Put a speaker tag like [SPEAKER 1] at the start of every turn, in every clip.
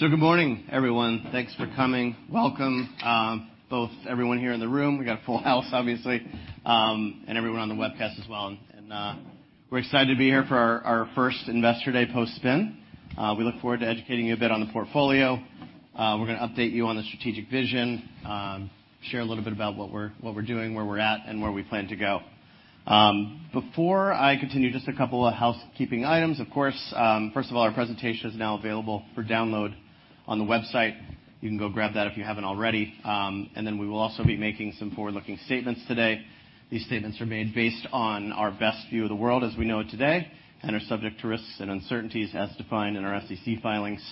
[SPEAKER 1] Good morning, everyone. Thanks for coming. Welcome, both everyone here in the room, we got a full house, obviously, and everyone on the webcast as well. We're excited to be here for our first Investor Day post-spin. We look forward to educating you a bit on the portfolio. We're gonna update you on the strategic vision, share a little bit about what we're doing, where we're at, and where we plan to go. Before I continue, just a couple of housekeeping items. Of course, first of all, our presentation is now available for download on the website. You can go grab that if you haven't already. We will also be making some forward-looking statements today. These statements are made based on our best view of the world as we know it today and are subject to risks and uncertainties as defined in our SEC filings.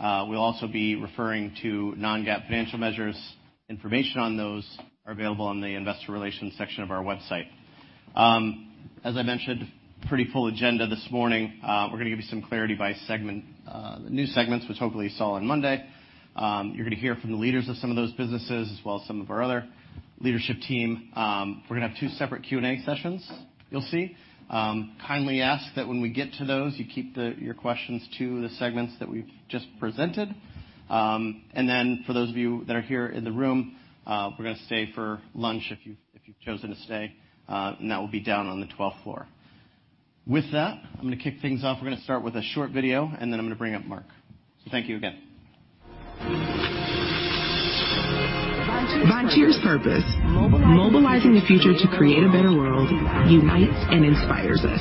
[SPEAKER 1] We'll also be referring to non-GAAP financial measures. Information on those are available on the investor relations section of our website. As I mentioned, pretty full agenda this morning. We're gonna give you some clarity by segment, the new segments, which hopefully you saw on Monday. You're gonna hear from the leaders of some of those businesses as well as some of our other leadership team. We're gonna have two separate Q&A sessions, you'll see. Kindly ask that when we get to those, you keep your questions to the segments that we've just presented.
[SPEAKER 2] Then for those of you that are here in the room, we're gonna stay for lunch if you've chosen to stay, and that will be down on the 12th floor. With that, I'm gonna kick things off. We're gonna start with a short video, then I'm gonna bring up Mark. Thank you again. Vontier's purpose, mobilizing the future to create a better world, unites and inspires us.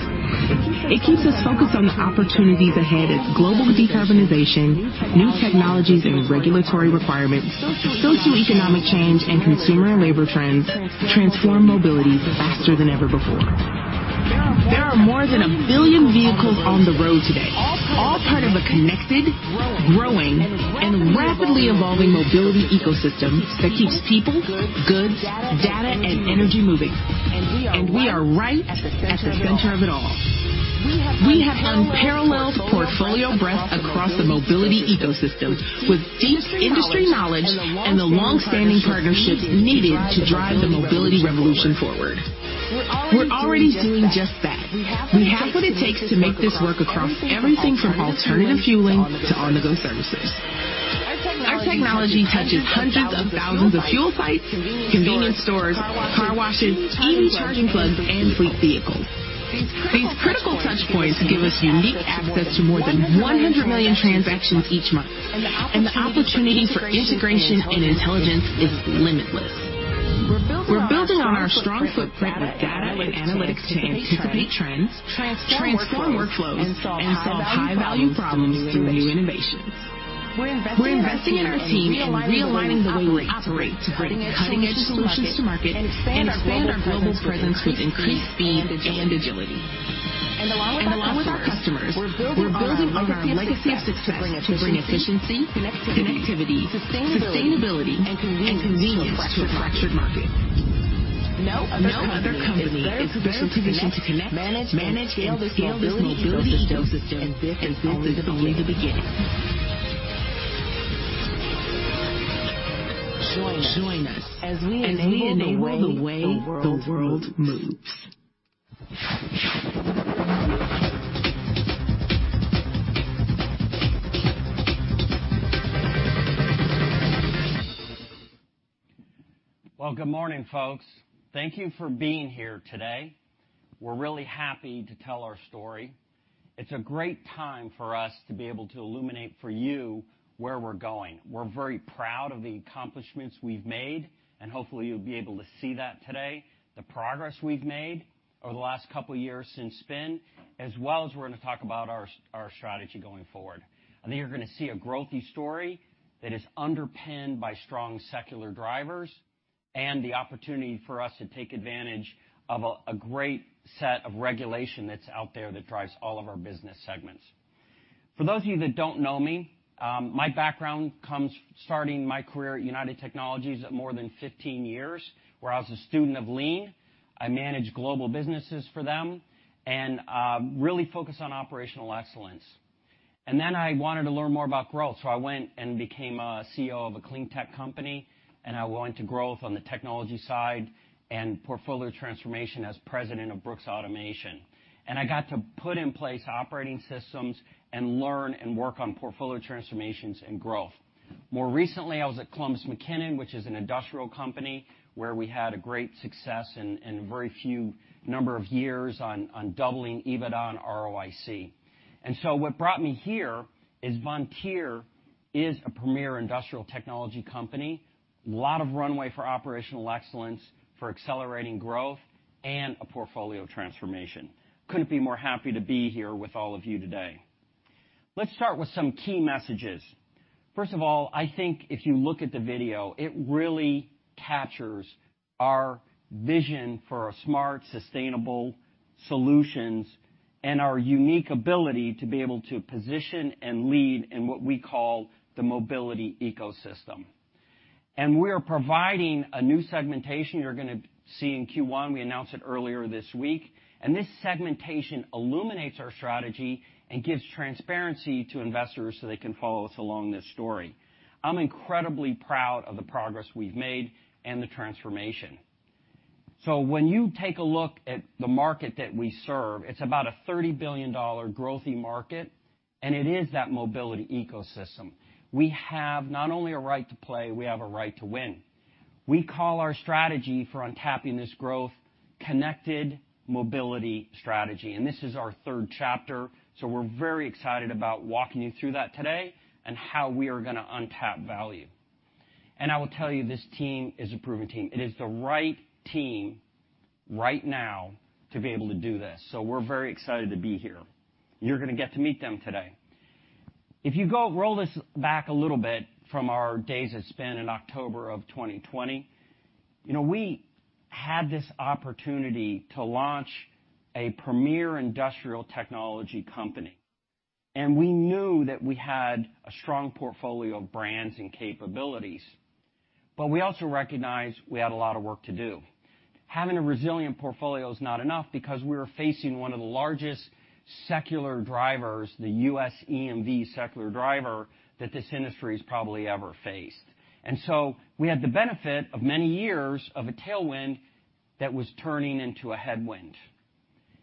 [SPEAKER 2] It keeps us focused on the opportunities ahead as global decarbonization, new technologies and regulatory requirements, socioeconomic change, and consumer and labor trends transform mobility faster than ever before. There are more than 1 billion vehicles on the road today, all part of a connected, growing, and rapidly evolving mobility ecosystem that keeps people, goods, data, and energy moving. We are right at the center of it all.
[SPEAKER 1] We have unparalleled portfolio breadth across the mobility ecosystem with deep industry knowledge and the long-standing partnerships needed to drive the mobility revolution forward. We're already doing just that. We have what it takes to make this work across everything from alternative fueling to on-the-go services. Our technology touches hundreds of thousands of fuel sites, convenience stores, car washes, EV charging plugs, and fleet vehicles. These critical touchpoints give us unique access to more than 100 million transactions each month, and the opportunity for integration and intelligence is limitless. We're building on our strong footprint with data and analytics to anticipate trends, transform workflows, and solve high-value problems through new innovations. We're investing in our team and realigning the way we operate to bring cutting-edge solutions to market and expand our global presence with increased speed and agility. Along with our customers, we're building on our legacy of success to bring efficiency, connectivity, sustainability, and convenience to a fractured market. No other company is better positioned to connect, manage, and scale this mobility ecosystem, and this is only the beginning. Join us as we enable the way the world moves.
[SPEAKER 3] Well, good morning, folks. Thank you for being here today. We're really happy to tell our story. It's a great time for us to be able to illuminate for you where we're going. We're very proud of the accomplishments we've made, and hopefully, you'll be able to see that today, the progress we've made over the last couple years since spin, as well as we're gonna talk about our strategy going forward. I think you're gonna see a growthy story that is underpinned by strong secular drivers and the opportunity for us to take advantage of a great set of regulation that's out there that drives all of our business segments. For those of you that don't know me, my background comes starting my career at United Technologies at more than 15 years, where I was a student of Lean. I managed global businesses for them and really focused on operational excellence. Then I wanted to learn more about growth, so I went and became a CEO of a clean tech company. I went to growth on the technology side and portfolio transformation as president of Brooks Automation. I got to put in place operating systems and learn and work on portfolio transformations and growth. More recently, I was at Columbus McKinnon, which is an industrial company where we had a great success in a very few number of years on doubling EBITDA and ROIC. What brought me here is Vontier is a premier industrial technology company. Lot of runway for operational excellence, for accelerating growth, and a portfolio transformation. Couldn't be more happy to be here with all of you today. Let's start with some key messages. First of all, I think if you look at the video, it really captures our vision for a smart, sustainable solutions and our unique ability to be able to position and lead in what we call the mobility ecosystem. We're providing a new segmentation you're gonna see in Q1. We announced it earlier this week, and this segmentation illuminates our strategy and gives transparency to investors so they can follow us along this story. I'm incredibly proud of the progress we've made and the transformation. When you take a look at the market that we serve, it's about a $30 billion growthy market, and it is that mobility ecosystem. We have not only a right to play, we have a right to win. We call our strategy for untapping this growth Connected Mobility Strategy. This is our third chapter, we're very excited about walking you through that today and how we are gonna untap value. I will tell you, this team is a proven team. It is the right team right now to be able to do this. We're very excited to be here. You're gonna get to meet them today. If you go roll this back a little bit from our days at Spin in October of 2020, you know, we had this opportunity to launch a premier industrial technology company. We knew that we had a strong portfolio of brands and capabilities. We also recognized we had a lot of work to do. Having a resilient portfolio is not enough because we're facing one of the largest secular drivers, the U.S. EMV secular driver, that this industry has probably ever faced. We had the benefit of many years of a tailwind that was turning into a headwind.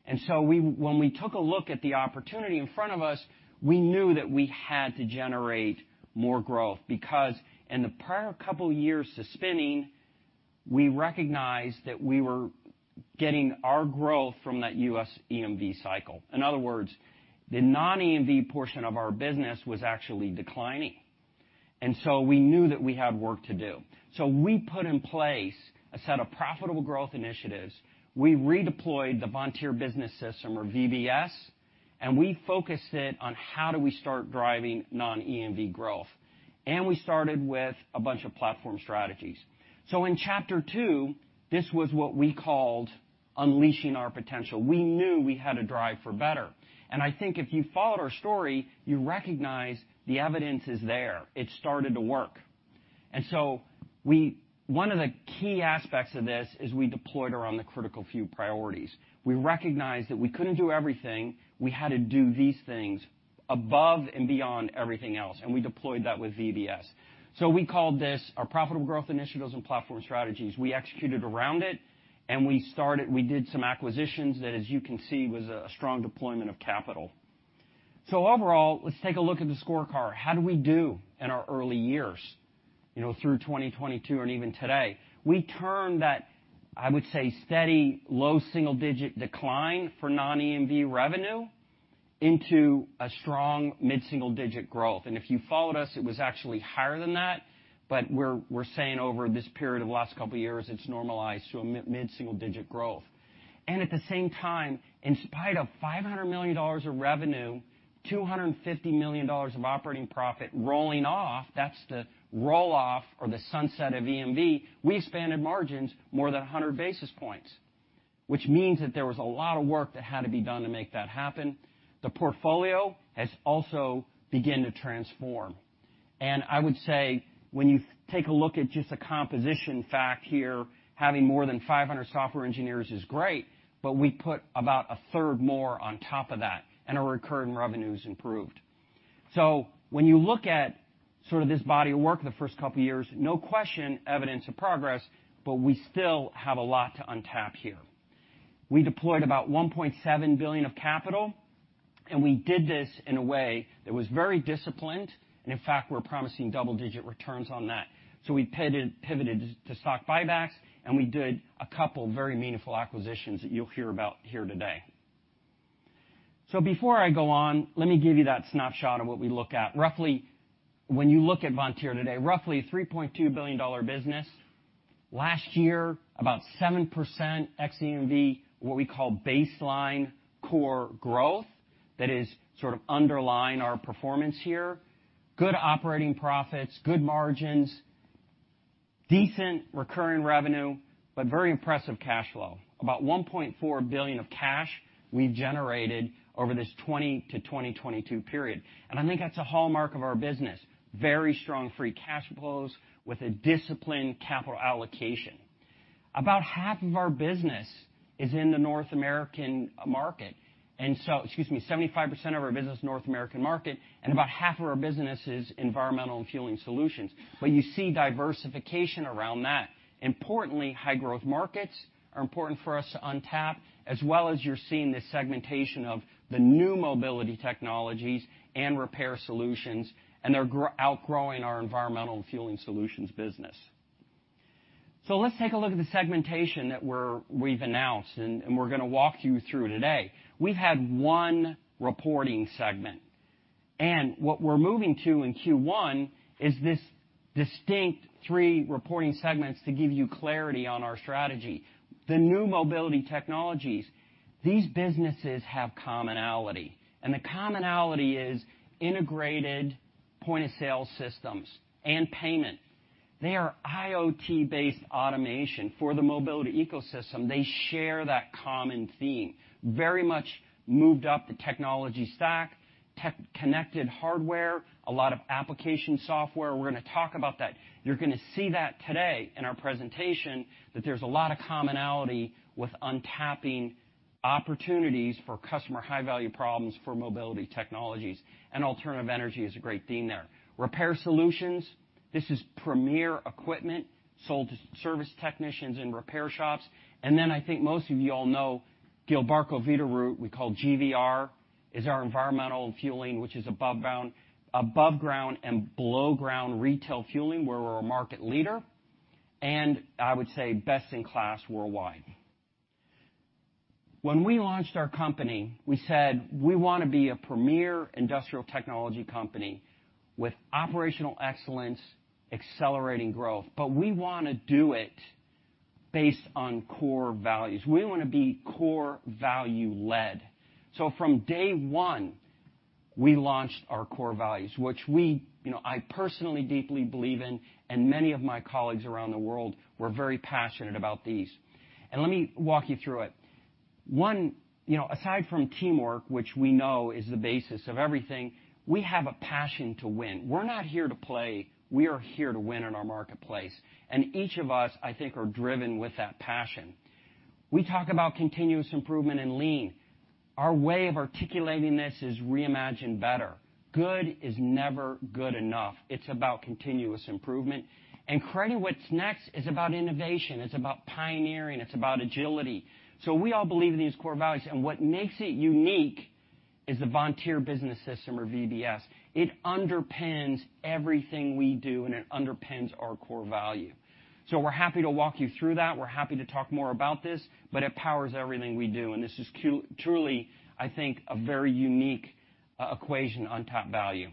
[SPEAKER 3] When we took a look at the opportunity in front of us, we knew that we had to generate more growth because in the prior couple of years to spinning, we recognized that we were getting our growth from that U.S. EMV cycle. In other words, the non-EMV portion of our business was actually declining, and so we knew that we had work to do. We put in place a set of profitable growth initiatives. We redeployed the Vontier Business System or VBS, and we focused it on how do we start driving non-EMV growth. We started with a bunch of platform strategies. In chapter 2, this was what we called unleashing our potential. We knew we had to drive for better. I think if you followed our story, you recognize the evidence is there. It started to work. One of the key aspects of this is we deployed around the critical few priorities. We recognized that we couldn't do everything. We had to do these things above and beyond everything else, and we deployed that with VBS. We called this our profitable growth initiatives and platform strategies. We executed around it, we did some acquisitions that, as you can see, was a strong deployment of capital. Overall, let's take a look at the scorecard. How do we do in our early years, you know, through 2022 and even today? We turned that, I would say, steady low single digit decline for non-EMV revenue into a strong mid-single digit growth. If you followed us, it was actually higher than that, but we're saying over this period of the last couple of years, it's normalized to a mid-single digit growth. At the same time, in spite of $500 million of revenue, $250 million of operating profit rolling off, that's the roll-off or the sunset of EMV, we expanded margins more than 100 basis points, which means that there was a lot of work that had to be done to make that happen. The portfolio has also began to transform. I would say when you take a look at just the composition fact here, having more than 500 software engineers is great, but we put about a third more on top of that, our recurring revenue is improved. When you look at sort of this body of work the first couple of years, no question evidence of progress, but we still have a lot to untap here. We deployed about $1.7 billion of capital, we did this in a way that was very disciplined. In fact, we're promising double-digit returns on that. We pivoted to stock buybacks, we did a couple of very meaningful acquisitions that you'll hear about here today. Before I go on, let me give you that snapshot of what we look at. Roughly, when you look at Vontier today, roughly $3.2 billion business. Last year, about 7% ex EMV, what we call baseline core growth that is sort of underlying our performance here. Good operating profits, good margins, decent recurring revenue, but very impressive cash flow. About $1.4 billion of cash we generated over this 2020-2022 period. I think that's a hallmark of our business. Very strong free cash flows with a disciplined capital allocation. About half of our business is in the North American market. excuse me, 75% of our business, North American market, and about half of our business is Environmental and Fueling Solutions. You see diversification around that. Importantly, high-growth markets are important for us to untap, as well as you're seeing this segmentation of the new mobility technologies and repair solutions, and they're outgrowing our Environmental and Fueling Solutions business. Let's take a look at the segmentation that we've announced and we're gonna walk you through today. We've had one reporting segment, and what we're moving to in Q1 is this distinct three reporting segments to give you clarity on our strategy. The new mobility technologies, these businesses have commonality, and the commonality is integrated point-of-sale systems and payment. They are IoT-based automation for the mobility ecosystem. They share that common theme, very much moved up the technology stack. Tech-connected hardware, a lot of application software. We're gonna talk about that. You're gonna see that today in our presentation, that there's a lot of commonality with untapping opportunities for customer high-value problems for mobility technologies, and alternative energy is a great theme there. Repair solutions. This is premier equipment sold to service technicians in repair shops. I think most of you all know Gilbarco Veeder-Root, we call GVR, is our environmental fueling, which is above ground and below ground retail fueling, where we're a market leader, and I would say, best in class worldwide. When we launched our company, we said, "We wanna be a premier industrial technology company with operational excellence, accelerating growth, but we wanna do it based on core values. We wanna be core value-led. From day one, we launched our core values, which we, you know, I personally deeply believe in, and many of my colleagues around the world were very passionate about these. Let me walk you through it. One, you know, aside from teamwork, which we know is the basis of everything, we have a passion to win. We're not here to play, we are here to win in our marketplace, and each of us, I think, are driven with that passion. We talk about continuous improvement and lean. Our way of articulating this is reimagine better. Good is never good enough. It's about continuous improvement. Creating what's next is about innovation, it's about pioneering, it's about agility. We all believe in these core values, and what makes it unique is the Vontier Business System or VBS. It underpins everything we do, and it underpins our core value. We're happy to walk you through that. We're happy to talk more about this, but it powers everything we do, and this is truly, I think, a very unique equation on top value.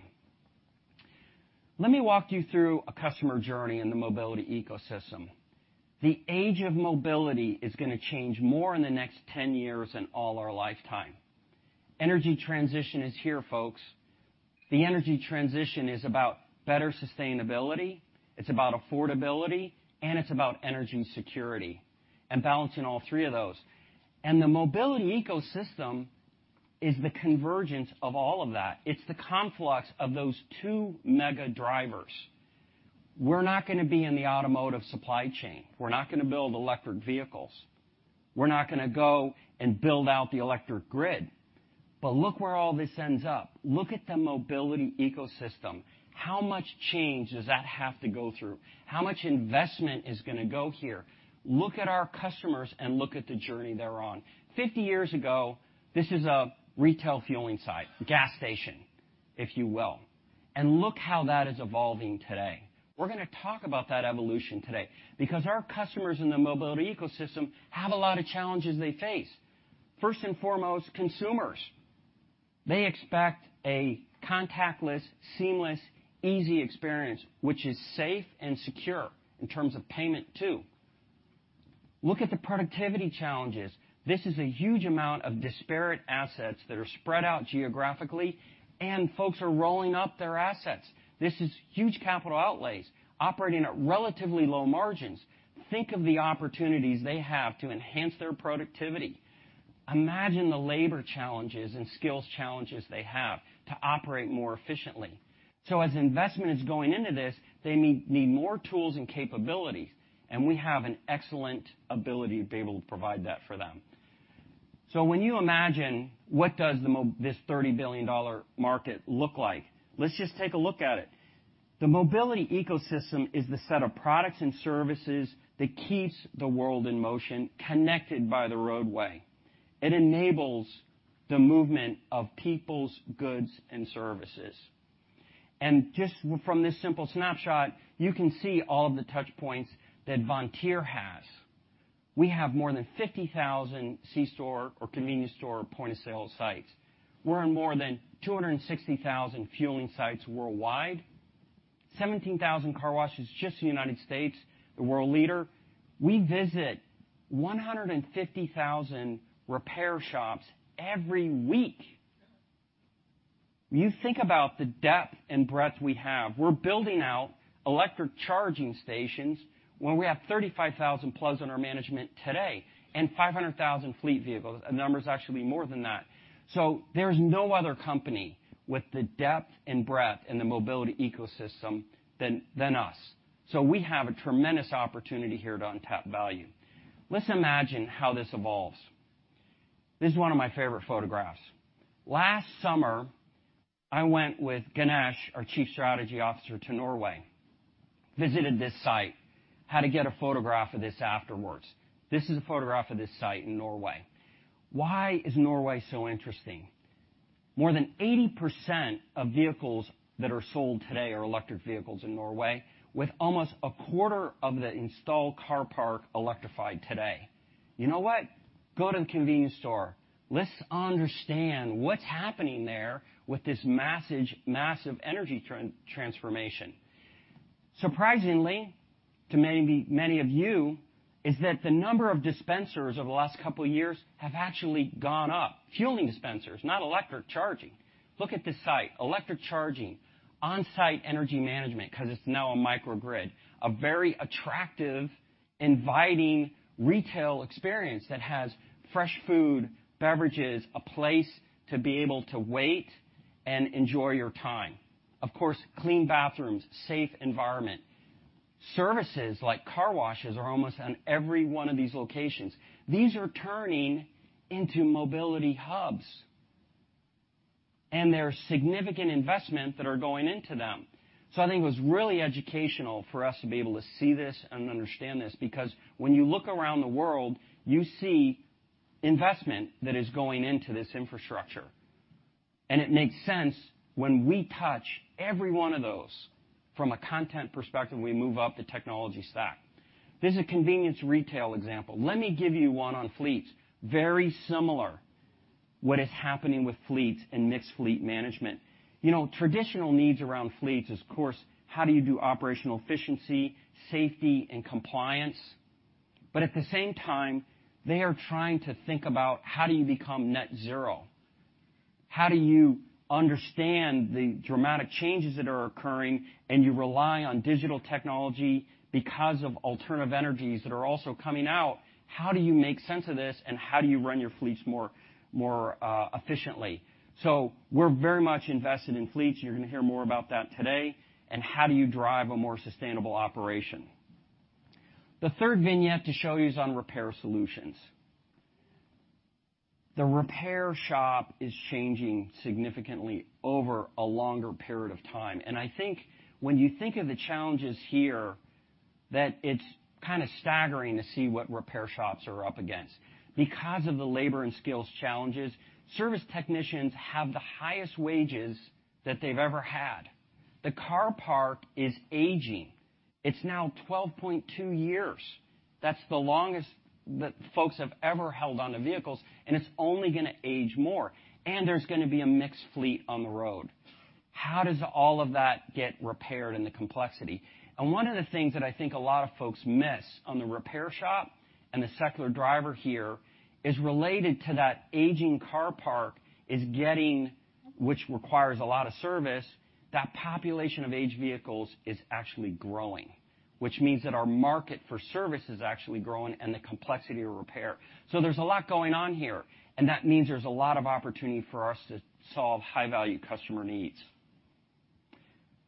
[SPEAKER 3] Let me walk you through a customer journey in the mobility ecosystem. The age of mobility is gonna change more in the next 10 years than all our lifetime. Energy transition is here, folks. The energy transition is about better sustainability, it's about affordability, and it's about energy security and balancing all three of those. The mobility ecosystem is the convergence of all of that. It's the conflux of those two mega drivers. We're not gonna be in the automotive supply chain. We're not gonna build electric vehicles. We're not gonna go and build out the electric grid. Look where all this ends up. Look at the mobility ecosystem. How much change does that have to go through? How much investment is gonna go here? Look at our customers and look at the journey they're on. 50 years ago, this is a retail fueling site, gas station, if you will. Look how that is evolving today. We're gonna talk about that evolution today because our customers in the mobility ecosystem have a lot of challenges they face. First and foremost, consumers. They expect a contactless, seamless, easy experience, which is safe and secure in terms of payment too. Look at the productivity challenges. This is a huge amount of disparate assets that are spread out geographically, and folks are rolling up their assets. This is huge capital outlays operating at relatively low margins. Think of the opportunities they have to enhance their productivity. Imagine the labor challenges and skills challenges they have to operate more efficiently. As investment is going into this, they need more tools and capabilities, and we have an excellent ability to be able to provide that for them. When you imagine what does this $30 billion market look like, let's just take a look at it. The mobility ecosystem is the set of products and services that keeps the world in motion, connected by the roadway. It enables the movement of peoples, goods, and services. Just from this simple snapshot, you can see all of the touch points that Vontier has. We have more than 50,000 C-store or convenience store point of sale sites. We're in more than 260,000 fueling sites worldwide, 17,000 car washes just in the United States, the world leader. We visit 150,000 repair shops every week. You think about the depth and breadth we have. We're building out electric charging stations when we have 35,000+ under our management today and 500,000 fleet vehicles. The number's actually more than that. There's no other company with the depth and breadth in the mobility ecosystem than us. We have a tremendous opportunity here to untap value. Let's imagine how this evolves. This is one of my favorite photographs. Last summer, I went with Ganesh, our Chief Strategy Officer, to Norway, visited this site, had to get a photograph of this afterwards. This is a photograph of this site in Norway. Why is Norway so interesting? More than 80% of vehicles that are sold today are electric vehicles in Norway, with almost a quarter of the installed car park electrified today. You know what? Go to the convenience store. Let's understand what's happening there with this massive energy transformation. Surprisingly, to many, many of you, is that the number of dispensers over the last couple of years have actually gone up. Fueling dispensers, not electric charging. Look at this site. Electric charging, on-site energy management, 'cause it's now a microgrid, a very attractive, inviting retail experience that has fresh food, beverages, a place to be able to wait and enjoy your time. Of course, clean bathrooms, safe environment. Services like car washes are almost on every one of these locations. These are turning into mobility hubs, and there are significant investment that are going into them. I think it was really educational for us to be able to see this and understand this, because when you look around the world, you see investment that is going into this infrastructure. It makes sense when we touch every one of those from a content perspective, we move up the technology stack. This is a convenience retail example. Let me give you one on fleets. Very similar, what is happening with fleets and mixed fleet management. You know, traditional needs around fleets is, of course, how do you do operational efficiency, safety, and compliance? At the same time, they are trying to think about how do you become net zero? How do you understand the dramatic changes that are occurring, and you rely on digital technology because of alternative energies that are also coming out? How do you make sense of this, and how do you run your fleets more efficiently? We're very much invested in fleets, and you're gonna hear more about that today, and how do you drive a more sustainable operation? The third vignette to show you is on repair solutions. The repair shop is changing significantly over a longer period of time. I think when you think of the challenges here, that it's kind of staggering to see what repair shops are up against. Because of the labor and skills challenges, service technicians have the highest wages that they've ever had. The car park is aging. It's now 12.2 years. That's the longest that folks have ever held onto vehicles, and it's only gonna age more, and there's gonna be a mixed fleet on the road. How does all of that get repaired in the complexity? One of the things that I think a lot of folks miss on the repair shop and the secular driver here is related to that aging car park is getting, which requires a lot of service, that population of aged vehicles is actually growing, which means that our market for service is actually growing and the complexity of repair. There's a lot going on here, and that means there's a lot of opportunity for us to solve high-value customer needs.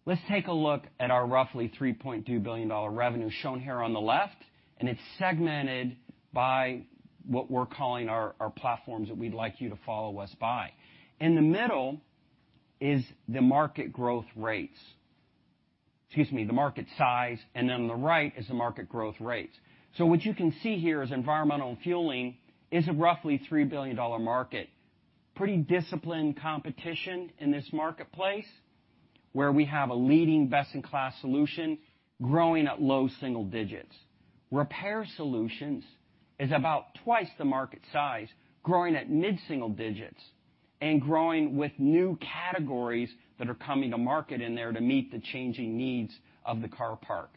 [SPEAKER 3] Let's take a look at our roughly $3.2 billion revenue shown here on the left, and it's segmented by what we're calling our platforms that we'd like you to follow us by. In the middle is the market growth rates. Excuse me, the market size, and then on the right is the market growth rates. What you can see here is environmental and fueling is a roughly $3 billion market. Pretty disciplined competition in this marketplace, where we have a leading best-in-class solution growing at low single digits. Repair solutions is about twice the market size, growing at mid-single digits and growing with new categories that are coming to market in there to meet the changing needs of the car park.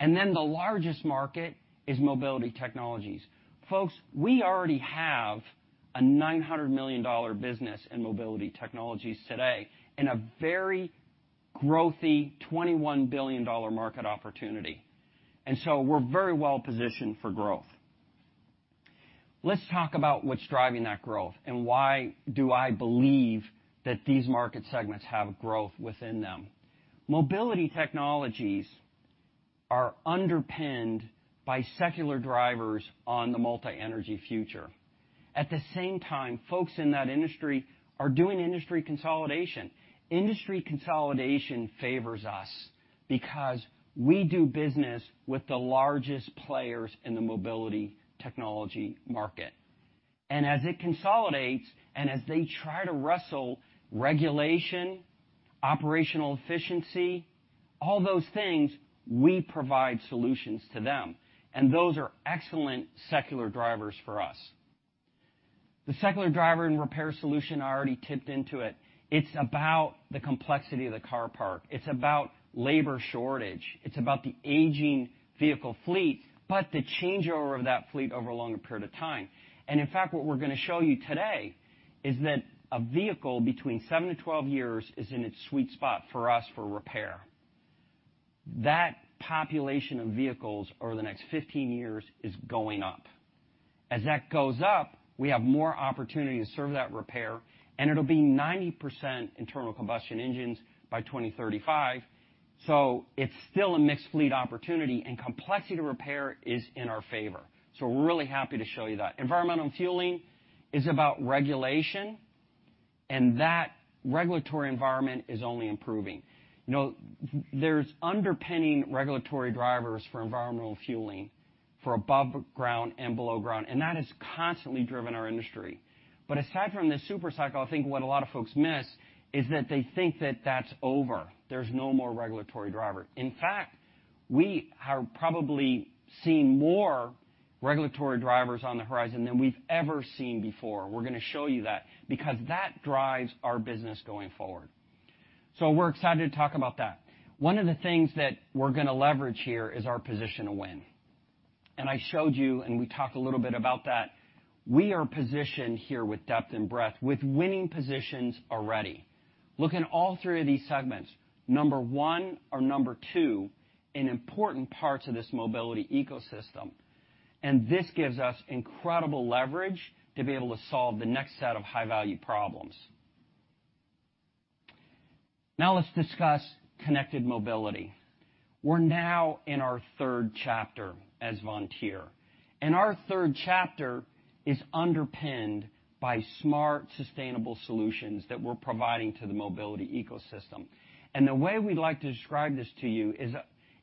[SPEAKER 3] The largest market is mobility technologies. Folks, we already have a $900 million business in mobility technologies today and a very growthy $21 billion market opportunity. We're very well positioned for growth. Let's talk about what's driving that growth and why do I believe that these market segments have growth within them. Mobility technologies are underpinned by secular drivers on the multi-energy future. At the same time, folks in that industry are doing industry consolidation. Industry consolidation favors us because we do business with the largest players in the mobility technology market. As it consolidates and as they try to wrestle regulation, operational efficiency, all those things, we provide solutions to them, and those are excellent secular drivers for us. The secular driver and repair solution, I already tipped into it. It's about the complexity of the car park. It's about labor shortage. It's about the aging vehicle fleet, but the changeover of that fleet over a longer period of time. In fact, what we're gonna show you today is that a vehicle between 7-12 years is in its sweet spot for us for repair. That population of vehicles over the next 15 years is going up. As that goes up, we have more opportunity to serve that repair. It'll be 90% internal combustion engines by 2035, it's still a mixed fleet opportunity, complexity to repair is in our favor. We're really happy to show you that. Environmental and Fueling is about regulation. That regulatory environment is only improving. You know, there's underpinning regulatory drivers for environmental fueling for above ground and below ground. That has constantly driven our industry. Aside from this super cycle, I think what a lot of folks miss is that they think that that's over. There's no more regulatory driver. In fact, we are probably seeing more regulatory drivers on the horizon than we've ever seen before. We're gonna show you that because that drives our business going forward. We're excited to talk about that. One of the things that we're gonna leverage here is our position to win. I showed you, and we talked a little bit about that. We are positioned here with depth and breadth with winning positions already. Look in all three of these segments, number one or number two in important parts of this mobility ecosystem. This gives us incredible leverage to be able to solve the next set of high-value problems. Now let's discuss connected mobility. We're now in our third chapter as Vontier, and our third chapter is underpinned by smart, sustainable solutions that we're providing to the mobility ecosystem. The way we'd like to describe this to you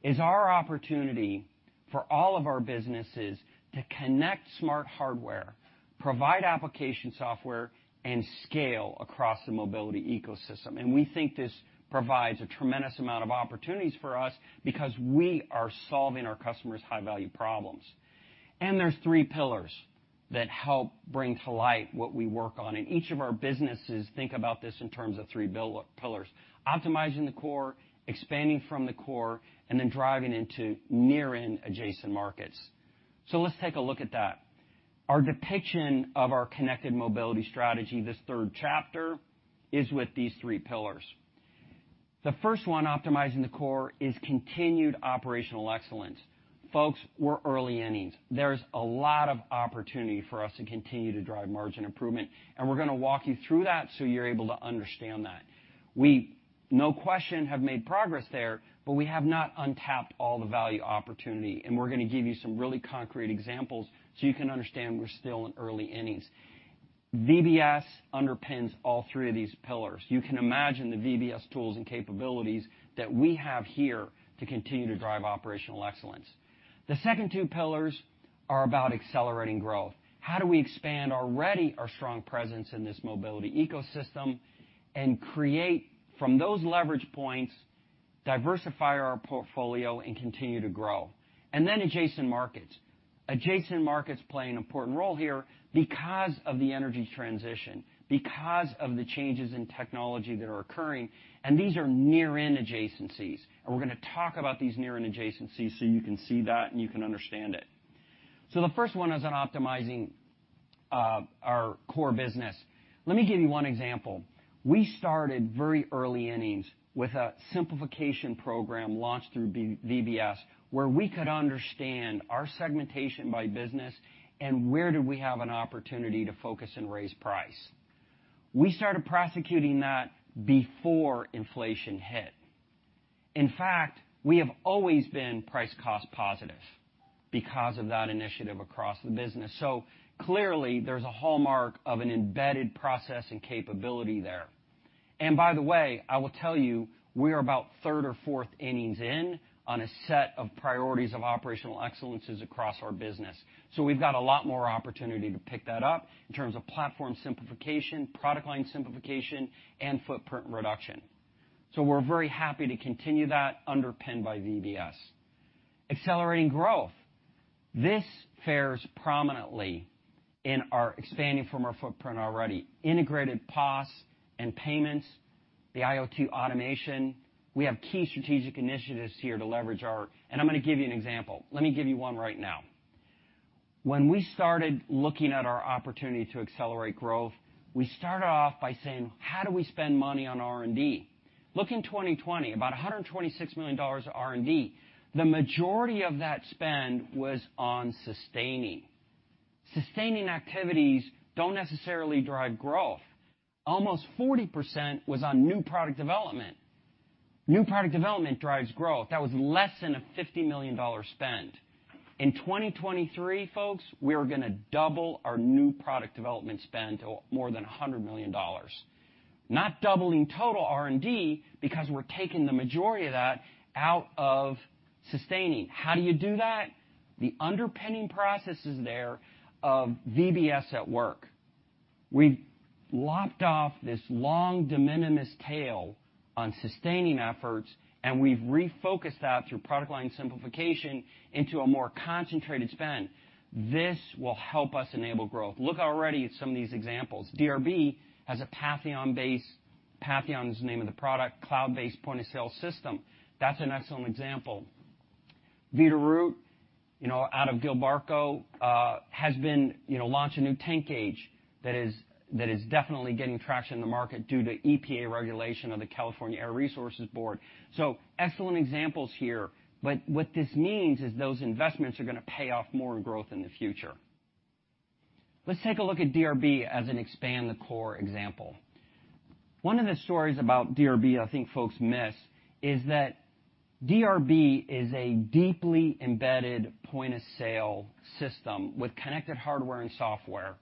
[SPEAKER 3] is our opportunity for all of our businesses to connect smart hardware, provide application software, and scale across the mobility ecosystem. We think this provides a tremendous amount of opportunities for us because we are solving our customers' high-value problems. There are three pillars that help bring to light what we work on, and each of our businesses think about this in terms of three pillars: optimizing the core, expanding from the core, and then driving into near-in adjacent markets. Let's take a look at that. Our depiction of our Connected Mobility Strategy, this third chapter, is with these three pillars. The first one, optimizing the core, is continued operational excellence. Folks, we're early innings. There's a lot of opportunity for us to continue to drive margin improvement, and we're going to walk you through that so you're able to understand that. We, no question, have made progress there, but we have not untapped all the value opportunity, and we're going to give you some really concrete examples so you can understand we're still in early innings. VBS underpins all three of these pillars. You can imagine the VBS tools and capabilities that we have here to continue to drive operational excellence. The second two pillars are about accelerating growth. How do we expand already our strong presence in this mobility ecosystem and create from those leverage points, diversify our portfolio, and continue to grow? Adjacent markets. Adjacent markets play an important role here because of the energy transition, because of the changes in technology that are occurring, and these are near-in adjacencies. We're going to talk about these near-in adjacencies so you can see that and you can understand it. The first one is on optimizing our core business. Let me give you one example. We started very early innings with a simplification program launched through V-VBS, where we could understand our segmentation by business and where do we have an opportunity to focus and raise price. We started prosecuting that before inflation hit. In fact, we have always been price-cost positive because of that initiative across the business. Clearly, there's a hallmark of an embedded process and capability there. By the way, I will tell you, we are about third or fourth innings in on a set of priorities of operational excellences across our business. We've got a lot more opportunity to pick that up in terms of platform simplification, product line simplification, and footprint reduction. We're very happy to continue that underpinned by VBS. Accelerating growth. This fares prominently in our expanding from our footprint already. Integrated POS and payments, the IoT automation. We have key strategic initiatives here to leverage our. I'm going to give you an example. Let me give you one right now. When we started looking at our opportunity to accelerate growth, we started off by saying, "How do we spend money on R&D?" Look in 2020, about $126 million of R&D. The majority of that spend was on sustaining. Sustaining activities don't necessarily drive growth. Almost 40% was on new product development. New product development drives growth. That was less than a $50 million spend. In 2023, folks, we are going to double our new product development spend to more than $100 million. Not doubling total R&D because we're taking the majority of that out of sustaining. How do you do that? The underpinning process is there of VBS at work. We've lopped off this long de minimis tail on sustaining efforts, we've refocused that through product line simplification into a more concentrated spend. This will help us enable growth. Look already at some of these examples. DRB has a Patheon-based, Patheon is the name of the product, cloud-based point-of-sale system. That's an excellent example. Veeder-Root out of Gilbarco has launched a new tank gauge that is definitely getting traction in the market due to EPA regulation of the California Air Resources Board. Excellent examples here, what this means is those investments are going to pay off more in growth in the future. Let's take a look at DRB as an expand the core example. One of the stories about DRB I think folks miss is that DRB is a deeply embedded point-of-sale system with connected hardware and software,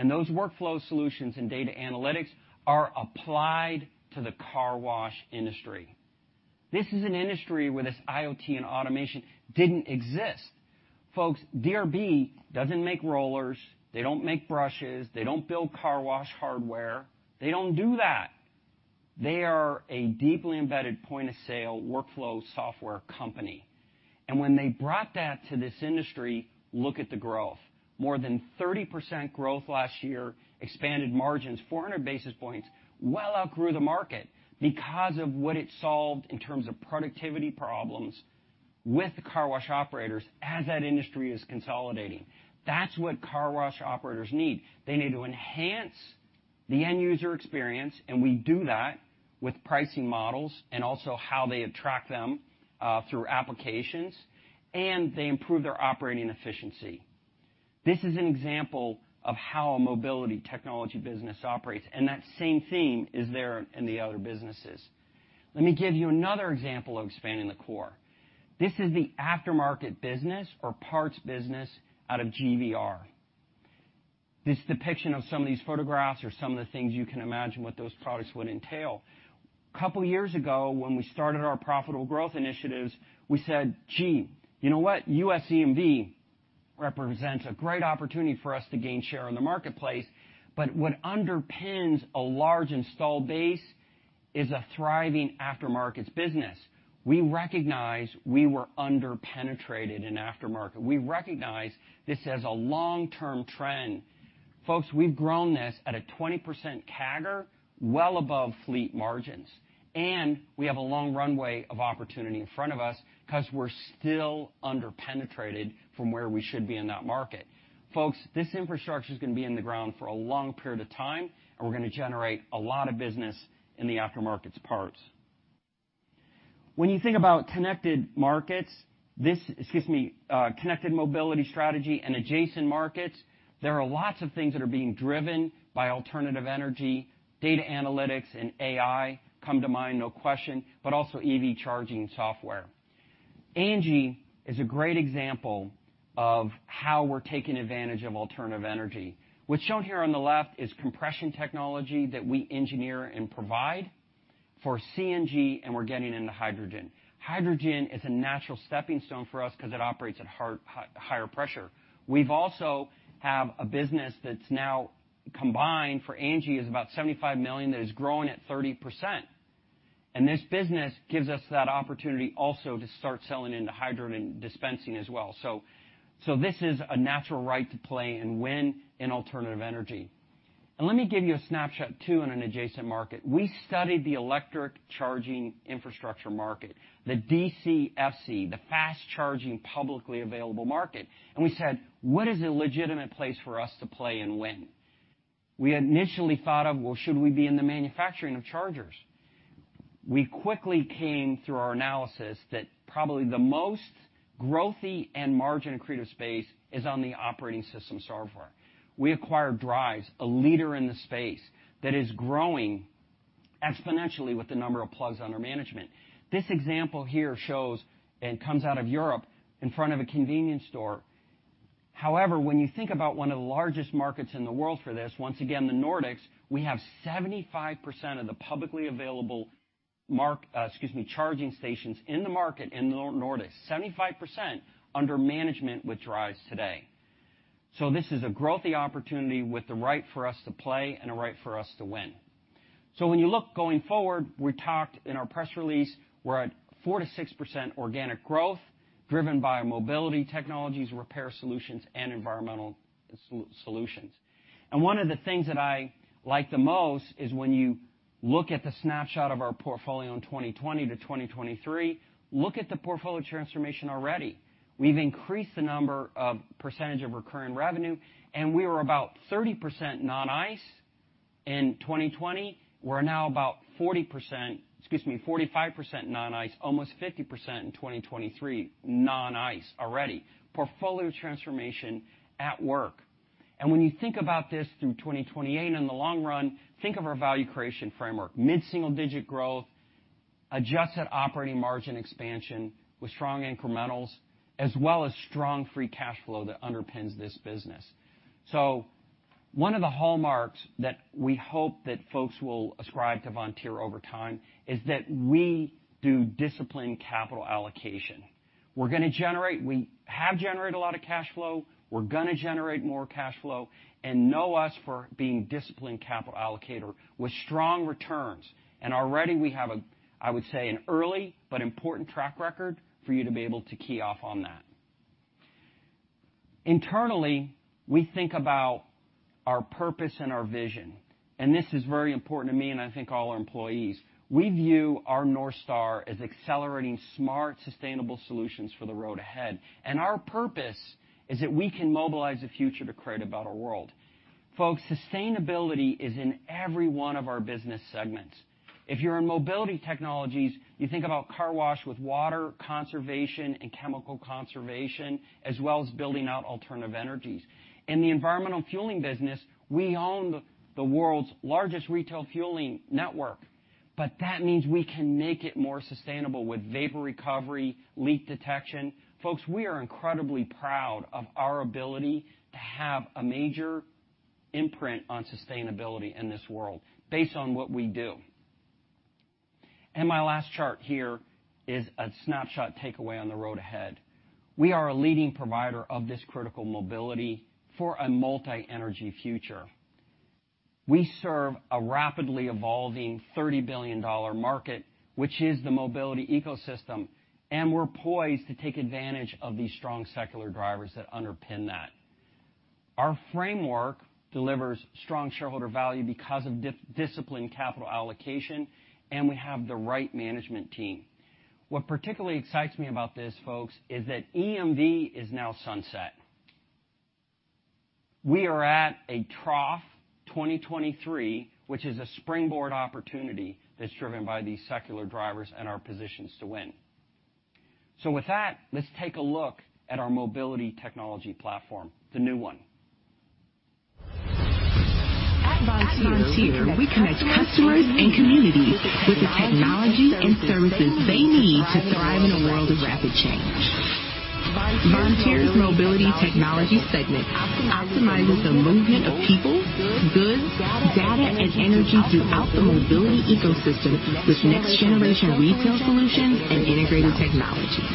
[SPEAKER 3] and those workflow solutions and data analytics are applied to the car wash industry. This is an industry where this IoT and automation didn't exist. Folks, DRB doesn't make rollers. They don't make brushes. They don't build car wash hardware. They don't do that. They are a deeply embedded point-of-sale workflow software company. When they brought that to this industry, look at the growth. More than 30% growth last year, expanded margins 400 basis points, well outgrew the market because of what it solved in terms of productivity problems with the car wash operators as that industry is consolidating. That's what car wash operators need. They need to enhance the end user experience, and we do that with pricing models and also how they attract them, through applications, and they improve their operating efficiency. This is an example of how a mobility technology business operates, and that same theme is there in the other businesses. Let me give you another example of expanding the core. This is the aftermarket business or parts business out of GVR. This depiction of some of these photographs or some of the things you can imagine what those products would entail. A couple years ago, when we started our profitable growth initiatives, we said, "Gee, you know what? U.S. EMV represents a great opportunity for us to gain share in the marketplace, but what underpins a large installed base is a thriving aftermarkets business." We recognize we were under-penetrated in aftermarket. We recognize this as a long-term trend. Folks, we've grown this at a 20% CAGR, well above fleet margins, and we have a long runway of opportunity in front of us because we're still under-penetrated from where we should be in that market. Folks, this infrastructure is gonna be in the ground for a long period of time, and we're gonna generate a lot of business in the aftermarkets parts. When you think about connected markets, excuse me, Connected Mobility Strategy and adjacent markets, there are lots of things that are being driven by alternative energy, data analytics, and AI come to mind, no question, but also EV charging software. ANGI is a great example of how we're taking advantage of alternative energy. What's shown here on the left is compression technology that we engineer and provide for CNG, and we're getting into hydrogen. Hydrogen is a natural stepping stone for us because it operates at higher pressure. We've also have a business that's now combined for ANGI is about $75 million that is growing at 30%, this business gives us that opportunity also to start selling into hydrogen dispensing as well. So this is a natural right to play and win in alternative energy. Let me give you a snapshot, too, on an adjacent market. We studied the electric charging infrastructure market, the DCFC, the fast-charging, publicly available market, and we said, "What is a legitimate place for us to play and win?" We initially thought of, well, should we be in the manufacturing of chargers? We quickly came through our analysis that probably the most growthy and margin-accretive space is on the operating system software. We acquired Driivz, a leader in the space, that is growing exponentially with the number of plugs under management. This example here shows, and comes out of Europe, in front of a convenience store. When you think about one of the largest markets in the world for this, once again, the Nordics, we have 75% of the publicly available, excuse me, charging stations in the market in Nordics. 75% under management with Driivz today. This is a growthy opportunity with the right for us to play and a right for us to win. When you look going forward, we talked in our press release, we're at 4%-6% organic growth driven by mobility technologies, repair solutions, and environmental solutions. One of the things that I like the most is when you look at the snapshot of our portfolio in 2020 to 2023, look at the portfolio transformation already. We've increased the number of percentage of recurring revenue, we were about 30% non-ICE in 2020. We're now about 40%, excuse me, 45% non-ICE, almost 50% in 2023 non-ICE already. Portfolio transformation at work. When you think about this through 2028, in the long run, think of our value creation framework. Mid-single-digit growth, adjusted operating margin expansion with strong incrementals, as well as strong free cash flow that underpins this business. One of the hallmarks that we hope that folks will ascribe to Vontier over time is that we do disciplined capital allocation. We have generated a lot of cash flow. We're gonna generate more cash flow and know us for being disciplined capital allocator with strong returns. Already we have a, I would say, an early but important track record for you to be able to key off on that. Internally, we think about our purpose and our vision, and this is very important to me, and I think all our employees. We view our North Star as accelerating smart, sustainable solutions for the road ahead. Our purpose is that we can mobilize the future to create a better world. Folks, sustainability is in every one of our business segments. If you're in mobility technologies, you think about car wash with water conservation and chemical conservation, as well as building out alternative energies. In the environmental fueling business, we own the world's largest retail fueling network. That means we can make it more sustainable with vapor recovery, leak detection. Folks, we are incredibly proud of our ability to have a major imprint on sustainability in this world based on what we do. My last chart here is a snapshot takeaway on the road ahead. We are a leading provider of this critical mobility for a multi-energy future. We serve a rapidly evolving $30 billion market, which is the mobility ecosystem. We're poised to take advantage of these strong secular drivers that underpin that. Our framework delivers strong shareholder value because of disciplined capital allocation. We have the right management team. What particularly excites me about this, folks, is that EMV is now sunset. We are at a trough, 2023, which is a springboard opportunity that's driven by these secular drivers and our positions to win. With that, let's take a look at our mobility technology platform, the new one.
[SPEAKER 4] At Vontier, we connect customers and communities with the technology and services they need to thrive in a world of rapid change. Vontier's mobility technology segment optimizes the movement of people, goods, data, and energy throughout the mobility ecosystem with next-generation retail solutions and integrated technology.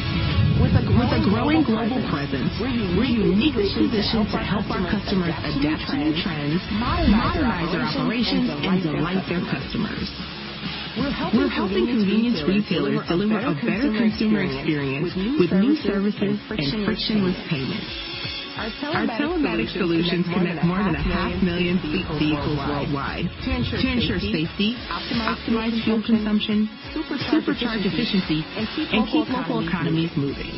[SPEAKER 4] With a growing global presence, we're uniquely positioned to help our customers adapt to new trends, modernize their operations, and delight their customers. We're helping convenience retailers deliver a better consumer experience with new services and frictionless payments. Our telematics solutions connect more than 500,000 fleet vehicles worldwide to ensure safety, optimize fuel consumption, supercharge efficiency, and keep local economies moving.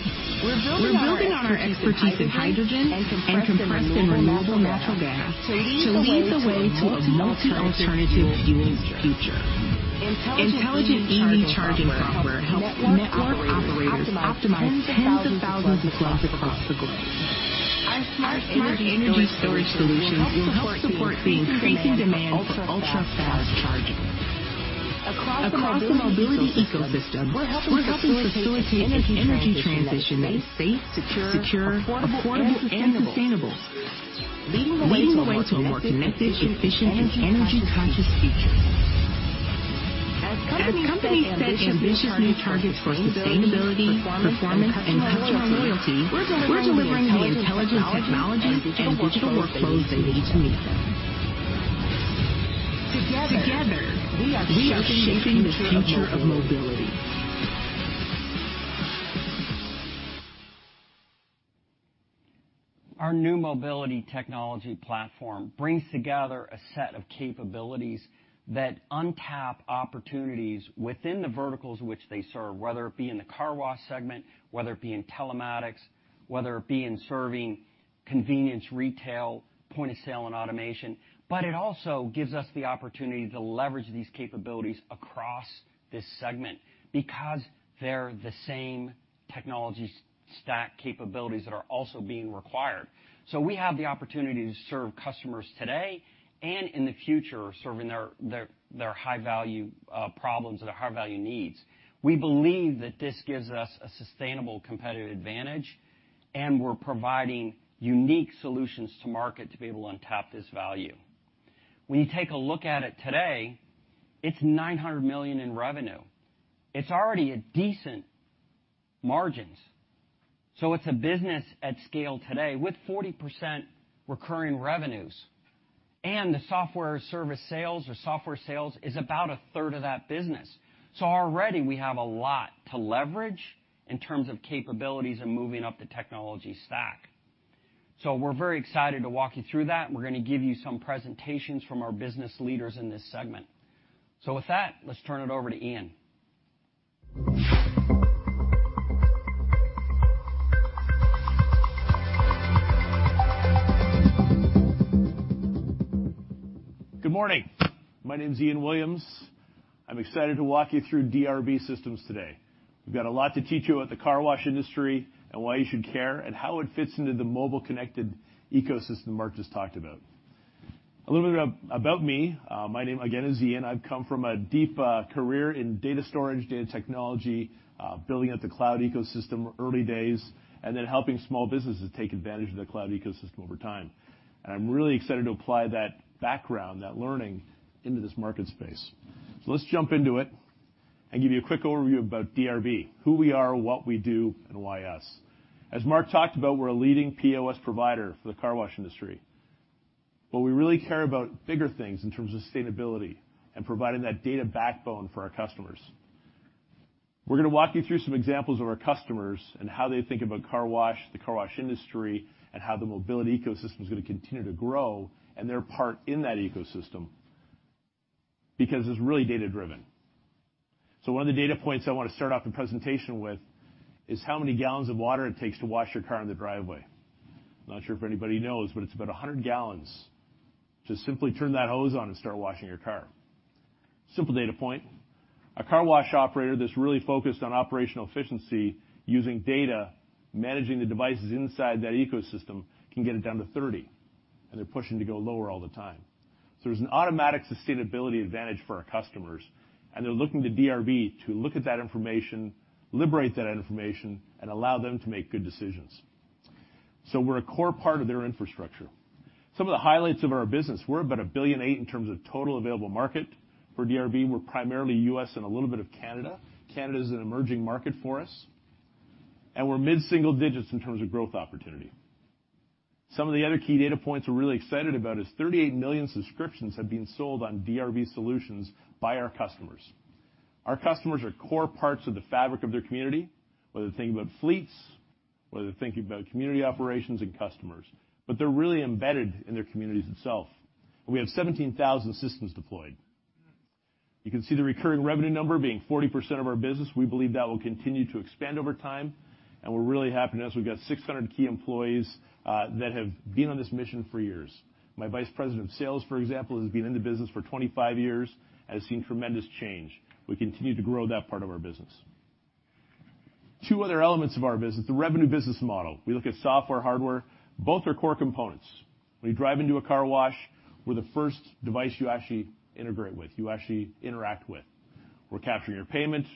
[SPEAKER 4] We're building on our expertise in hydrogen and compressed and renewable natural gas to lead the way to a multi-alternative fuel future. Intelligent EV charging software helps network operators optimize tens of thousands of plugs across the globe. Our smart energy storage solutions will help support the increasing demand for ultra-fast charging. Across the mobility ecosystem, we're helping facilitate an energy transition that is safe, secure, affordable, and sustainable, leading the way to a more connected, efficient, and energy-conscious future. As companies set ambitious new targets for sustainability, performance, and customer loyalty, we're delivering the intelligent technology and digital workflows they need to meet them. Together, we are shaping the future of mobility.
[SPEAKER 3] Our new mobility technology platform brings together a set of capabilities that untap opportunities within the verticals which they serve, whether it be in the car wash segment, whether it be in telematics, whether it be in serving convenience retail, point of sale and automation, but it also gives us the opportunity to leverage these capabilities across this segment because they're the same technology stack capabilities that are also being required. We have the opportunity to serve customers today and in the future, serving their high-value problems or their high-value needs. We believe that this gives us a sustainable competitive advantage, and we're providing unique solutions to market to be able to untap this value. When you take a look at it today, it's $900 million in revenue. It's already at decent margins. It's a business at scale today with 40% recurring revenues, and the software service sales or software sales is about a third of that business. Already we have a lot to leverage in terms of capabilities and moving up the technology stack. We're very excited to walk you through that, and we're gonna give you some presentations from our business leaders in this segment. With that, let's turn it over to Ian.
[SPEAKER 5] Good morning. My name is Ian Williams. I'm excited to walk you through DRB Systems today. We've got a lot to teach you about the car wash industry and why you should care, and how it fits into the mobile connected ecosystem Mark just talked about. A little bit about me. My name, again, is Ian. I've come from a deep, career in data storage, data technology, building out the cloud ecosystem early days, and then helping small businesses take advantage of the cloud ecosystem over time. I'm really excited to apply that background, that learning into this market space. Let's jump into it and give you a quick overview about DRB, who we are, what we do, and why us. As Mark talked about, we're a leading POS provider for the car wash industry, but we really care about bigger things in terms of sustainability and providing that data backbone for our customers. We're gonna walk you through some examples of our customers and how they think about car wash, the car wash industry, and how the mobility ecosystem is gonna continue to grow and their part in that ecosystem, because it's really data-driven. One of the data points I wanna start off the presentation with is how many gallons of water it takes to wash your car in the driveway. I'm not sure if anybody knows, but it's about 100 gallons to simply turn that hose on and start washing your car. Simple data point. A car wash operator that's really focused on operational efficiency using data, managing the devices inside that ecosystem, can get it down to 30, and they're pushing to go lower all the time. There's an automatic sustainability advantage for our customers, and they're looking to DRB to look at that information, liberate that information, and allow them to make good decisions. We're a core part of their infrastructure. Some of the highlights of our business, we're about $1.8 billion in terms of total available market. For DRB, we're primarily U.S. and a little bit of Canada. Canada is an emerging market for us. We're mid-single digits in terms of growth opportunity. Some of the other key data points we're really excited about is 38 million subscriptions have been sold on DRB solutions by our customers. Our customers are core parts of the fabric of their community, whether they're thinking about fleets, whether they're thinking about community operations and customers, but they're really embedded in their communities itself. We have 17,000 systems deployed. You can see the recurring revenue number being 40% of our business. We believe that will continue to expand over time. We're really happy to announce we've got 600 key employees that have been on this mission for years. My vice president of sales, for example, has been in the business for 25 years and has seen tremendous change. We continue to grow that part of our business. Two other elements of our business, the revenue business model. We look at software, hardware, both are core components. When you drive into a car wash, we're the first device you actually integrate with, you actually interact with. We're capturing your payment.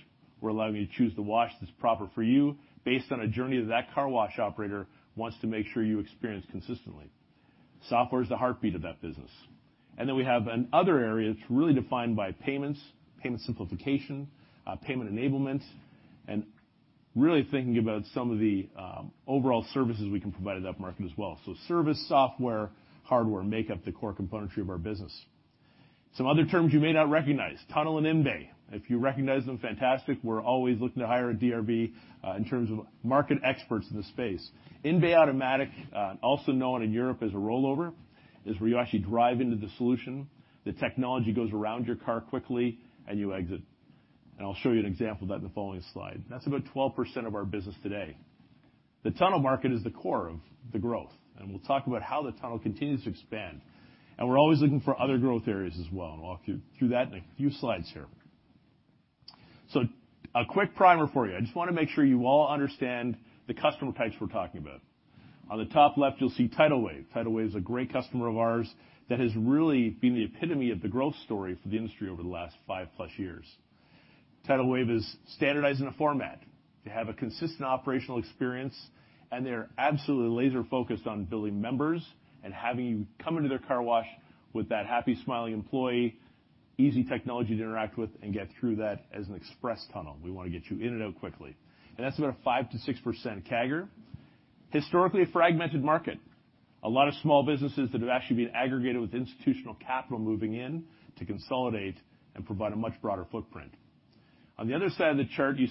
[SPEAKER 5] We're allowing you to choose the wash that's proper for you based on a journey that car wash operator wants to make sure you experience consistently. Software is the heartbeat of that business. We have an other area that's really defined by payments, payment simplification, payment enablement, and really thinking about some of the overall services we can provide at that market as well. Service, software, hardware, make up the core componentry of our business. Some other terms you may not recognize, tunnel and in-bay. If you recognize them, fantastic. We're always looking to hire a DRB in terms of market experts in the space. In-bay automatic, also known in Europe as a rollover, is where you actually drive into the solution. The technology goes around your car quickly, and you exit. I'll show you an example of that in the following slide. That's about 12% of our business today. The tunnel market is the core of the growth, we'll talk about how the tunnel continues to expand. We're always looking for other growth areas as well. I'll walk you through that in a few slides here. A quick primer for you. I just wanna make sure you all understand the customer types we're talking about. On the top left, you'll see Tidal Wave. Tidal Wave is a great customer of ours that has really been the epitome of the growth story for the industry over the last 5-plus years. Tidal Wave is standardized in a format to have a consistent operational experience. They are absolutely laser-focused on building members and having you come into their car wash with that happy, smiling employee, easy technology to interact with and get through that as an express tunnel. We wanna get you in and out quickly. That's about a 5%-6% CAGR. Historically, a fragmented market. A lot of small businesses that have actually been aggregated with institutional capital moving in to consolidate and provide a much broader footprint. On the other side of the chart, you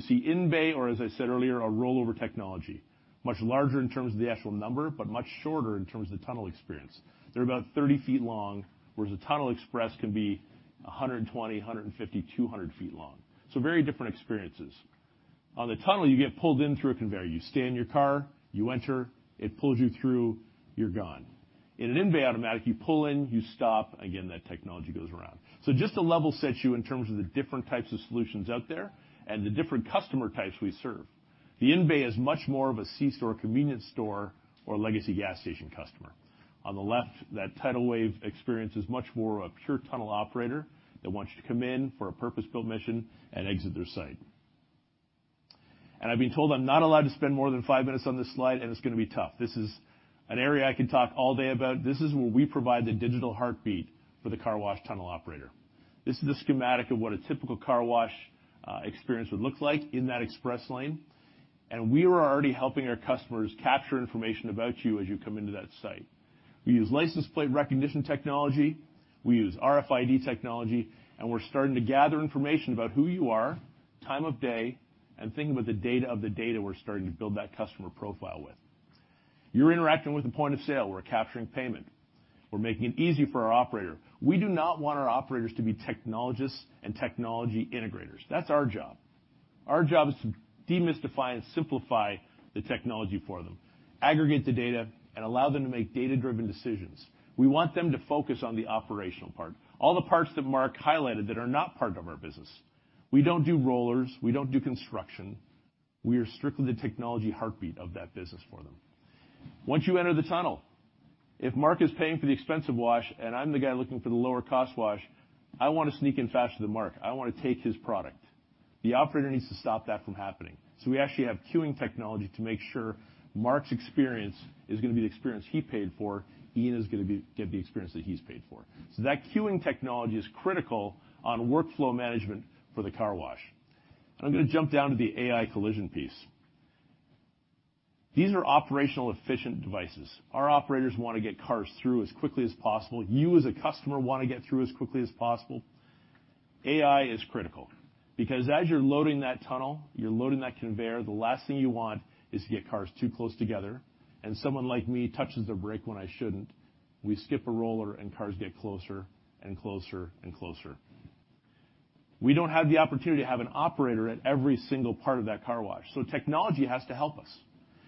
[SPEAKER 5] see in-bay, or as I said earlier, a rollover technology, much larger in terms of the actual number, but much shorter in terms of the tunnel experience. They're about 30 feet long, whereas a tunnel express can be 120, 150, 200 feet long. Very different experiences. On the tunnel, you get pulled in through a conveyor, you stay in your car, you enter, it pulls you through, you're gone. In an in-bay automatic, you pull in, you stop, again, that technology goes around. Just to level set you in terms of the different types of solutions out there and the different customer types we serve. The in-bay is much more of a C-store, convenience store or a legacy gas station customer. On the left, that Tidal Wave experience is much more a pure tunnel operator that wants you to come in for a purpose-built mission and exit their site. I've been told I'm not allowed to spend more than five minutes on this slide, and it's gonna be tough. This is an area I can talk all day about. This is where we provide the digital heartbeat for the car wash tunnel operator. This is the schematic of what a typical car wash experience would look like in that express lane. We are already helping our customers capture information about you as you come into that site. We use license plate recognition technology, we use RFID technology, and we're starting to gather information about who you are, time of day, and think about the data of the data we're starting to build that customer profile with. You're interacting with a point of sale. We're capturing payment. We're making it easy for our operator. We do not want our operators to be technologists and technology integrators. That's our job. Our job is to demystify and simplify the technology for them, aggregate the data, and allow them to make data-driven decisions. We want them to focus on the operational part, all the parts that Mark highlighted that are not part of our business. We don't do rollers, we don't do construction. We are strictly the technology heartbeat of that business for them. Once you enter the tunnel, if Mark is paying for the expensive wash and I'm the guy looking for the lower cost wash, I wanna sneak in faster than Mark. I wanna take his product. The operator needs to stop that from happening. We actually have queuing technology to make sure Mark's experience is gonna be the experience he paid for, Ian is gonna get the experience that he's paid for. That queuing technology is critical on workflow management for the car wash. I'm gonna jump down to the AI collision piece. These are operational efficient devices. Our operators wanna get cars through as quickly as possible. You, as a customer, wanna get through as quickly as possible. AI is critical because as you're loading that tunnel, you're loading that conveyor, the last thing you want is to get cars too close together, and someone like me touches the brake when I shouldn't, we skip a roller and cars get closer and closer and closer. We don't have the opportunity to have an operator at every single part of that car wash. Technology has to help us.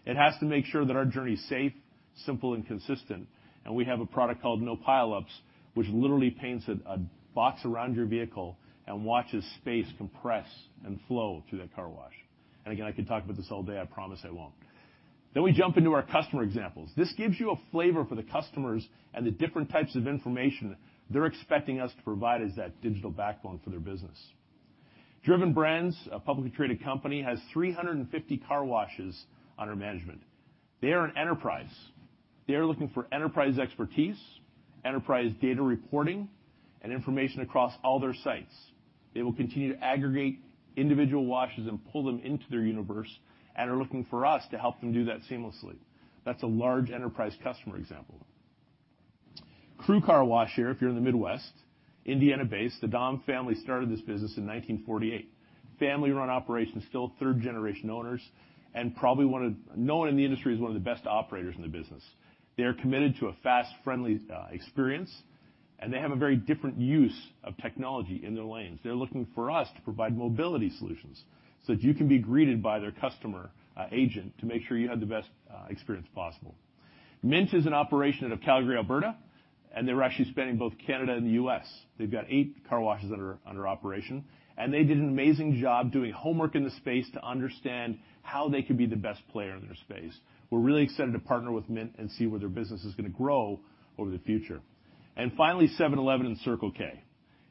[SPEAKER 5] It has to make sure that our journey is safe, simple, and consistent, and we have a product called NoPileups, which literally paints a box around your vehicle and watches space compress and flow through that car wash. Again, I could talk about this all day, I promise I won't. We jump into our customer examples. This gives you a flavor for the customers and the different types of information they're expecting us to provide as that digital backbone for their business. Driven Brands, a publicly traded company, has 350 car washes under management. They are an enterprise. They are looking for enterprise expertise, enterprise data reporting, and information across all their sites. They will continue to aggregate individual washes and pull them into their universe and are looking for us to help them do that seamlessly. That's a large enterprise customer example. Crew Carwash here, if you're in the Midwest, Indiana-based, the Dahm family started this business in 1948. Family-run operation, still third-generation owners, and probably known in the industry as one of the best operators in the business. They are committed to a fast, friendly, experience. They have a very different use of technology in their lanes. They're looking for us to provide mobility solutions so that you can be greeted by their customer agent to make sure you have the best experience possible. Mint is an operation out of Calgary, Alberta, and they're actually spanning both Canada and the U.S. They've got 8 car washes that are under operation. They did an amazing job doing homework in the space to understand how they could be the best player in their space. We're really excited to partner with Mint and see where their business is gonna grow over the future. Finally, 7-Eleven and Circle K.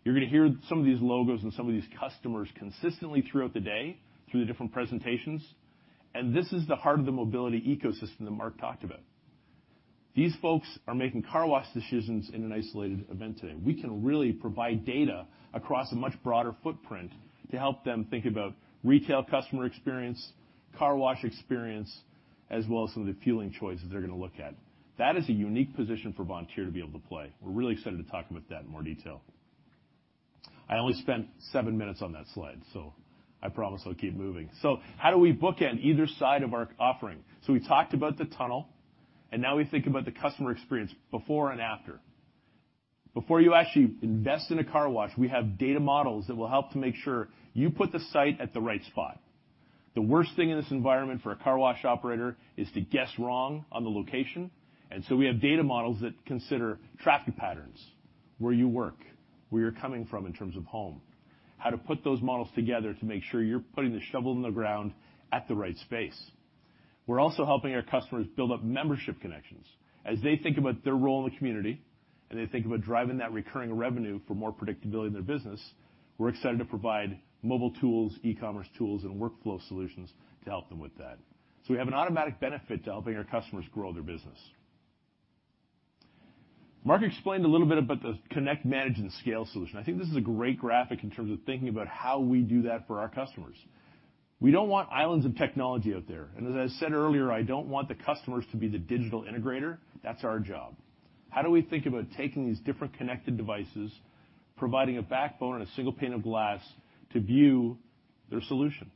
[SPEAKER 5] You're gonna hear some of these logos and some of these customers consistently throughout the day through the different presentations, and this is the heart of the mobility ecosystem that Mark talked about. These folks are making car wash decisions in an isolated event today. We can really provide data across a much broader footprint to help them think about retail customer experience, car wash experience, as well as some of the fueling choices they're gonna look at. That is a unique position for Vontier to be able to play. We're really excited to talk about that in more detail. I only spent seven minutes on that slide, so I promise I'll keep moving. How do we bookend either side of our offering? We talked about the tunnel, and now we think about the customer experience before and after. Before you actually invest in a car wash, we have data models that will help to make sure you put the site at the right spot. The worst thing in this environment for a car wash operator is to guess wrong on the location. We have data models that consider traffic patterns, where you work, where you're coming from in terms of home, how to put those models together to make sure you're putting the shovel in the ground at the right space. We're also helping our customers build up membership connections. As they think about their role in the community and they think about driving that recurring revenue for more predictability in their business, we're excited to provide mobile tools, e-commerce tools, and workflow solutions to help them with that. We have an automatic benefit to helping our customers grow their business. Mark explained a little bit about the connect, manage, and scale solution. I think this is a great graphic in terms of thinking about how we do that for our customers. We don't want islands of technology out there, and as I said earlier, I don't want the customers to be the digital integrator. That's our job. How do we think about taking these different connected devices, providing a backbone and a single pane of glass to view their solution?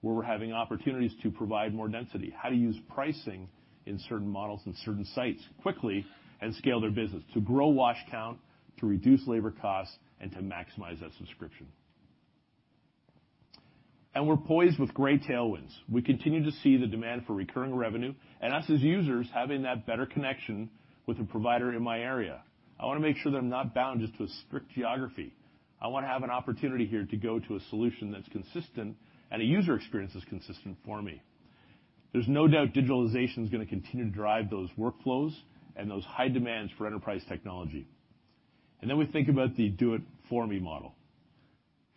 [SPEAKER 5] Where we're having opportunities to provide more density, how to use pricing in certain models and certain sites quickly and scale their business to grow wash count, to reduce labor costs, and to maximize that subscription. We're poised with great tailwinds. We continue to see the demand for recurring revenue and us as users having that better connection with the provider in my area. I wanna make sure that I'm not bound just to a strict geography. I wanna have an opportunity here to go to a solution that's consistent and a user experience that's consistent for me. There's no doubt digitalization's gonna continue to drive those workflows and those high demands for enterprise technology. Then we think about the do it for me model.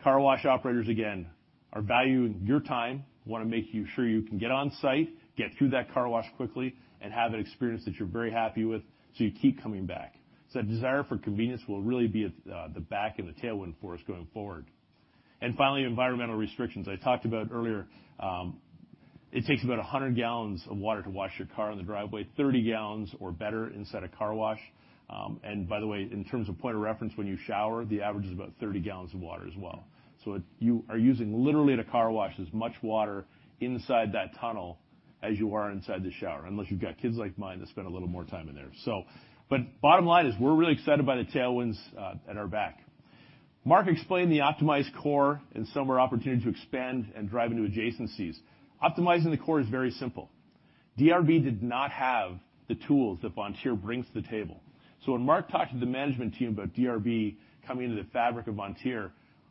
[SPEAKER 5] Car wash operators, again, are valuing your time, wanna make you sure you can get on site, get through that car wash quickly, and have an experience that you're very happy with so you keep coming back. That desire for convenience will really be at the back and the tailwind for us going forward. Finally, environmental restrictions. I talked about earlier, it takes about 100 gallons of water to wash your car in the driveway, 30 gallons or better inside a car wash. By the way, in terms of point of reference, when you shower, the average is about 30 gallons of water as well. You are using literally at a car wash as much water inside that tunnel as you are inside the shower, unless you've got kids like mine that spend a little more time in there. Bottom line is we're really excited by the tailwinds at our back. Mark explained the optimized core and some of our opportunity to expand and drive into adjacencies. Optimizing the core is very simple. DRB did not have the tools that Vontier brings to the table. When Mark talked to the management team about DRB coming into the fabric of Vontier,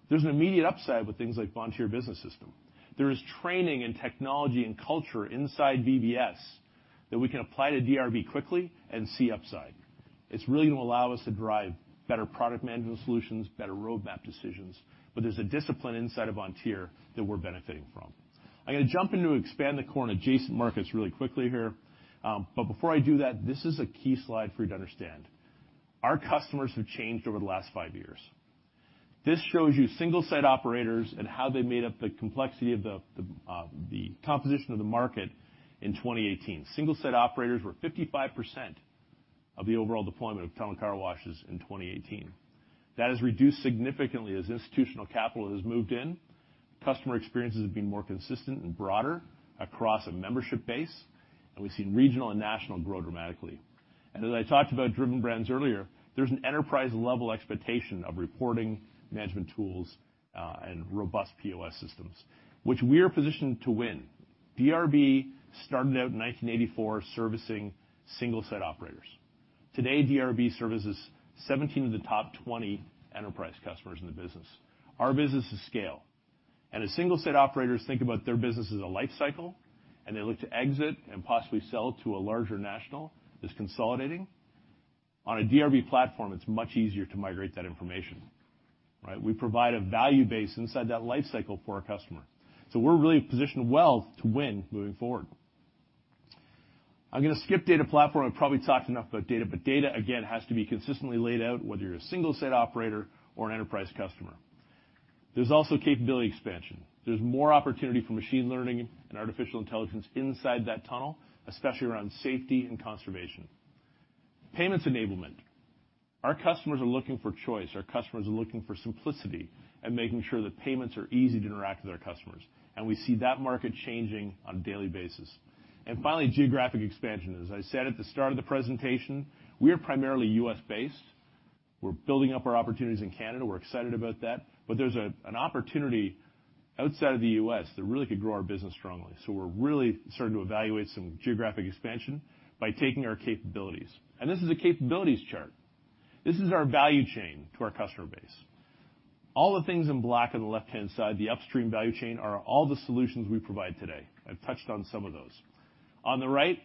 [SPEAKER 5] there's an immediate upside with things like Vontier Business System. There is training and technology and culture inside VBS that we can apply to DRB quickly and see upside. It's really gonna allow us to drive better product management solutions, better roadmap decisions, but there's a discipline inside of Vontier that we're benefiting from. I'm gonna jump into expand the core and adjacent markets really quickly here, but before I do that, this is a key slide for you to understand. Our customers have changed over the last 5 years. This shows you single set operators and how they made up the complexity of the composition of the market in 2018. Single set operators were 55% of the overall deployment of tunnel car washes in 2018. That has reduced significantly as institutional capital has moved in. Customer experiences have been more consistent and broader across a membership base, and we've seen regional and national grow dramatically. As I talked about Driven Brands earlier, there's an enterprise-level expectation of reporting, management tools, and robust POS systems, which we are positioned to win. DRB started out in 1984 servicing single set operators. Today, DRB services 17 of the top 20 enterprise customers in the business. Our business is scale, and as single set operators think about their business as a life cycle, and they look to exit and possibly sell to a larger national that's consolidating, on a DRB platform, it's much easier to migrate that information, right? We provide a value base inside that life cycle for our customer. We're really in a position of wealth to win moving forward. I'm gonna skip data platform. I probably talked enough about data. Data again has to be consistently laid out, whether you're a single set operator or an enterprise customer. There's also capability expansion. There's more opportunity for machine learning and artificial intelligence inside that tunnel, especially around safety and conservation. Payments enablement. Our customers are looking for choice. Our customers are looking for simplicity and making sure that payments are easy to interact with our customers. We see that market changing on a daily basis. Finally, geographic expansion. As I said at the start of the presentation, we are primarily U.S.-based. We're building up our opportunities in Canada. We're excited about that. There's an opportunity outside of the U.S. that really could grow our business strongly. We're really starting to evaluate some geographic expansion by taking our capabilities. This is a capabilities chart. This is our value chain to our customer base. All the things in black on the left-hand side, the upstream value chain, are all the solutions we provide today. I've touched on some of those. On the right,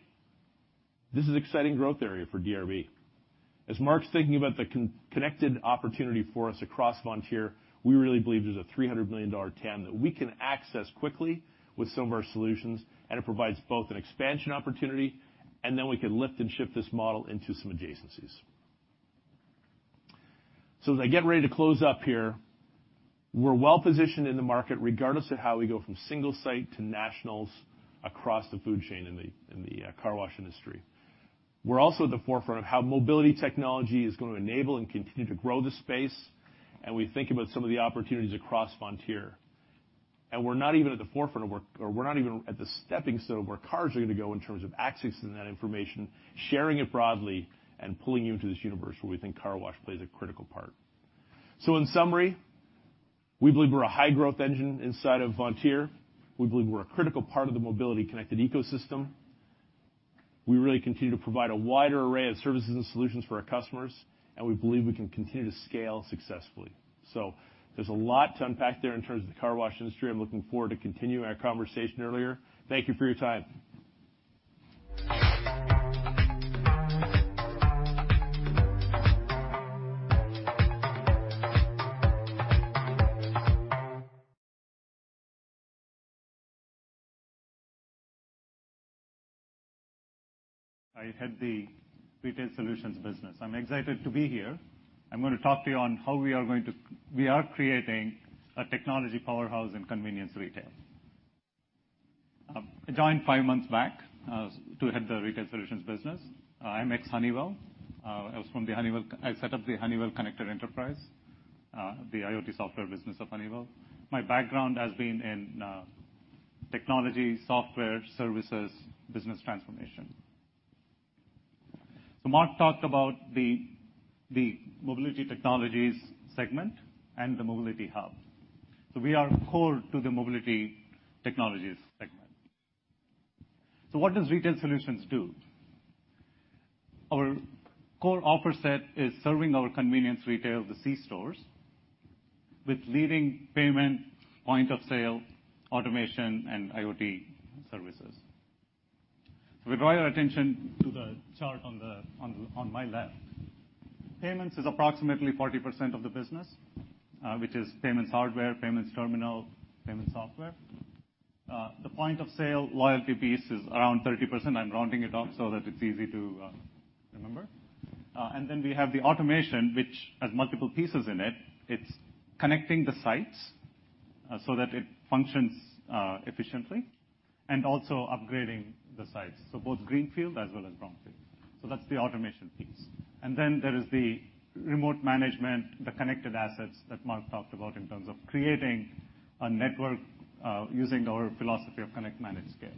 [SPEAKER 5] this is exciting growth area for DRB. As Mark's thinking about the connected opportunity for us across Vontier, we really believe there's a $300 million TAM that we can access quickly with some of our solutions, and it provides both an expansion opportunity, and then we can lift and shift this model into some adjacencies. As I get ready to close up here, we're well-positioned in the market regardless of how we go from single site to nationals across the food chain in the, in the car wash industry. We're also at the forefront of how mobility technology is gonna enable and continue to grow the space, and we think about some of the opportunities across Vontier. We're not even at the stepping stone of where cars are gonna go in terms of accessing that information, sharing it broadly, and pulling into this universe where we think car wash plays a critical part. In summary, we believe we're a high-growth engine inside of Vontier. We believe we're a critical part of the mobility-connected ecosystem. We really continue to provide a wider array of services and solutions for our customers, and we believe we can continue to scale successfully. There's a lot to unpack there in terms of the car wash industry. I'm looking forward to continuing our conversation earlier. Thank you for your time.
[SPEAKER 6] I head the Retail Solutions business. I'm excited to be here. I'm gonna talk to you on how we are creating a technology powerhouse in convenience retail. I joined five months back to head the Retail Solutions business. I'm ex-Honeywell. I was from the Honeywell Connected Enterprise, the IoT software business of Honeywell. My background has been in technology, software, services, business transformation. Mark talked about the Mobility Technologies segment and the Mobility Hub. We are core to the Mobility Technologies segment. What does Retail Solutions do? Our core offer set is serving our convenience retail, the C stores, with leading payment, point of sale, automation, and IoT services. If we draw your attention to the chart on the on my left. Payments is approximately 40% of the business, which is payments hardware, payments terminal, payment software. The point of sale loyalty piece is around 30%. I'm rounding it up so that it's easy to remember. We have the automation, which has multiple pieces in it. It's connecting the sites, so that it functions efficiently, and also upgrading the sites, so both greenfield as well as brownfield. That's the automation piece. There is the remote management, the connected assets that Mark talked about in terms of creating a network, using our philosophy of connect, manage, scale.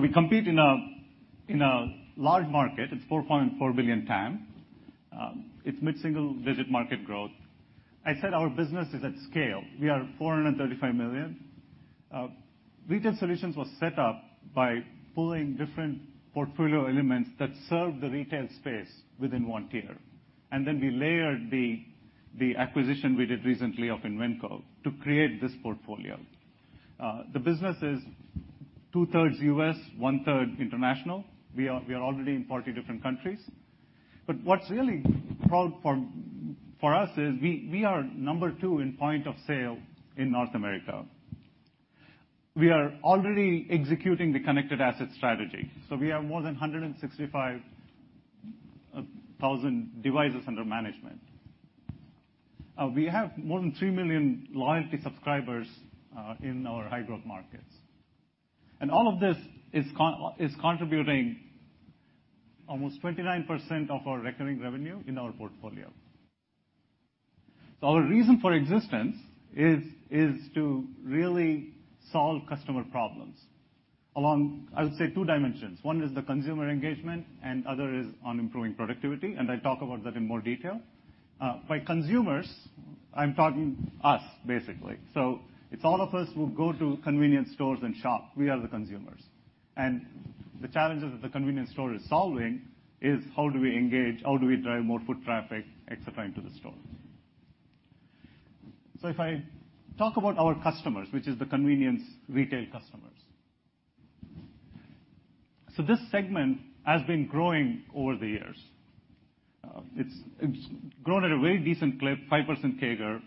[SPEAKER 6] We compete in a large market. It's $4.4 billion TAM. It's mid-single visit market growth. I said our business is at scale. We are $435 million. Retail Solutions was set up by pulling different portfolio elements that serve the retail space within Vontier. We layered the acquisition we did recently of Invenco to create this portfolio. The business is two-thirds U.S., one-third international. We are already in 40 different countries. What's really proud for us is we are number two in point of sale in North America. We are already executing the connected asset strategy. We have more than 165,000 devices under management. We have more than 3 million loyalty subscribers in our high-growth markets. All of this is contributing almost 29% of our recurring revenue in our portfolio. Our reason for existence is to really solve customer problems along, I would say, two dimensions. One is the consumer engagement, and other is on improving productivity, and I'll talk about that in more detail. By consumers, I'm talking us, basically. It's all of us who go to convenience stores and shop, we are the consumers. The challenges that the convenience store is solving is how do we engage, how do we drive more foot traffic, et cetera, into the store? If I talk about our customers, which is the convenience retail customers. This segment has been growing over the years. It's grown at a very decent clip, 5% CAGR.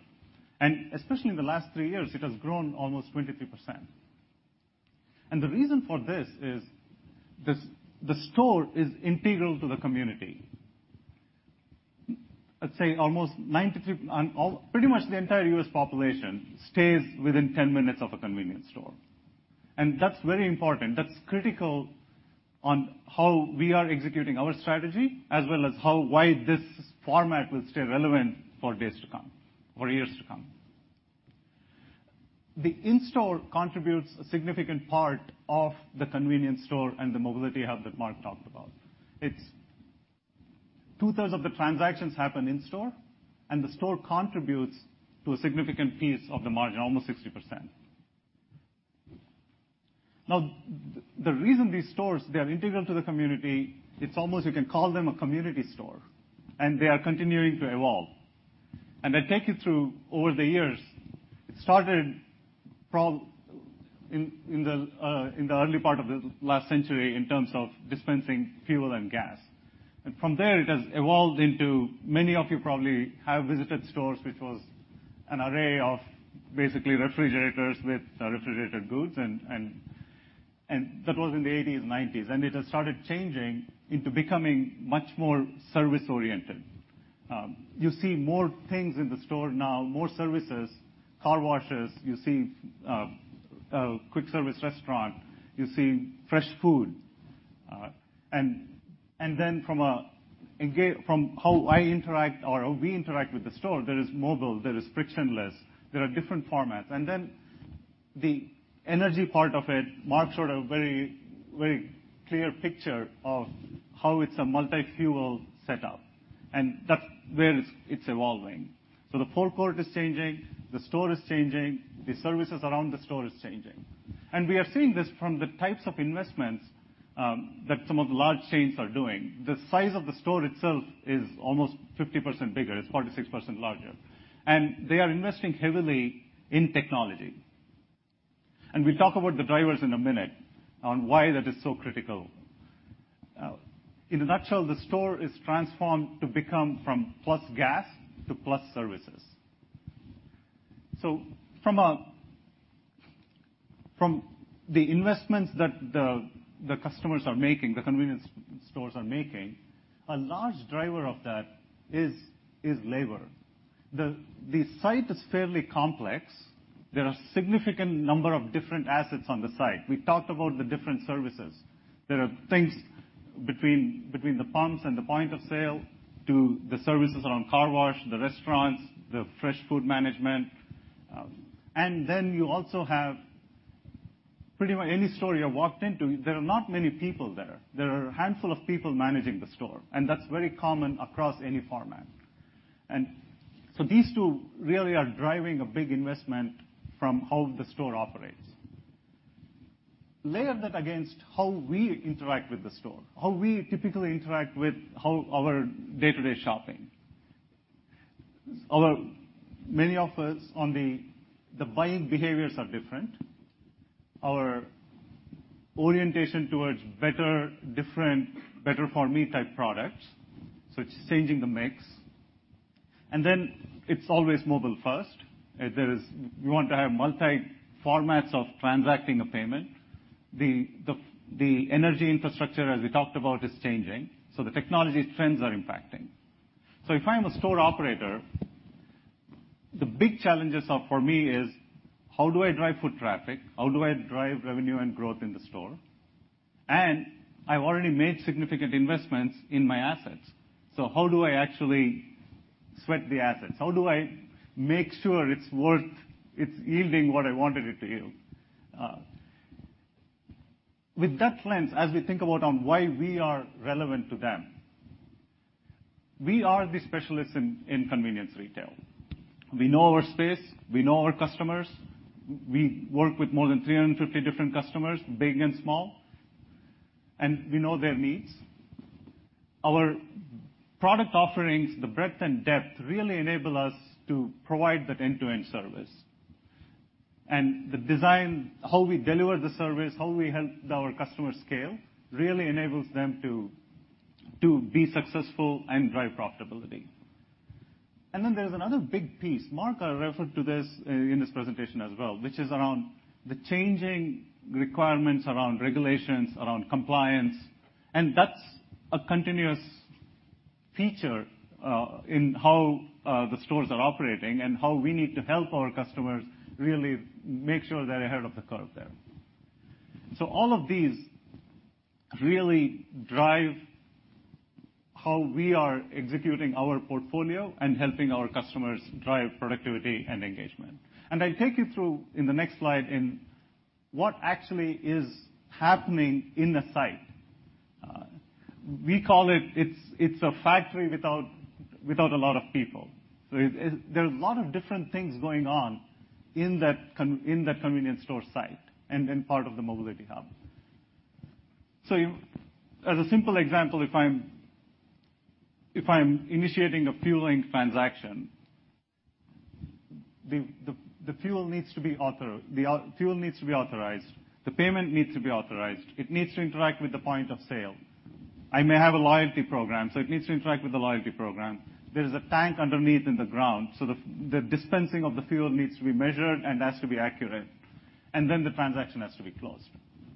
[SPEAKER 6] Especially in the last 3 years, it has grown almost 23%. The reason for this is the store is integral to the community. Let's say almost 93, pretty much the entire U.S. population stays within 10 minutes of a convenience store. That's very important. That's critical on how we are executing our strategy, as well as why this format will stay relevant for days to come, for years to come. The in-store contributes a significant part of the convenience store and the mobility hub that Mark talked about. It's two-thirds of the transactions happen in-store, and the store contributes to a significant piece of the margin, almost 60%. The reason these stores, they are integral to the community, it's almost you can call them a community store, and they are continuing to evolve. I'll take you through over the years. It started in the early part of the last century in terms of dispensing fuel and gas. From there, it has evolved into many of you probably have visited stores, which was an array of basically refrigerators with refrigerated goods and that was in the 80s, 90s. It has started changing into becoming much more service-oriented. You see more things in the store now, more services, car washes. You see a quick service restaurant. You see fresh food. And then from how I interact or how we interact with the store, there is mobile, there is frictionless, there are different formats. Then the energy part of it, Mark showed a very, very clear picture of how it's a multi-fuel setup, and that's where it's evolving. The forecourt is changing. The store is changing. The services around the store is changing. We are seeing this from the types of investments that some of the large chains are doing. The size of the store itself is almost 50% bigger. It's 46% larger. They are investing heavily in technology. We'll talk about the drivers in a minute on why that is so critical. In a nutshell, the store is transformed to become from plus gas to plus services. From the investments that the customers are making, the convenience stores are making, a large driver of that is labor. The site is fairly complex. There are significant number of different assets on the site. We talked about the different services. There are things between the pumps and the point of sale to the services around car wash, the restaurants, the fresh food management. You also have any store you have walked into, there are not many people there. There are a handful of people managing the store, and that's very common across any format. These two really are driving a big investment from how the store operates. Layer that against how we interact with the store, how we typically interact with how our day-to-day shopping. Many of us on the buying behaviors are different. Our orientation towards better, different, better for me type products, so it's changing the mix. It's always mobile first. You want to have multi formats of transacting a payment. The energy infrastructure, as we talked about, is changing, so the technology trends are impacting. If I'm a store operator, the big challenges are for me is, how do I drive foot traffic? How do I drive revenue and growth in the store? I've already made significant investments in my assets. How do I actually sweat the assets? How do I make sure it's yielding what I wanted it to yield? With that lens, as we think about on why we are relevant to them, we are the specialists in convenience retail. We know our space. We know our customers. We work with more than 350 different customers, big and small, and we know their needs. Our product offerings, the breadth and depth really enable us to provide that end-to-end service. The design, how we deliver the service, how we help our customers scale, really enables them to be successful and drive profitability. Then there's another big piece. Mark referred to this in this presentation as well, which is around the changing requirements around regulations, around compliance. That's a continuous feature in how the stores are operating and how we need to help our customers really make sure they're ahead of the curve there. All of these really drive how we are executing our portfolio and helping our customers drive productivity and engagement. I'll take you through in the next slide in what actually is happening in the site. We call it's a factory without a lot of people. There are a lot of different things going on in that convenience store site and part of the mobility hub. As a simple example, if I'm initiating a fueling transaction, the fuel needs to be The fuel needs to be authorized. The payment needs to be authorized. It needs to interact with the point-of-sale. I may have a loyalty program. It needs to interact with the loyalty program. There is a tank underneath in the ground. The dispensing of the fuel needs to be measured, and it has to be accurate. The transaction has to be closed.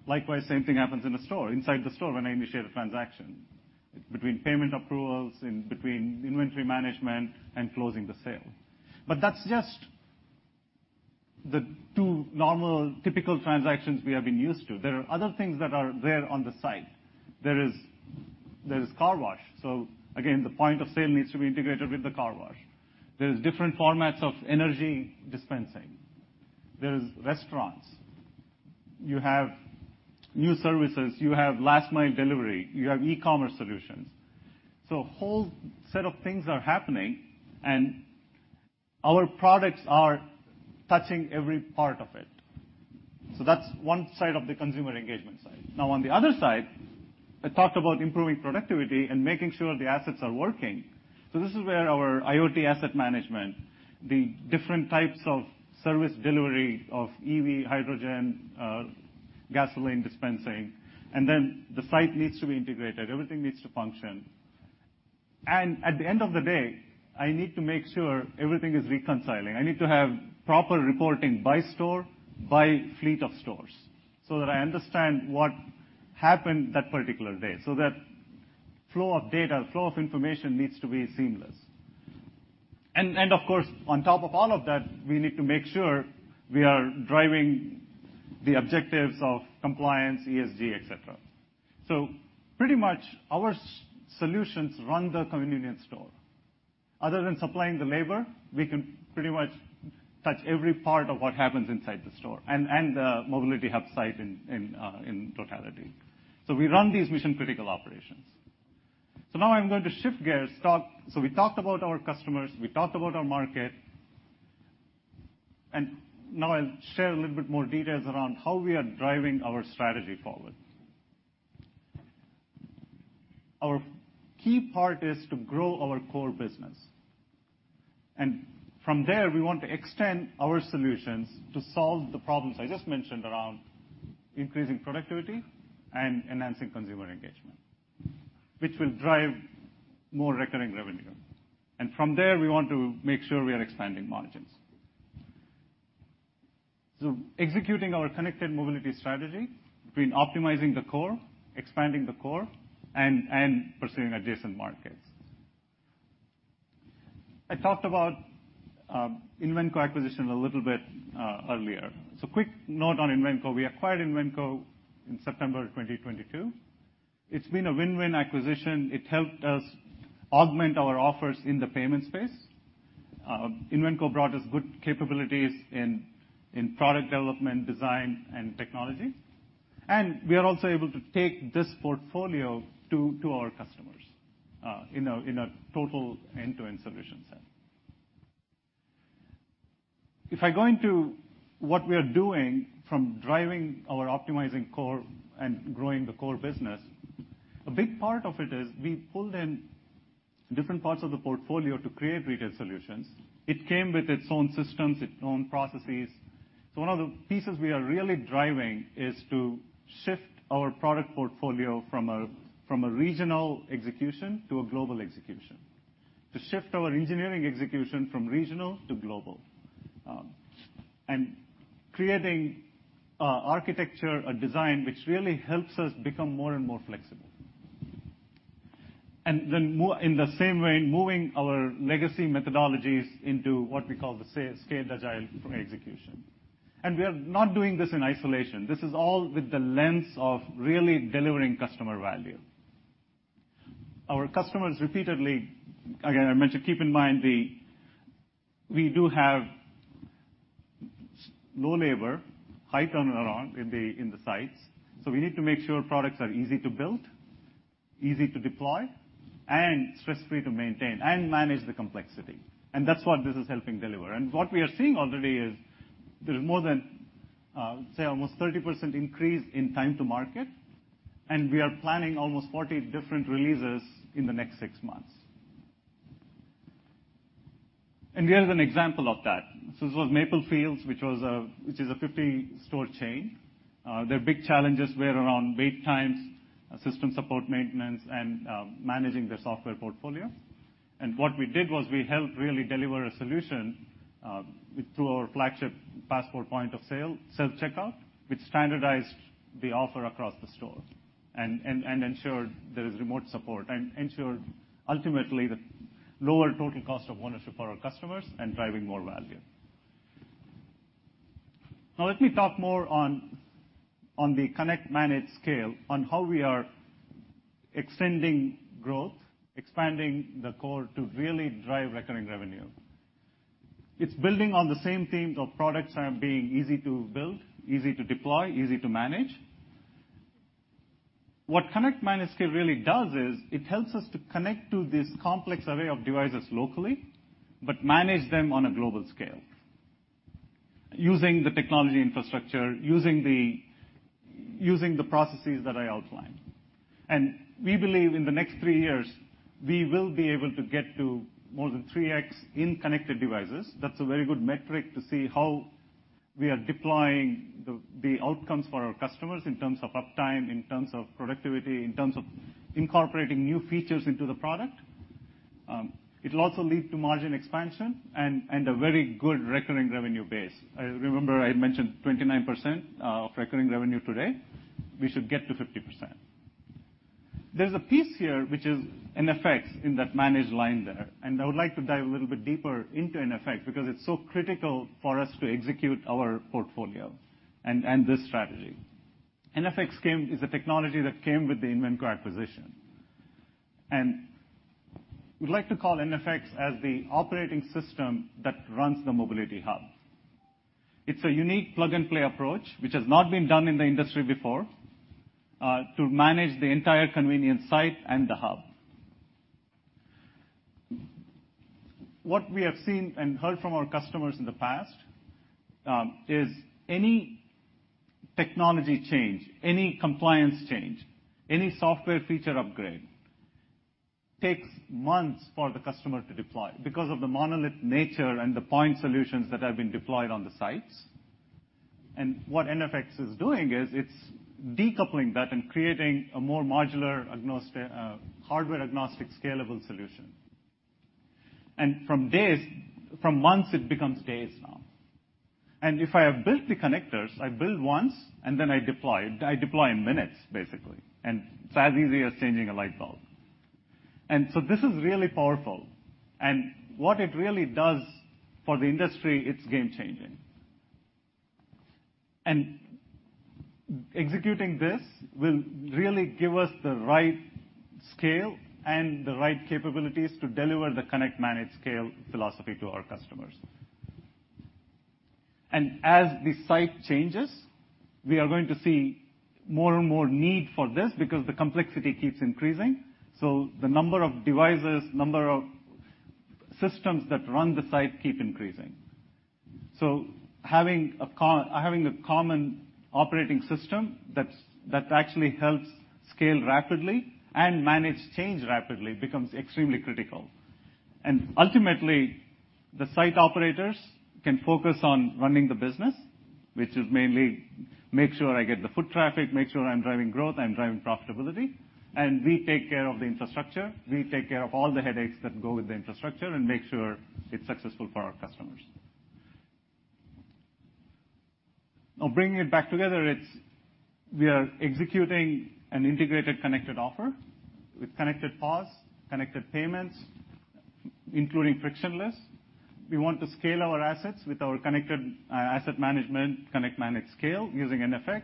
[SPEAKER 6] Likewise, same thing happens in the store, inside the store when I initiate a transaction. Between payment approvals, in between inventory management and closing the sale. That's just the two normal typical transactions we have been used to. There are other things that are there on the site. There's car wash. Again, the point-of-sale needs to be integrated with the car wash. There's different formats of energy dispensing. There's restaurants. You have new services. You have last mile delivery. You have e-commerce solutions. A whole set of things are happening, and our products are touching every part of it. That's one side of the consumer engagement side. Now, on the other side, I talked about improving productivity and making sure the assets are working. This is where our IoT asset management, the different types of service delivery of EV, hydrogen, gasoline dispensing, and then the site needs to be integrated, everything needs to function. At the end of the day, I need to make sure everything is reconciling. I need to have proper reporting by store, by fleet of stores, so that I understand what happened that particular day. That flow of data, flow of information needs to be seamless. Of course, on top of all of that, we need to make sure we are driving the objectives of compliance, ESG, et cetera. Pretty much our solutions run the 7-Eleven store. Other than supplying the labor, we can pretty much touch every part of what happens inside the store and the mobility hub site in totality. We run these mission-critical operations. Now I'm going to shift gears. We talked about our customers, we talked about our market, now I'll share a little bit more details around how we are driving our strategy forward. Our key part is to grow our core business. From there, we want to extend our solutions to solve the problems I just mentioned around increasing productivity and enhancing consumer engagement, which will drive more recurring revenue. From there, we want to make sure we are expanding margins. Executing our Connected Mobility Strategy between optimizing the core, expanding the core, and pursuing adjacent markets. I talked about Invenco acquisition a little bit earlier. Quick note on Invenco. We acquired Invenco in September 2022. It's been a win-win acquisition. It helped us augment our offers in the payment space. Invenco brought us good capabilities in product development, design, and technology. We are also able to take this portfolio to our customers in a total end-to-end solution set. If I go into what we are doing from driving our optimizing core and growing the core business, a big part of it is we pulled in different parts of the portfolio to create retail solutions. It came with its own systems, its own processes. One of the pieces we are really driving is to shift our product portfolio from a regional execution to a global execution. To shift our engineering execution from regional to global, and creating architecture, a design which really helps us become more and more flexible. In the same way, moving our legacy methodologies into what we call the scaled agile execution. We are not doing this in isolation. This is all with the lens of really delivering customer value. Our customers repeatedly. Again, I mentioned, keep in mind we do have low labor, high turn around in the sites. We need to make sure products are easy to build, easy to deploy, and stress-free to maintain, and manage the complexity. That's what this is helping deliver. What we are seeing already is there's more than almost 30% increase in time to market, and we are planning almost 40 different releases in the next 6 months. Here's an example of that. This was Maplefields, which is a 50-store chain. Their big challenges were around wait times, system support maintenance, and managing their software portfolio. What we did was we helped really deliver a solution through our flagship Passport point of sale, self-checkout, which standardized the offer across the stores and ensured there is remote support and ensured ultimately the lower total cost of ownership for our customers and driving more value. Let me talk more on the connect, manage, scale, on how we are extending growth, expanding the core to really drive recurring revenue. It's building on the same themes of products are being easy to build, easy to deploy, easy to manage. What connect, manage, scale really does is it helps us to connect to this complex array of devices locally, but manage them on a global scale using the technology infrastructure, using the processes that I outlined. We believe in the next three years, we will be able to get to more than 3x in connected devices. That's a very good metric to see how we are deploying the outcomes for our customers in terms of uptime, in terms of productivity, in terms of incorporating new features into the product. It'll also lead to margin expansion and a very good recurring revenue base. Remember I had mentioned 29% of recurring revenue today. We should get to 50%. There's a piece here which is iNFX in that managed line there, and I would like to dive a little bit deeper into iNFX because it's so critical for us to execute our portfolio and this strategy. iNFX is a technology that came with the Invenco acquisition. We'd like to call iNFX as the operating system that runs the mobility hub. It's a unique plug-and-play approach, which has not been done in the industry before to manage the entire convenience site and the hub. What we have seen and heard from our customers in the past, is any technology change, any compliance change, any software feature upgrade takes months for the customer to deploy because of the monolith nature and the point solutions that have been deployed on the sites. What NFX is doing is it's decoupling that and creating a more modular hardware-agnostic scalable solution. From days... From months, it becomes days now. If I have built the connectors, I build once and then I deploy. I deploy in minutes, basically. It's as easy as changing a light bulb. This is really powerful. What it really does for the industry, it's game-changing. Executing this will really give us the right scale and the right capabilities to deliver the connect, manage, scale philosophy to our customers. As the site changes, we are going to see more and more need for this because the complexity keeps increasing. The number of devices, number of systems that run the site keep increasing. Having a common operating system that actually helps scale rapidly and manage change rapidly becomes extremely critical. Ultimately, the site operators can focus on running the business, which is mainly make sure I get the foot traffic, make sure I'm driving growth, I'm driving profitability, and we take care of the infrastructure. We take care of all the headaches that go with the infrastructure and make sure it's successful for our customers. Bringing it back together, it's we are executing an integrated connected offer with connected POS, connected payments, including frictionless. We want to scale our assets with our connected asset management, connect, manage, scale using iNFX.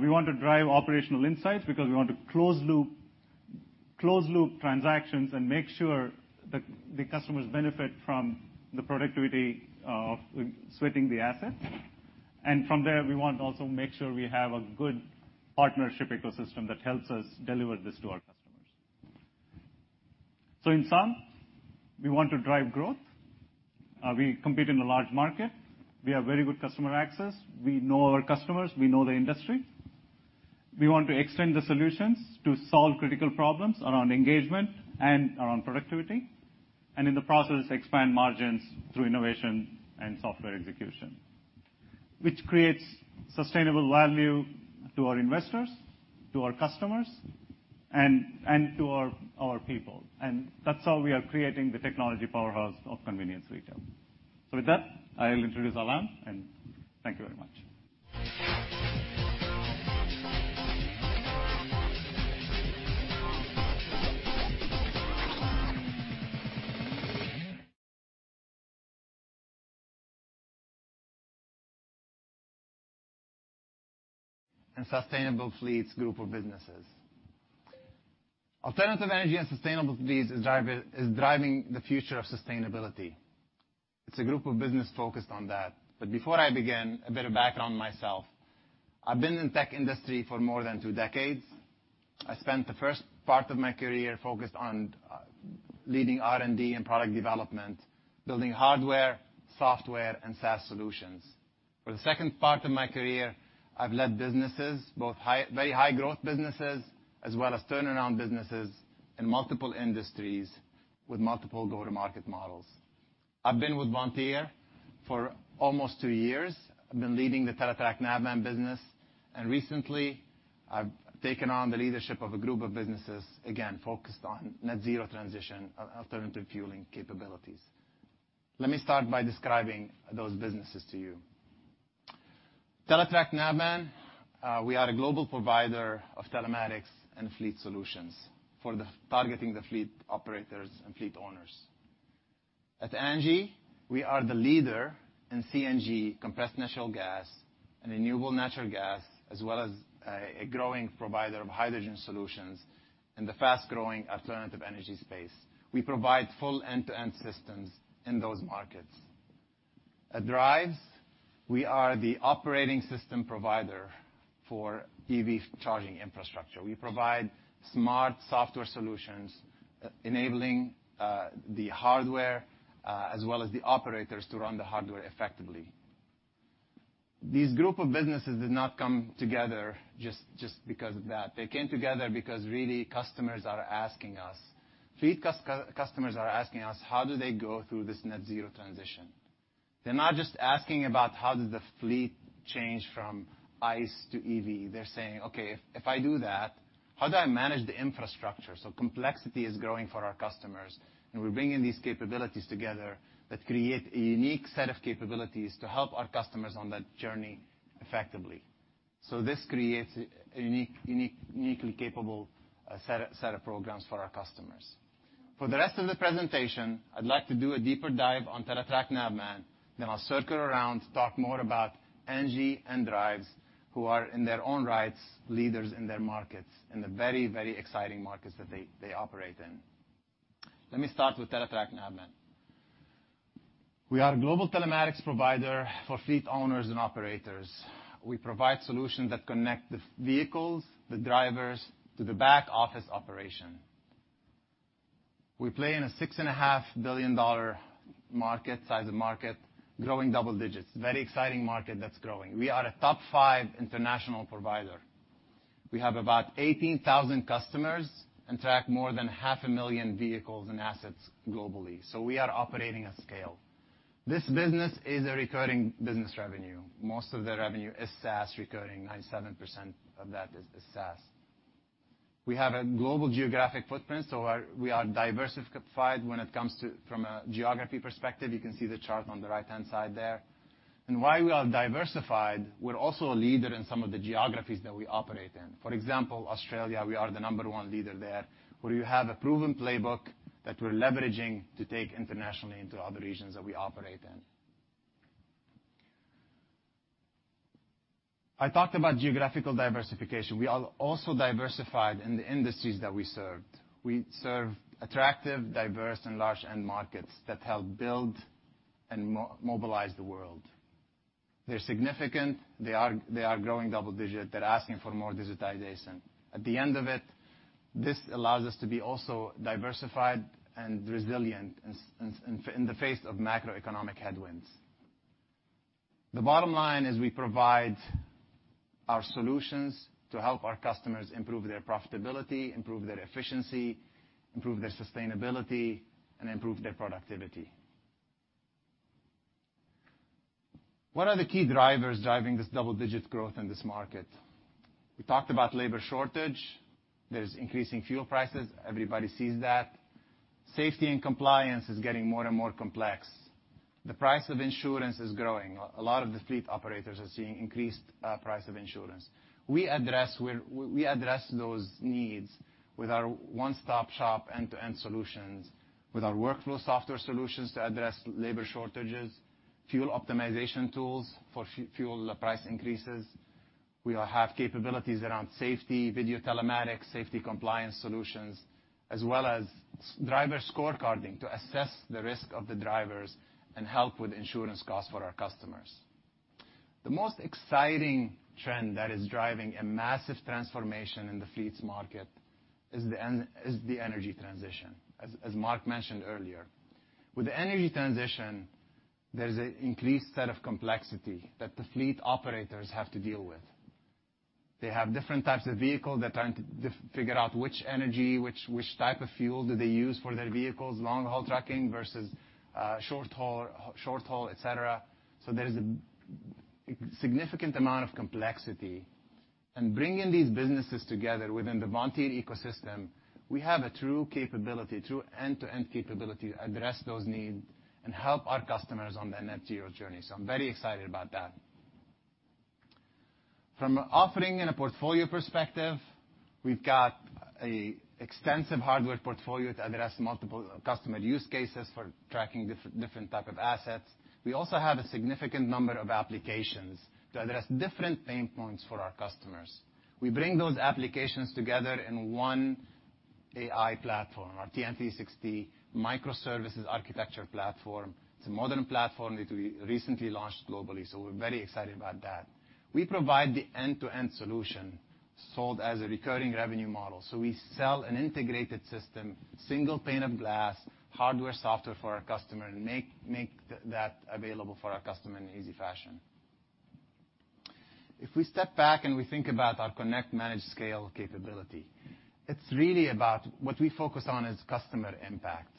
[SPEAKER 6] We want to drive operational insights because we want to close loop transactions and make sure that the customers benefit from the productivity of switching the asset. From there, we want to also make sure we have a good partnership ecosystem that helps us deliver this to our customers. In sum, we want to drive growth. We compete in a large market. We have very good customer access. We know our customers. We know the industry. We want to extend the solutions to solve critical problems around engagement and around productivity, and in the process, expand margins through innovation and software execution, which creates sustainable value to our investors, to our customers, and to our people. That's how we are creating the technology powerhouse of convenience retail. With that, I'll introduce Alain, and thank you very much.
[SPEAKER 7] Sustainable fleets group of businesses. Alternative energy and sustainable fleets is driving the future of sustainability. It's a group of business focused on that. Before I begin, a bit of background on myself. I've been in tech industry for more than 2 decades. I spent the first part of my career focused on leading R&D and product development, building hardware, software, and SaaS solutions. For the second part of my career, I've led businesses, both very high growth businesses, as well as turnaround businesses in multiple industries with multiple go-to-market models. I've been with Vontier for almost 2 years. I've been leading the Teletrac Navman business. Recently I've taken on the leadership of a group of businesses, again, focused on net zero transition, alternative fueling capabilities. Let me start by describing those businesses to you. Teletrac Navman, we are a global provider of telematics and fleet solutions targeting the fleet operators and fleet owners. At ANGI, we are the leader in CNG, compressed natural gas, and renewable natural gas, as well as a growing provider of hydrogen solutions in the fast-growing alternative energy space. We provide full end-to-end systems in those markets. At Driivz, we are the operating system provider for EV charging infrastructure. We provide smart software solutions enabling the hardware, as well as the operators to run the hardware effectively. These group of businesses did not come together just because of that. They came together because really customers are asking us, fleet customers are asking us, how do they go through this net zero transition? They're not just asking about how does the fleet change from ICE to EV. They're saying, "Okay, if I do that, how do I manage the infrastructure?" Complexity is growing for our customers, and we're bringing these capabilities together that create a unique set of capabilities to help our customers on that journey effectively. This creates a unique, uniquely capable set of programs for our customers. For the rest of the presentation, I'd like to do a deeper dive on Teletrac Navman, then I'll circle around to talk more about ANGI and Driivz, who are in their own rights, leaders in their markets, in the very exciting markets that they operate in. Let me start with Teletrac Navman. We are a global telematics provider for fleet owners and operators. We provide solutions that connect the vehicles, the drivers, to the back-office operation. We play in a $6.5 billion market, size of market, growing double digits. Very exciting market that's growing. We are a top five international provider. We have about 18,000 customers and track more than half a million vehicles and assets globally. We are operating at scale. This business is a recurring business revenue. Most of the revenue is SaaS recurring, 97% of that is SaaS. We have a global geographic footprint, so we are diversified when it comes to from a geography perspective. You can see the chart on the right-hand side there. While we are diversified, we're also a leader in some of the geographies that we operate in. For example, Australia, we are the number one leader there, where you have a proven playbook that we're leveraging to take internationally into other regions that we operate in. I talked about geographical diversification. We are also diversified in the industries that we serve. We serve attractive, diverse, and large end markets that help build and mobilize the world. They're significant. They are growing double-digit. They're asking for more digitization. At the end of it, this allows us to be also diversified and resilient in the face of macroeconomic headwinds. The bottom line is we provide our solutions to help our customers improve their profitability, improve their efficiency, improve their sustainability, and improve their productivity. What are the key drivers driving this double-digit growth in this market? We talked about labor shortage. There's increasing fuel prices. Everybody sees that. Safety and compliance is getting more and more complex. The price of insurance is growing. A lot of the fleet operators are seeing increased price of insurance. We address where... We address those needs with our one-stop shop end-to-end solutions, with our workflow software solutions to address labor shortages, fuel optimization tools for fuel price increases. We all have capabilities around safety, video telematics, safety compliance solutions, as well as driver scorecarding to assess the risk of the drivers and help with insurance costs for our customers. The most exciting trend that is driving a massive transformation in the fleets market is the energy transition, as Mark mentioned earlier. With the energy transition, there's an increased set of complexity that the fleet operators have to deal with. They have different types of vehicle. They're trying to figure out which energy, which type of fuel do they use for their vehicles, long-haul trucking versus short haul, et cetera. There's a significant amount of complexity. Bringing these businesses together within the Vontier ecosystem, we have a true end-to-end capability to address those needs and help our customers on their net zero journey. I'm very excited about that. From offering and a portfolio perspective, we've got an extensive hardware portfolio to address multiple customer use cases for tracking different type of assets. We also have a significant number of applications to address different pain points for our customers. We bring those applications together in one AI platform, our TNT sixty microservices architecture platform. It's a modern platform that we recently launched globally, we're very excited about that. We provide the end-to-end solution sold as a recurring revenue model. We sell an integrated system, single pane of glass, hardware, software for our customer, and make that available for our customer in easy fashion. We step back and we think about our connect, manage, scale capability, it's really about what we focus on is customer impact.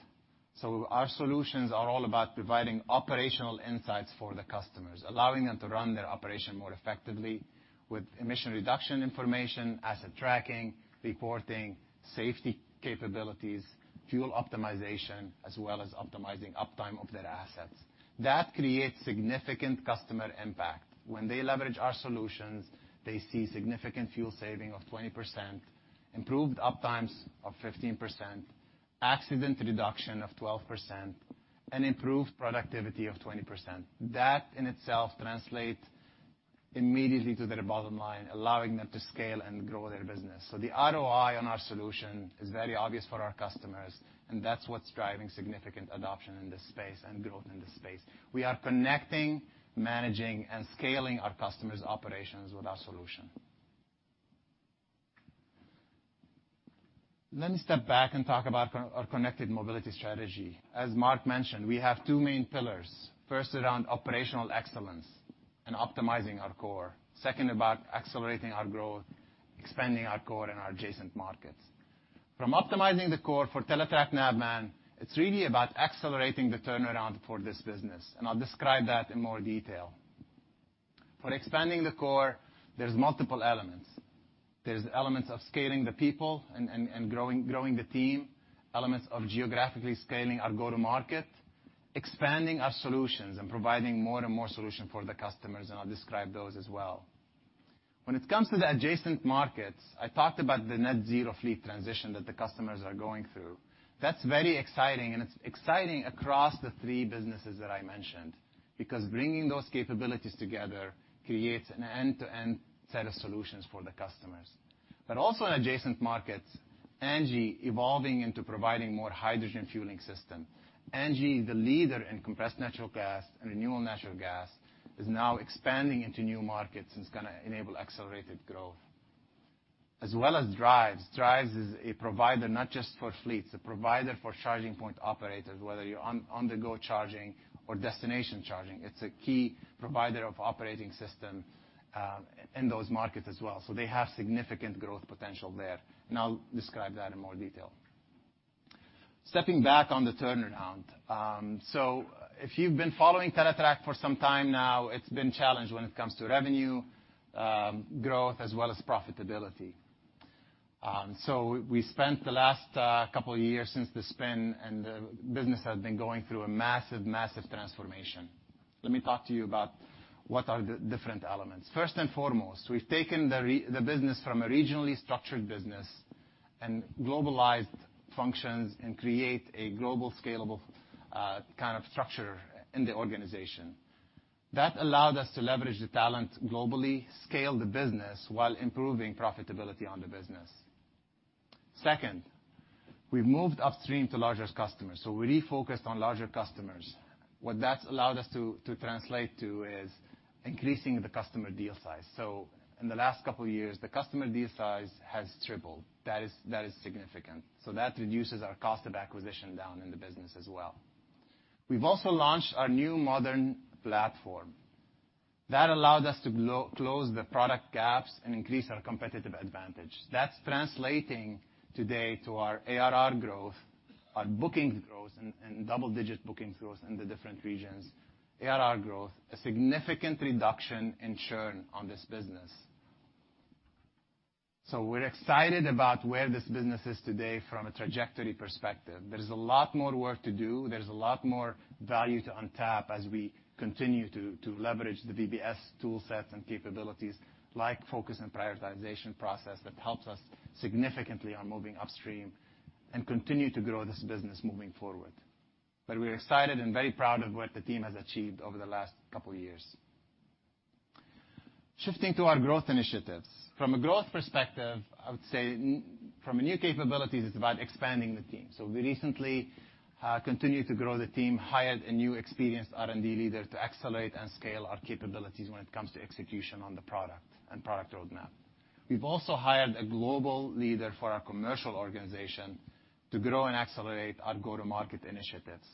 [SPEAKER 7] Our solutions are all about providing operational insights for the customers, allowing them to run their operation more effectively with emission reduction information, asset tracking, reporting, safety capabilities, fuel optimization, as well as optimizing uptime of their assets. That creates significant customer impact. When they leverage our solutions, they see significant fuel saving of 20%, improved uptimes of 15%, accident reduction of 12%, and improved productivity of 20%. That in itself translate immediately to their bottom line, allowing them to scale and grow their business. The ROI on our solution is very obvious for our customers, and that's what's driving significant adoption in this space and growth in this space. We are connecting, managing, and scaling our customers' operations with our solution. Let me step back and talk about our Vontier Connected Mobility Strategy. As Mark mentioned, we have two main pillars. First, around operational excellence and optimizing our core. Second, about accelerating our growth, expanding our core and our adjacent markets. From optimizing the core for Teletrac Navman, it's really about accelerating the turnaround for this business, and I'll describe that in more detail. For expanding the core, there's multiple elements. There's elements of scaling the people and growing the team, elements of geographically scaling our go-to-market, expanding our solutions and providing more and more solution for the customers, and I'll describe those as well. When it comes to the adjacent markets, I talked about the net zero fleet transition that the customers are going through. That's very exciting, and it's exciting across the three businesses that I mentioned, because bringing those capabilities together creates an end-to-end set of solutions for the customers. Also in adjacent markets, ANGI evolving into providing more hydrogen fueling system. ANGI, the leader in compressed natural gas and renewable natural gas, is now expanding into new markets, and it's gonna enable accelerated growth. Driivz. Driivz is a provider not just for fleets, a provider for charging point operators, whether you're on-the-go charging or destination charging. It's a key provider of operating system in those markets as well. They have significant growth potential there. I'll describe that in more detail. Stepping back on the turnaround. If you've been following Teletrac Navman for some time now, it's been challenged when it comes to revenue growth, as well as profitability. We spent the last 2 years since the spin, and the business has been going through a massive transformation. Let me talk to you about what are the different elements. First and foremost, we've taken the business from a regionally structured business and globalized functions and create a global scalable kind of structure in the organization. That allowed us to leverage the talent globally, scale the business while improving profitability on the business. Second, we've moved upstream to larger customers. We refocused on larger customers. What that's allowed us to translate to is increasing the customer deal size. In the last 2 years, the customer deal size has tripled. That is significant. That reduces our cost of acquisition down in the business as well. We've also launched our new modern platform. That allowed us to close the product gaps and increase our competitive advantage. That's translating today to our ARR growth, our bookings growth, and double-digit bookings growth in the different regions. ARR growth, a significant reduction in churn on this business. We're excited about where this business is today from a trajectory perspective. There is a lot more work to do. There's a lot more value to untap as we continue to leverage the VBS toolset and capabilities, like focus and prioritization process that helps us significantly on moving upstream and continue to grow this business moving forward. We're excited and very proud of what the team has achieved over the last couple of years. Shifting to our growth initiatives. From a growth perspective, I would say from a new capabilities, it's about expanding the team. We recently continued to grow the team, hired a new experienced R&D leader to accelerate and scale our capabilities when it comes to execution on the product and product roadmap. We've also hired a global leader for our commercial organization to grow and accelerate our go-to-market initiatives.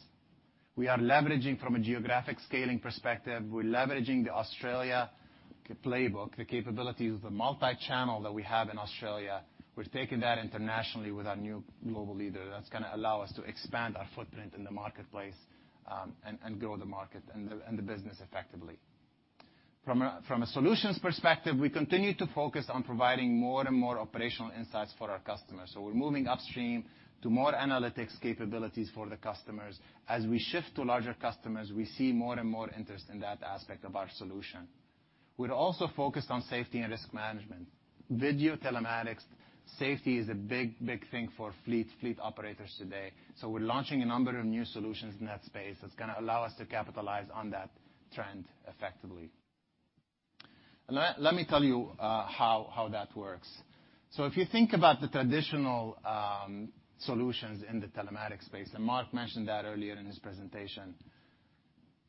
[SPEAKER 7] We are leveraging from a geographic scaling perspective, we're leveraging the Australia playbook, the capabilities of the multichannel that we have in Australia. We're taking that internationally with our new global leader. That's gonna allow us to expand our footprint in the marketplace, and grow the market and the business effectively. From a solutions perspective, we continue to focus on providing more and more operational insights for our customers. We're moving upstream to more analytics capabilities for the customers. As we shift to larger customers, we see more and more interest in that aspect of our solution. We're also focused on safety and risk management. Video telematics safety is a big thing for fleet operators today. We're launching a number of new solutions in that space that's gonna allow us to capitalize on that trend effectively. Let me tell you how that works. If you think about the traditional solutions in the telematics space, and Mark mentioned that earlier in his presentation.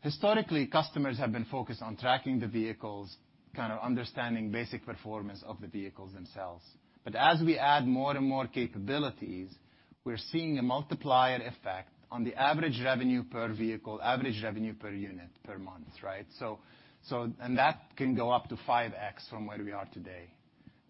[SPEAKER 7] Historically, customers have been focused on tracking the vehicles, kind of understanding basic performance of the vehicles themselves. As we add more and more capabilities, we're seeing a multiplier effect on the average revenue per vehicle, average revenue per unit per month, right? And that can go up to 5x from where we are today.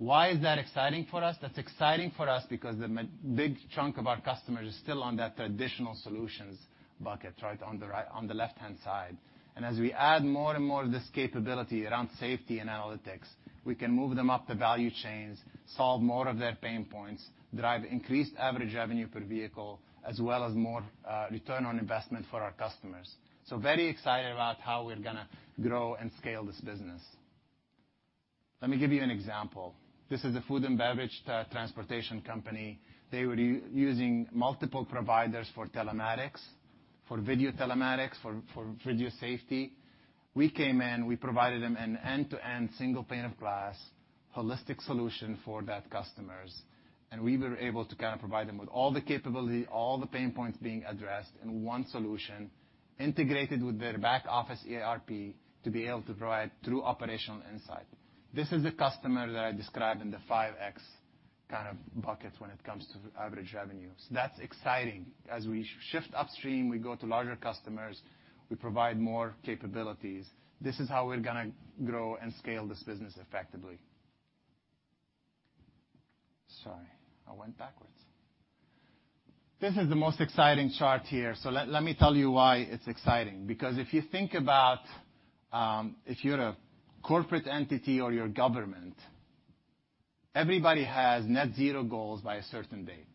[SPEAKER 7] Why is that exciting for us? That's exciting for us because the big chunk of our customers is still on that traditional solutions bucket, on the left-hand side. As we add more and more of this capability around safety and analytics, we can move them up the value chains, solve more of their pain points, drive increased average revenue per vehicle, as well as more return on investment for our customers. Very excited about how we're gonna grow and scale this business. Let me give you an example. This is a food and beverage transportation company. They were using multiple providers for telematics, for video telematics, for video safety. We came in, we provided them an end-to-end single pane of glass, holistic solution for that customers, and we were able to kind of provide them with all the capability, all the pain points being addressed in one solution integrated with their back-office ERP to be able to provide true operational insight. This is the customer that I described in the 5x kind of bucket when it comes to average revenue. That's exciting. As we shift upstream, we go to larger customers, we provide more capabilities. This is how we're gonna grow and scale this business effectively. I went backwards. This is the most exciting chart here. Let me tell you why it's exciting. If you think about, if you're a corporate entity or you're government. Everybody has net zero goals by a certain date.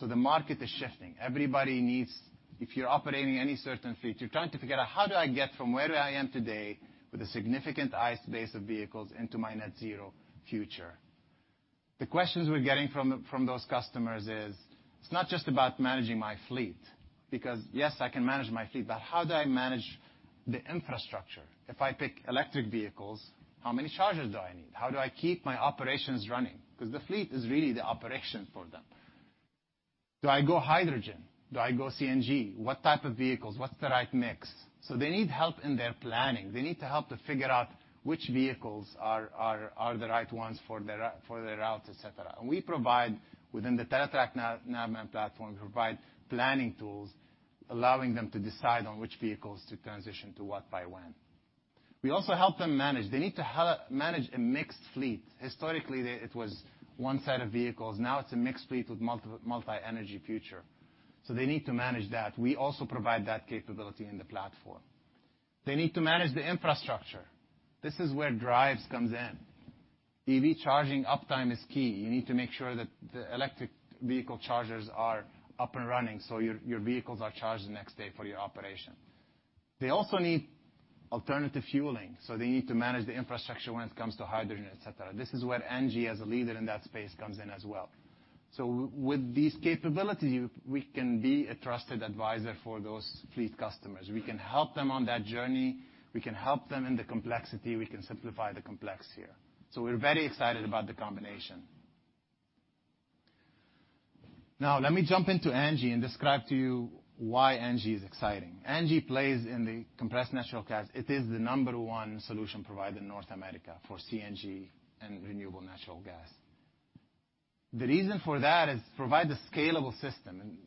[SPEAKER 7] The market is shifting. Everybody needs... If you're operating any certain fleet, you're trying to figure out how do I get from where I am today with a significant ICE base of vehicles into my net zero future? The questions we're getting from those customers is, it's not just about managing my fleet, because yes, I can manage my fleet, but how do I manage the infrastructure? If I pick electric vehicles, how many chargers do I need? How do I keep my operations running? Because the fleet is really the operation for them. Do I go hydrogen? Do I go CNG? What type of vehicles, what's the right mix? They need help in their planning. They need the help to figure out which vehicles are the right ones for their routes, et cetera. We provide within the Teletrac Navman platform, we provide planning tools, allowing them to decide on which vehicles to transition to what by when. We also help them manage. They need to manage a mixed fleet. Historically, it was one set of vehicles. Now it's a mixed fleet with multi-energy future. They need to manage that. We also provide that capability in the platform. They need to manage the infrastructure. This is where Driivz comes in. EV charging uptime is key. You need to make sure that the electric vehicle chargers are up and running, so your vehicles are charged the next day for your operation. They also need alternative fueling, so they need to manage the infrastructure when it comes to hydrogen, et cetera. This is where ANGI as a leader in that space comes in as well. With these capabilities, we can be a trusted advisor for those fleet customers. We can help them on that journey. We can help them in the complexity. We can simplify the complex here. We're very excited about the combination. Now, let me jump into ANGI and describe to you why ANGI is exciting. ANGI plays in the compressed natural gas. It is the number one solution provider in North America for CNG and renewable natural gas. The reason for that is provide a scalable system, and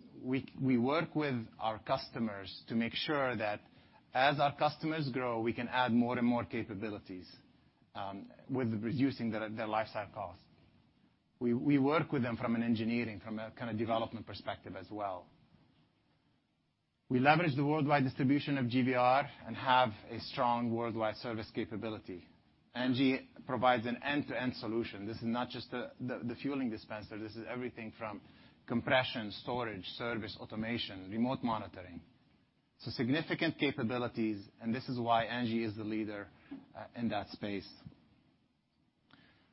[SPEAKER 7] we work with our customers to make sure that as our customers grow, we can add more and more capabilities with reducing their lifecycle costs. We work with them from an engineering, from a kind of development perspective as well. We leverage the worldwide distribution of GVR and have a strong worldwide service capability. ANGI provides an end-to-end solution. This is not just the fueling dispenser. This is everything from compression, storage, service, automation, remote monitoring. Significant capabilities, and this is why ANGI is the leader in that space.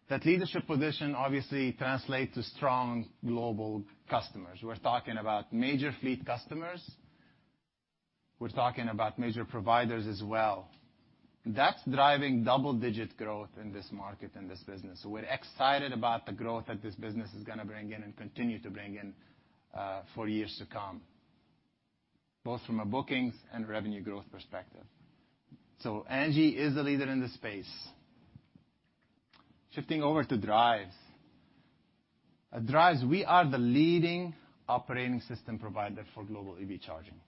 [SPEAKER 7] That leadership position obviously translates to strong global customers. We're talking about major fleet customers. We're talking about major providers as well. That's driving double-digit growth in this market, in this business. We're excited about the growth that this business is gonna bring in and continue to bring in for years to come, both from a bookings and revenue growth perspective. ANGI is the leader in this space. Shifting over to Driivz. At Driivz, we are the leading operating system provider for global EV charging.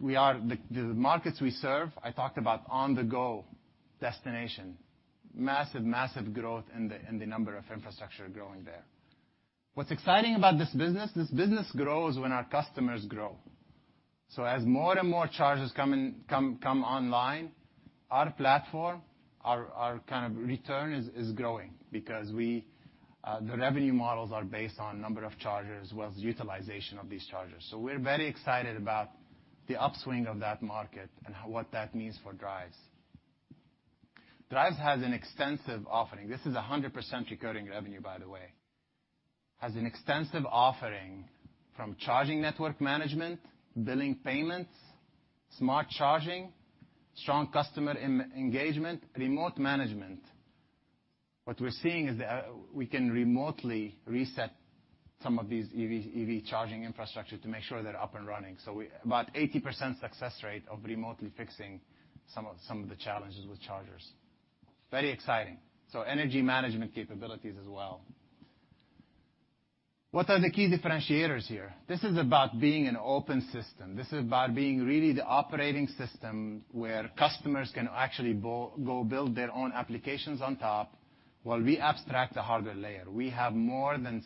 [SPEAKER 7] We are the markets we serve, I talked about on-the-go destination. Massive growth in the number of infrastructure growing there. What's exciting about this business, this business grows when our customers grow. As more and more chargers come online, our platform, our kind of return is growing because we the revenue models are based on number of chargers as well as utilization of these chargers. We're very excited about the upswing of that market and what that means for Driivz. Driivz has an extensive offering. This is a 100% recurring revenue, by the way. Has an extensive offering from charging network management, billing payments, smart charging, strong customer engagement, remote management. What we're seeing is we can remotely reset some of these EV charging infrastructure to make sure they're up and running. We about 80% success rate of remotely fixing some of the challenges with chargers. Very exciting. Energy management capabilities as well. What are the key differentiators here? This is about being an open system. This is about being really the operating system where customers can actually go build their own applications on top while we abstract the hardware layer. We have more than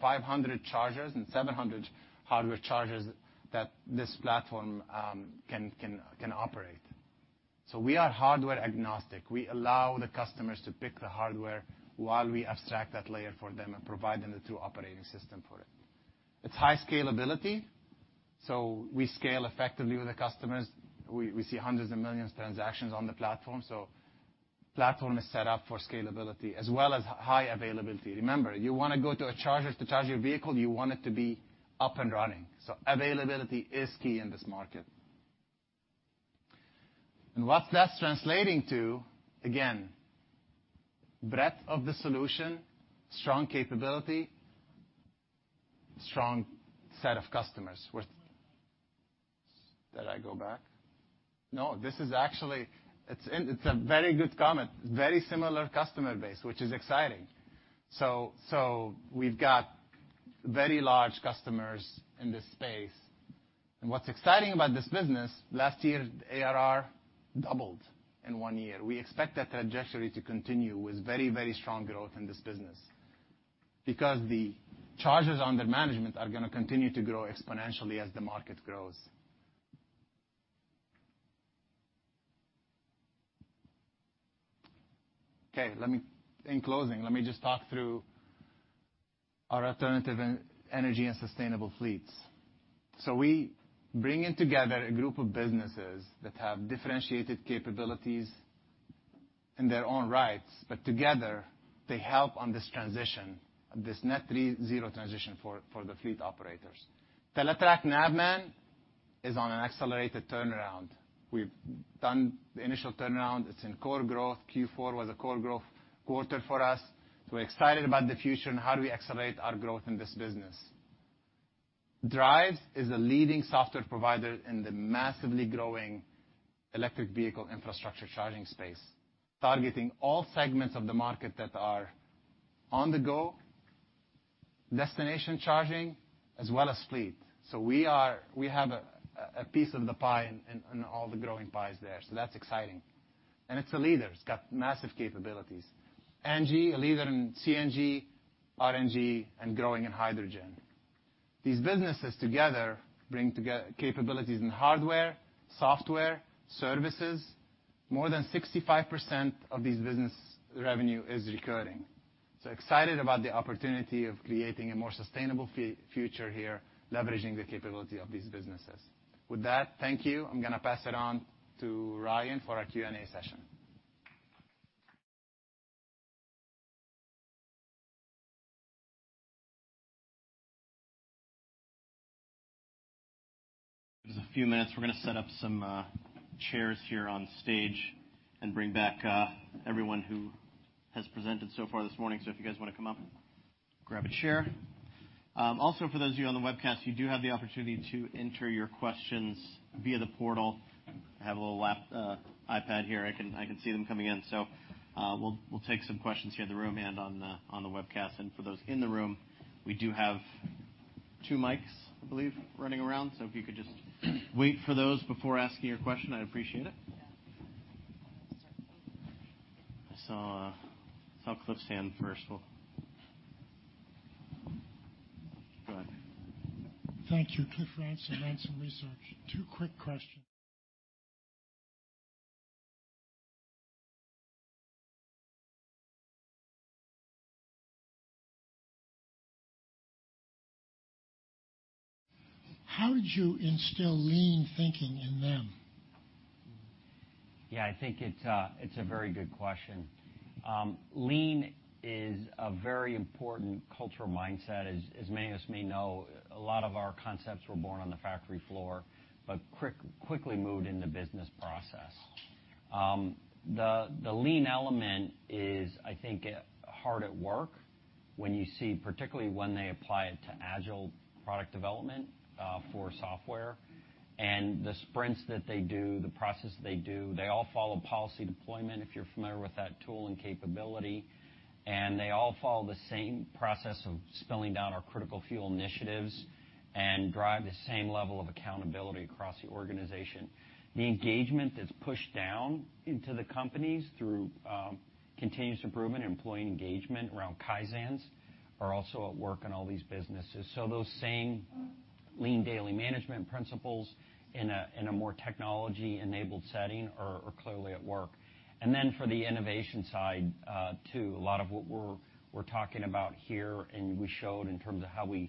[SPEAKER 7] 500 chargers and 700 hardware chargers that this platform can operate. We are hardware agnostic. We allow the customers to pick the hardware while we abstract that layer for them and provide them the 2 operating system for it. It's high scalability, we scale effectively with the customers. We see hundreds of millions transactions on the platform is set up for scalability as well as high availability. Remember, you wanna go to a charger to charge your vehicle, you want it to be up and running. Availability is key in this market. What that's translating to, again, breadth of the solution, strong capability, strong set of customers with... Did I go back? No, this is actually... It's a very good comment. Very similar customer base, which is exciting. So we've got very large customers in this space. What's exciting about this business, last year, ARR doubled in one year. We expect that trajectory to continue with very, very strong growth in this business because the chargers under management are gonna continue to grow exponentially as the market grows. Okay. In closing, let me just talk through our alternative energy and sustainable fleets. We bringing together a group of businesses that have differentiated capabilities in their own rights, but together they help on this transition, this net zero transition for the fleet operators. Teletrac Navman is on an accelerated turnaround. We've done the initial turnaround. It's in core growth. Q4 was a core growth quarter for us. We're excited about the future and how do we accelerate our growth in this business. Driivz is a leading software provider in the massively growing electric vehicle infrastructure charging space, targeting all segments of the market that are on the go, destination charging, as well as fleet. We have a piece of the pie in all the growing pies there. That's exciting. It's a leader. It's got massive capabilities. ANGI, a leader in CNG, RNG, and growing in hydrogen. These businesses together bring together capabilities in hardware, software, services. More than 65% of these business revenue is recurring. Excited about the opportunity of creating a more sustainable future here, leveraging the capability of these businesses. With that, thank you. I'm gonna pass it on to Ryan for our Q&A session.
[SPEAKER 8] Just a few minutes. We're gonna set up some chairs here on stage and bring back everyone who has presented so far this morning. If you guys wanna come up, grab a chair. Also for those of you on the webcast, you do have the opportunity to enter your questions via the portal. I have a little iPad here. I can see them coming in. We'll take some questions here in the room and on the webcast. For those in the room, we do have two mics, I believe, running around. If you could just wait for those before asking your question, I'd appreciate it. I saw Cliff's hand first. Well. Go ahead.
[SPEAKER 9] Thank you. Cliff Ransom Research. Two quick questions. How did you instill lean thinking in them?
[SPEAKER 3] I think it's a very good question. Lean is a very important cultural mindset. As many of us may know, a lot of our concepts were born on the factory floor, but quickly moved in the business process. The lean element is, I think, hard at work when you see, particularly when they apply it to agile product development for software, and the sprints that they do, the process they do, they all follow policy deployment, if you're familiar with that tool and capability. They all follow the same process of spelling down our critical fuel initiatives and drive the same level of accountability across the organization. The engagement that's pushed down into the companies through continuous improvement, employee engagement around Kaizens are also at work in all these businesses. Those same lean daily management principles in a more technology-enabled setting are clearly at work. For the innovation side, too, a lot of what we're talking about here, and we showed in terms of how we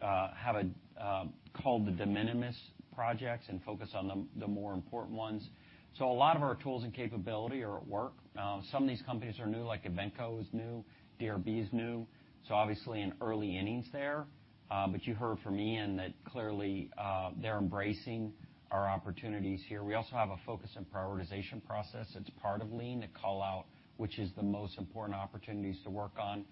[SPEAKER 3] have called the de minimis projects and focus on the more important ones. A lot of our tools and capability are at work. Some of these companies are new, like Invenco is new, DRB is new. Obviously in early innings there. You heard from Ian that clearly they're embracing our opportunities here. We also have a focus on prioritization process. It's part of lean to call out which is the most important opportunities to work on.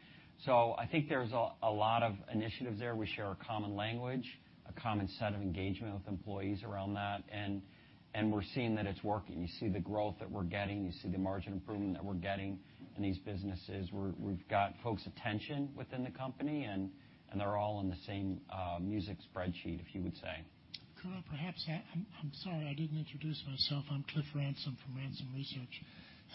[SPEAKER 3] I think there's a lot of initiatives there. We share a common language, a common set of engagement with employees around that, and we're seeing that it's working. You see the growth that we're getting, you see the margin improvement that we're getting in these businesses. We've got folks' attention within the company, and they're all on the same music spreadsheet, if you would say.
[SPEAKER 9] Could I perhaps. I'm sorry, I didn't introduce myself. I'm Cliff Ransom from Ransom Research.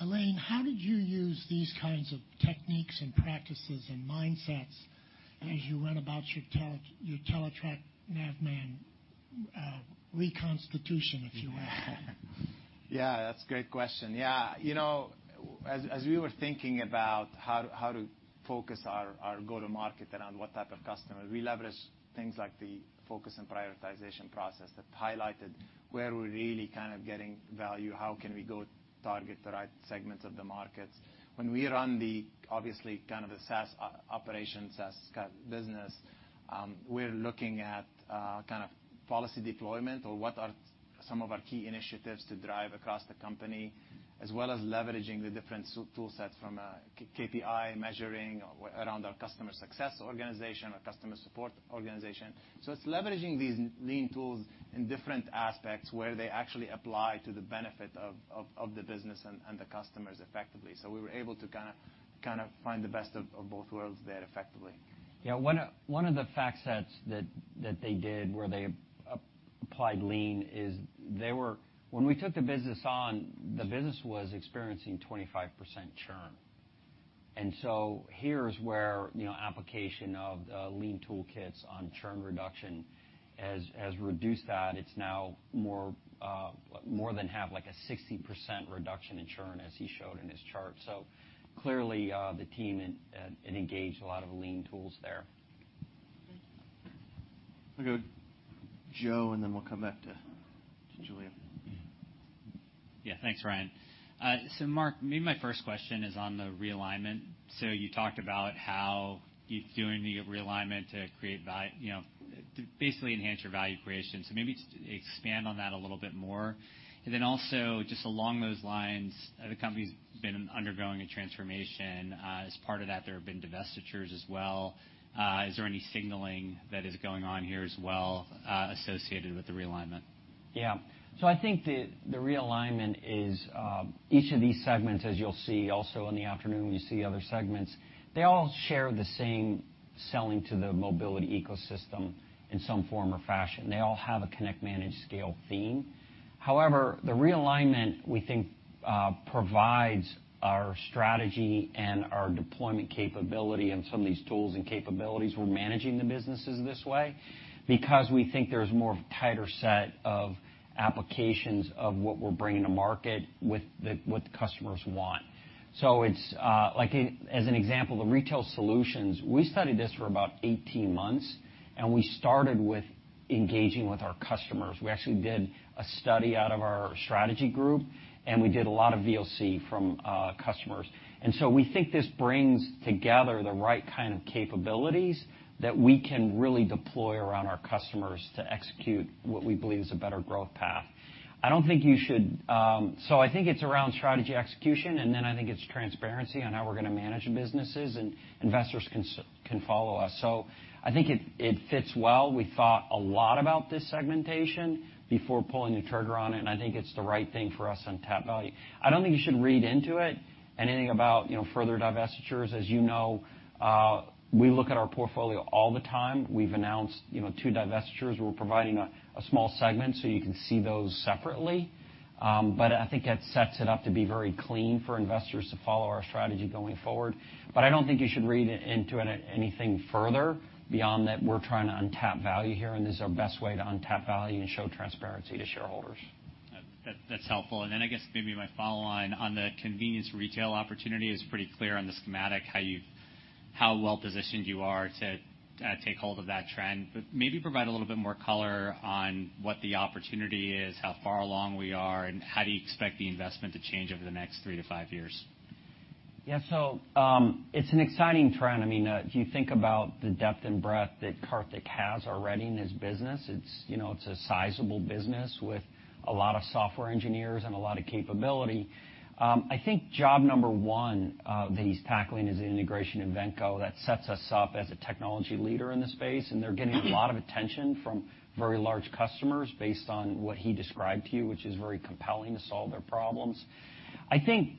[SPEAKER 9] Alain, how did you use these kinds of techniques and practices and mindsets as you went about your Teletrac Navman, reconstitution, if you will?
[SPEAKER 7] Yeah, that's a great question. You know, as we were thinking about how to focus our go-to-market and on what type of customer, we leverage things like the focus and prioritization process that highlighted where we're really kind of getting value, how can we go target the right segments of the markets. When we run the, obviously, kind of the SaaS operations, SaaS kind of business, we're looking at kind of policy deployment or what are some of our key initiatives to drive across the company, as well as leveraging the different tool sets from KPI measuring around our customer success organization, our customer support organization. It's leveraging these lean tools in different aspects where they actually apply to the benefit of the business and the customers effectively. We were able to kinda find the best of both worlds there effectively.
[SPEAKER 3] Yeah. One of the fact sets that they did where they applied lean is when we took the business on, the business was experiencing 25% churn. Here's where, you know, application of lean toolkits on churn reduction has reduced that. It's now more, more than half, like a 60% reduction in churn, as he showed in his chart. Clearly, the team engaged a lot of lean tools there.
[SPEAKER 8] We'll go Joe, and then we'll come back to Julian.
[SPEAKER 10] Yeah. Thanks, Ryan. Mark, maybe my first question is on the realignment. You talked about how you're doing the realignment to create you know, to basically enhance your value creation. Maybe just expand on that a little bit more. Also just along those lines, the company's been undergoing a transformation. Is there any signaling that is going on here as well, associated with the realignment?
[SPEAKER 3] I think the realignment is, each of these segments, as you'll see also in the afternoon when you see other segments, they all share the same selling to the mobility ecosystem in some form or fashion. They all have a connect, manage, scale theme. However, the realignment, we think, provides our strategy and our deployment capability and some of these tools and capabilities, we're managing the businesses this way because we think there's more tighter set of applications of what we're bringing to market with what the customers want. It's, like, as an example, the retail solutions, we studied this for about 18 months, and we started with engaging with our customers. We actually did a study out of our strategy group, and we did a lot of VOC from customers. We think this brings together the right kind of capabilities that we can really deploy around our customers to execute what we believe is a better growth path. I don't think you should. I think it's around strategy execution. I think it's transparency on how we're gonna manage businesses and investors can follow us. I think it fits well. We thought a lot about this segmentation before pulling the trigger on it. I think it's the right thing for us on tap value. I don't think you should read into it anything about, you know, further divestitures. As you know, we look at our portfolio all the time. We've announced, you know, 2 divestitures. We're providing a small segment. You can see those separately. I think it sets it up to be very clean for investors to follow our strategy going forward. I don't think you should read into anything further beyond that we're trying to untap value here, and this is our best way to untap value and show transparency to shareholders.
[SPEAKER 10] That's helpful. Then I guess maybe my follow on the convenience retail opportunity is pretty clear on the schematic, how well positioned you are to take hold of that trend. Maybe provide a little bit more color on what the opportunity is, how far along we are, and how do you expect the investment to change over the next three to five years?
[SPEAKER 3] It's an exciting trend. I mean, if you think about the depth and breadth that Karthik has already in his business, it's, you know, it's a sizable business with a lot of software engineers and a lot of capability. I think job number one that he's tackling is the integration of Invenco. That sets us up as a technology leader in the space, and they're getting a lot of attention from very large customers based on what he described to you, which is very compelling to solve their problems. I think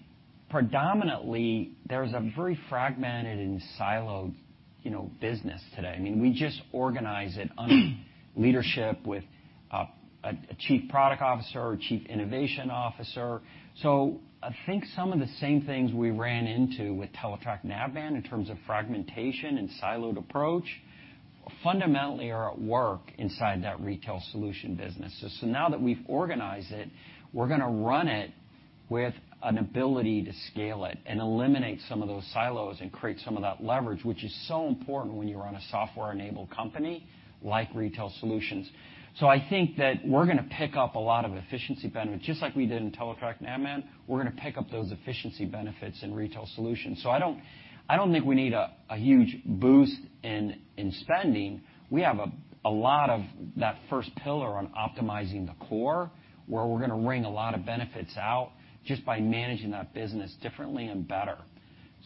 [SPEAKER 3] predominantly, there's a very fragmented and siloed, you know, business today. I mean, we just organize it under leadership with a chief product officer or chief innovation officer. I think some of the same things we ran into with Teletrac Navman in terms of fragmentation and siloed approach fundamentally are at work inside that retail solution business. Now that we're gonna run it with an ability to scale it and eliminate some of those silos and create some of that leverage, which is so important when you run a software-enabled company like Retail Solutions. I think that we're gonna pick up a lot of efficiency benefits, just like we did in Teletrac Navman, we're gonna pick up those efficiency benefits in Retail Solutions. I don't think we need a huge boost in spending. We have a lot of that first pillar on optimizing the core, where we're gonna wring a lot of benefits out just by managing that business differently and better.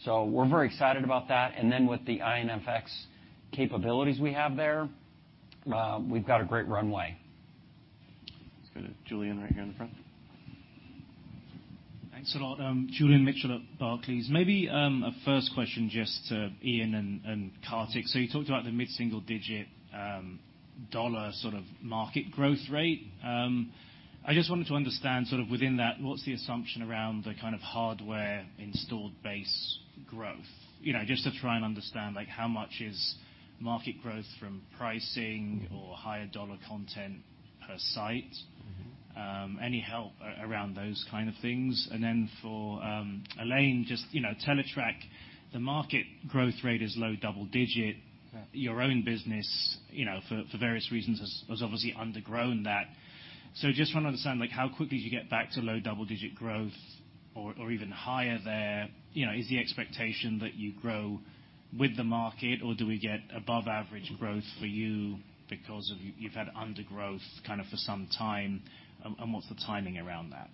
[SPEAKER 3] We're very excited about that. With the iNFX capabilities we have there, we've got a great runway.
[SPEAKER 8] Let's go to Julian right here in the front.
[SPEAKER 11] Thanks a lot. Julian Mitchell at Barclays. Maybe, a first question just to Ian and Karthik. You talked about the mid-single digit dollar sort of market growth rate. I just wanted to understand sort of within that, what's the assumption around the kind of hardware installed base growth? You know, just to try and understand, like how much is market growth from pricing or higher dollar content per site? Any help around those kind of things? Then for Alain, just, you know, Teletrac, the market growth rate is low double digit. Your own business, you know, for various reasons, has obviously undergrown that. Just want to understand, like how quickly do you get back to low double-digit growth or even higher there? You know, is the expectation that you grow with the market, or do we get above average growth for you because of you've had undergrowth kind of for some time? What's the timing around that?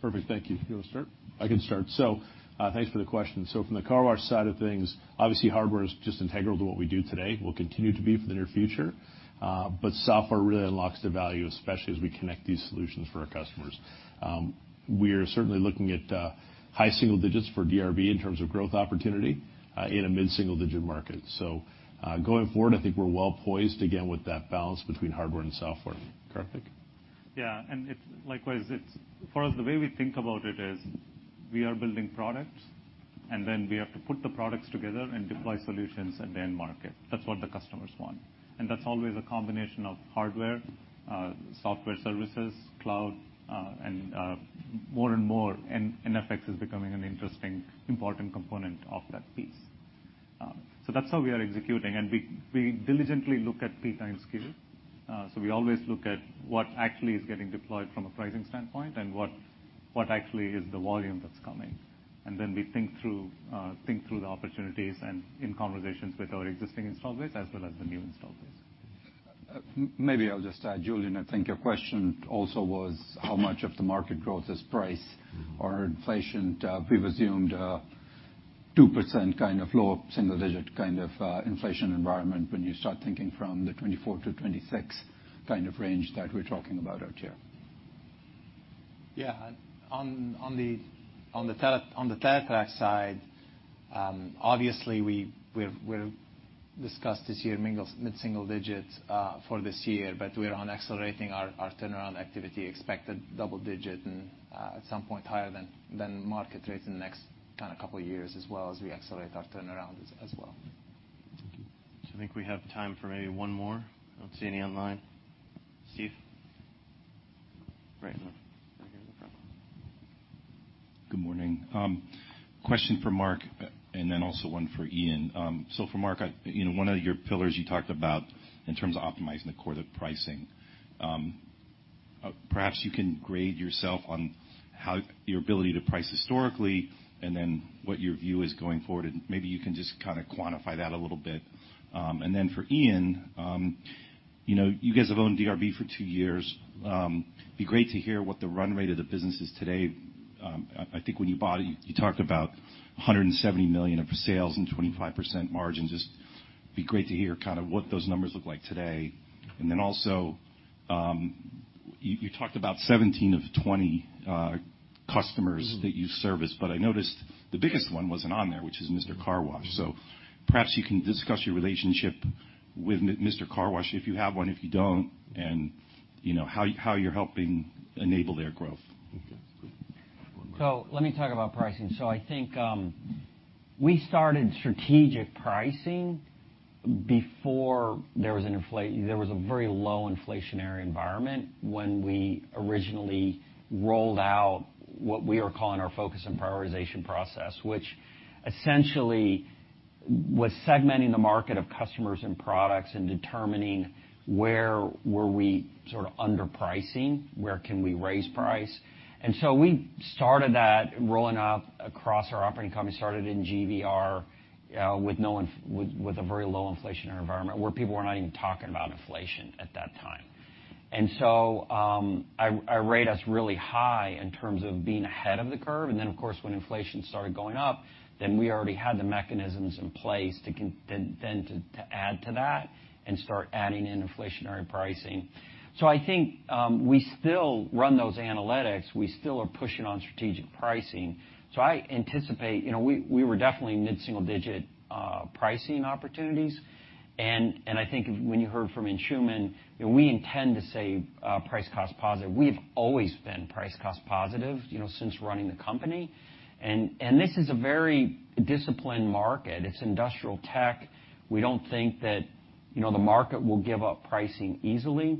[SPEAKER 10] Perfect. Thank you. You wanna start?
[SPEAKER 8] I can start. Thanks for the question. From the car wash side of things, obviously, hardware is just integral to what we do today, will continue to be for the near future. Software really unlocks the value, especially as we connect these solutions for our customers. We are certainly looking at high single digits for DRB in terms of growth opportunity in a mid-single digit market. Going forward, I think we're well-poised again with that balance between hardware and software. Karthik?
[SPEAKER 6] Yeah, it's likewise, it's for us, the way we think about it is we are building products, and then we have to put the products together and deploy solutions and then market. That's what the customers want. That's always a combination of hardware, software services, cloud, and more and more iNFX is becoming an interesting, important component of that piece. That's how we are executing, and we diligently look at lead time scale. We always look at what actually is getting deployed from a pricing standpoint and what actually is the volume that's coming. Then we think through the opportunities and in conversations with our existing install base as well as the new install base.
[SPEAKER 12] Maybe I'll just add, Julian, I think your question also was how much of the market growth is price or inflation. We've assumed, 2% low single digit inflation environment when you start thinking from the 2024-2026 kind of range that we're talking about out here.
[SPEAKER 3] On the Teletrac side, obviously we've discussed this year mid-single digits for this year, but we are on accelerating our turnaround activity, expect a double digit and at some point higher than market rates in the next kind of couple of years as well as we accelerate our turnaround as well.
[SPEAKER 12] Thank you.
[SPEAKER 1] I think we have time for maybe one more. I don't see any online. Steve? Right here in the front.
[SPEAKER 13] Good morning. Question for Mark and then also one for Ian. For Mark, I, you know, one of your pillars you talked about in terms of optimizing the core, the pricing, perhaps you can grade yourself on how your ability to price historically and then what your view is going forward, and maybe you can just kinda quantify that a little bit. Then for Ian, you know, you guys have owned DRB for two years. It'd be great to hear what the run rate of the business is today. I think when you bought it, you talked about $170 million of sales and 25% margins. Just be great to hear kind of what those numbers look like today. Then also, you talked about 17 of 20 customers that you service, but I noticed the biggest one wasn't on there, which is Mister Car Wash. Perhaps you can discuss your relationship with Mister Car Wash, if you have one, if you don't, and you know, how you're helping enable their growth.
[SPEAKER 6] Okay. Good.
[SPEAKER 3] Let me talk about pricing. I think, we started strategic pricing before there was a very low inflationary environment when we originally rolled out what we are calling our focus and prioritization process, which essentially was segmenting the market of customers and products and determining where were we sort of underpricing, where can we raise price. We started that rolling out across our operating company, started in GVR, with a very low inflationary environment where people were not even talking about inflation at that time. I rate us really high in terms of being ahead of the curve. Of course, when inflation started going up, then we already had the mechanisms in place to add to that and start adding in inflationary pricing. I think, we still run those analytics. We still are pushing on strategic pricing. I anticipate. You know, we were definitely mid-single digit pricing opportunities. I think when you heard from Anshuman, you know, we intend to stay price cost positive. We've always been price cost positive, you know, since running the company. This is a very disciplined market. It's industrial tech. We don't think that, you know, the market will give up pricing easily.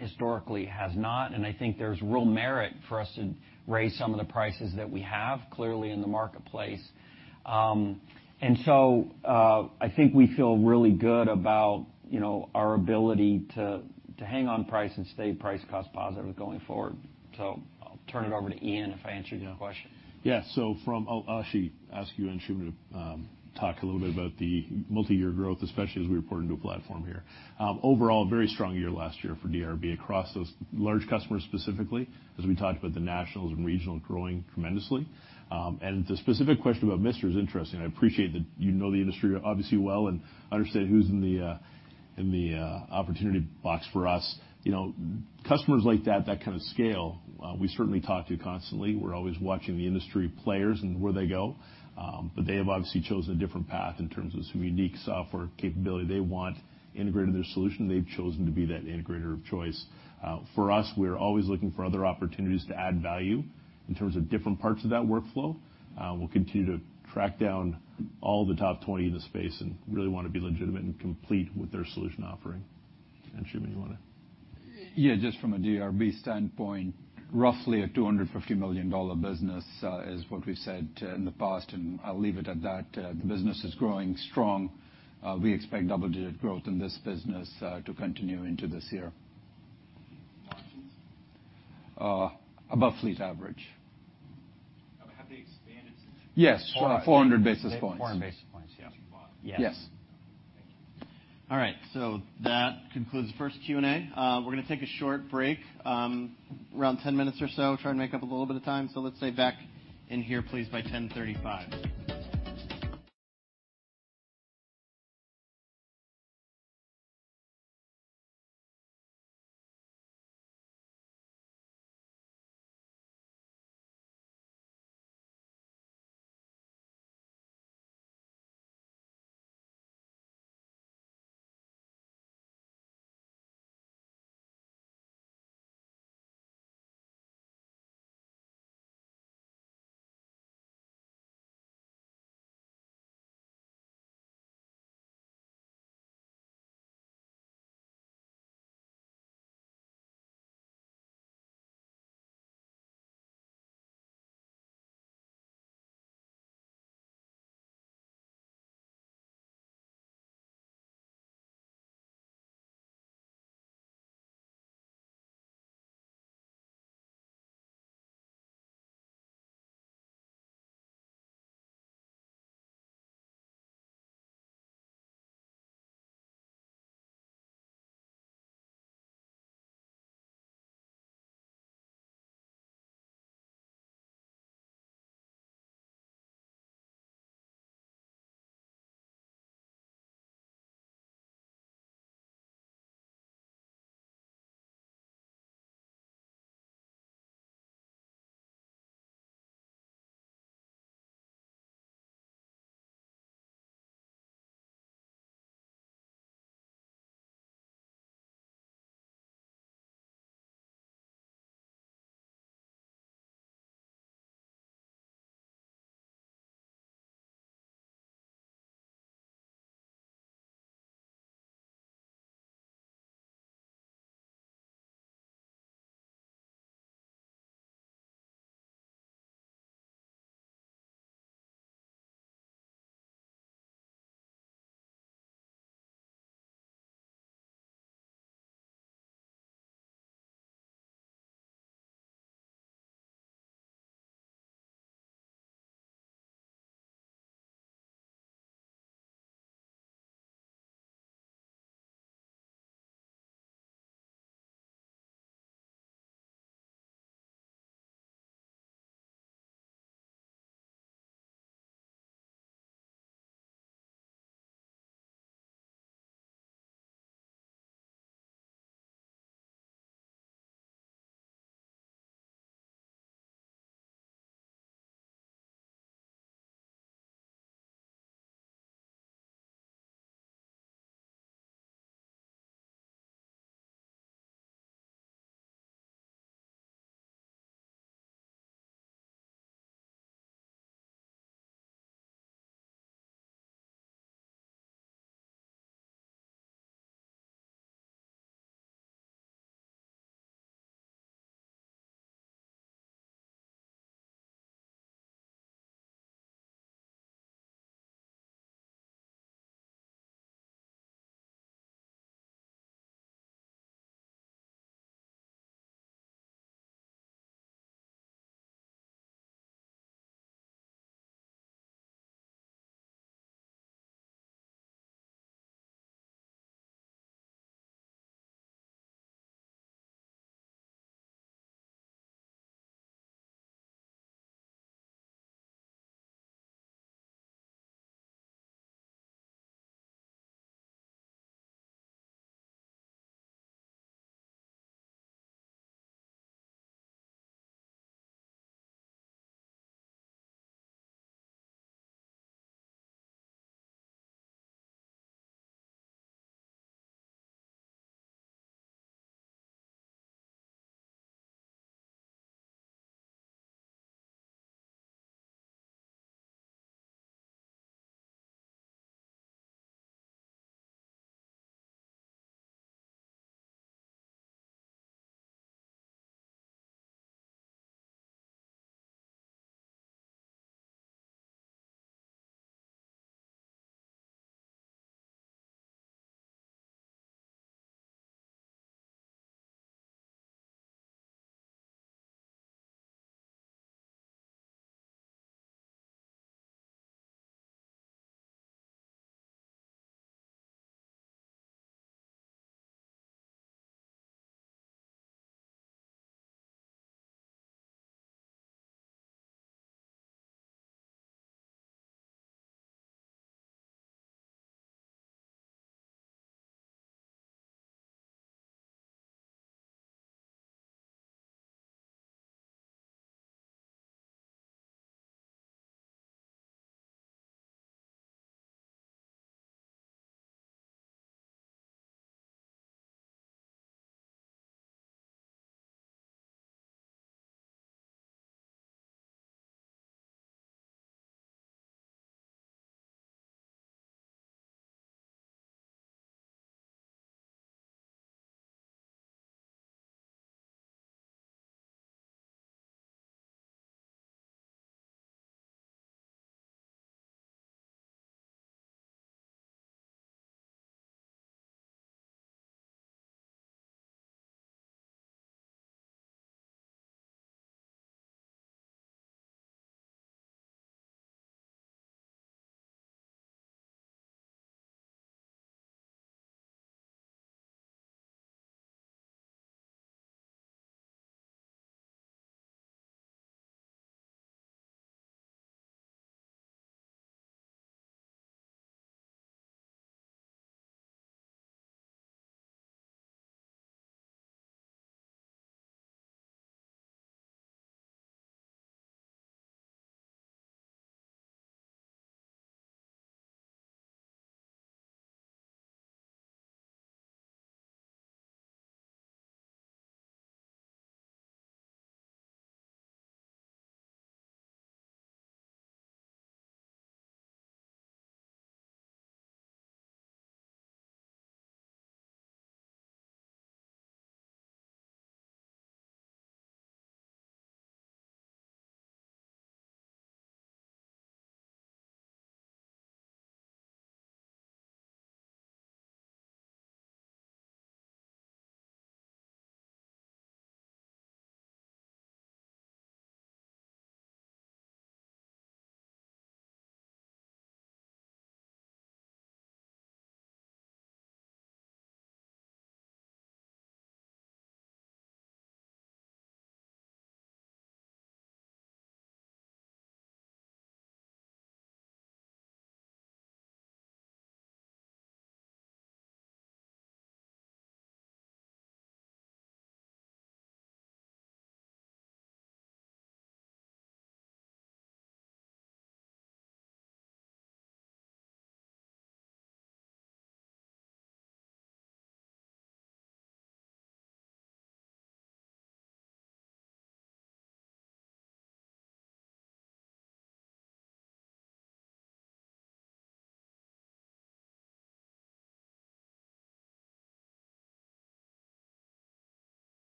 [SPEAKER 3] Historically, it has not. I think there's real merit for us to raise some of the prices that we have clearly in the marketplace. I think we feel really good about, you know, our ability to hang on price and stay price cost positive going forward. I'll turn it over to Ian if I answered your question.
[SPEAKER 12] Yeah. From... I'll actually ask you, Anshuman, to talk a little bit about the multi-year growth, especially as we report into a platform here. Overall, a very strong year last year for DRB across those large customers, specifically as we talked about the nationals and regional growing tremendously. The specific question about Mister is interesting. I appreciate that you know the industry obviously well and understand who's in the in the opportunity box for us. You know, customers like that kind of scale, we certainly talk to constantly. We're always watching the industry players and where they go. They have obviously chosen a different path in terms of some unique software capability they want integrated their solution. They've chosen to be that integrator of choice. For us, we're always looking for other opportunities to add value in terms of different parts of that workflow. We'll continue to track down all the top 20 in the space and really wanna be legitimate and complete with their solution offering. Anshuman, you wanna? Yeah, just from a DRB standpoint, roughly a $250 million business is what we've said in the past, and I'll leave it at that. The business is growing strong. We expect double-digit growth in this business to continue into this year.
[SPEAKER 13] Margins?
[SPEAKER 12] above fleet average.
[SPEAKER 13] Have they expanded since-
[SPEAKER 12] Yes. 400 basis points.
[SPEAKER 3] 400 basis points, yeah.
[SPEAKER 6] Since you bought it.
[SPEAKER 3] Yes.
[SPEAKER 12] Yes.
[SPEAKER 13] Thank you.
[SPEAKER 1] All right, that concludes the first Q&A. We're going to take a short break, around 10 minutes or so. Try to make up a little bit of time. Let's say back in here, please, by 10:35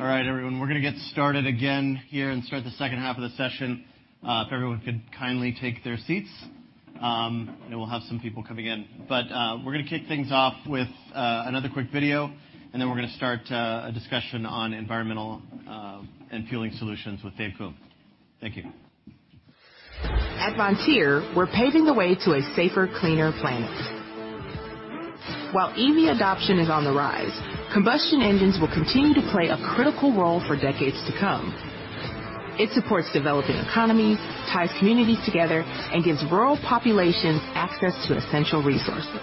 [SPEAKER 1] A.M. All right, everyone, we're going to get started again here and start the second half of the session. If everyone could kindly take their seats, I know we'll have some people coming in. We're going to kick things off with another quick video, and then we're going to start a discussion on environmental and fueling solutions with Dave Coombe. Thank you.
[SPEAKER 4] At Vontier, we're paving the way to a safer, cleaner planet. While EV adoption is on the rise, combustion engines will continue to play a critical role for decades to come. It supports developing economies, ties communities together, and gives rural populations access to essential resources.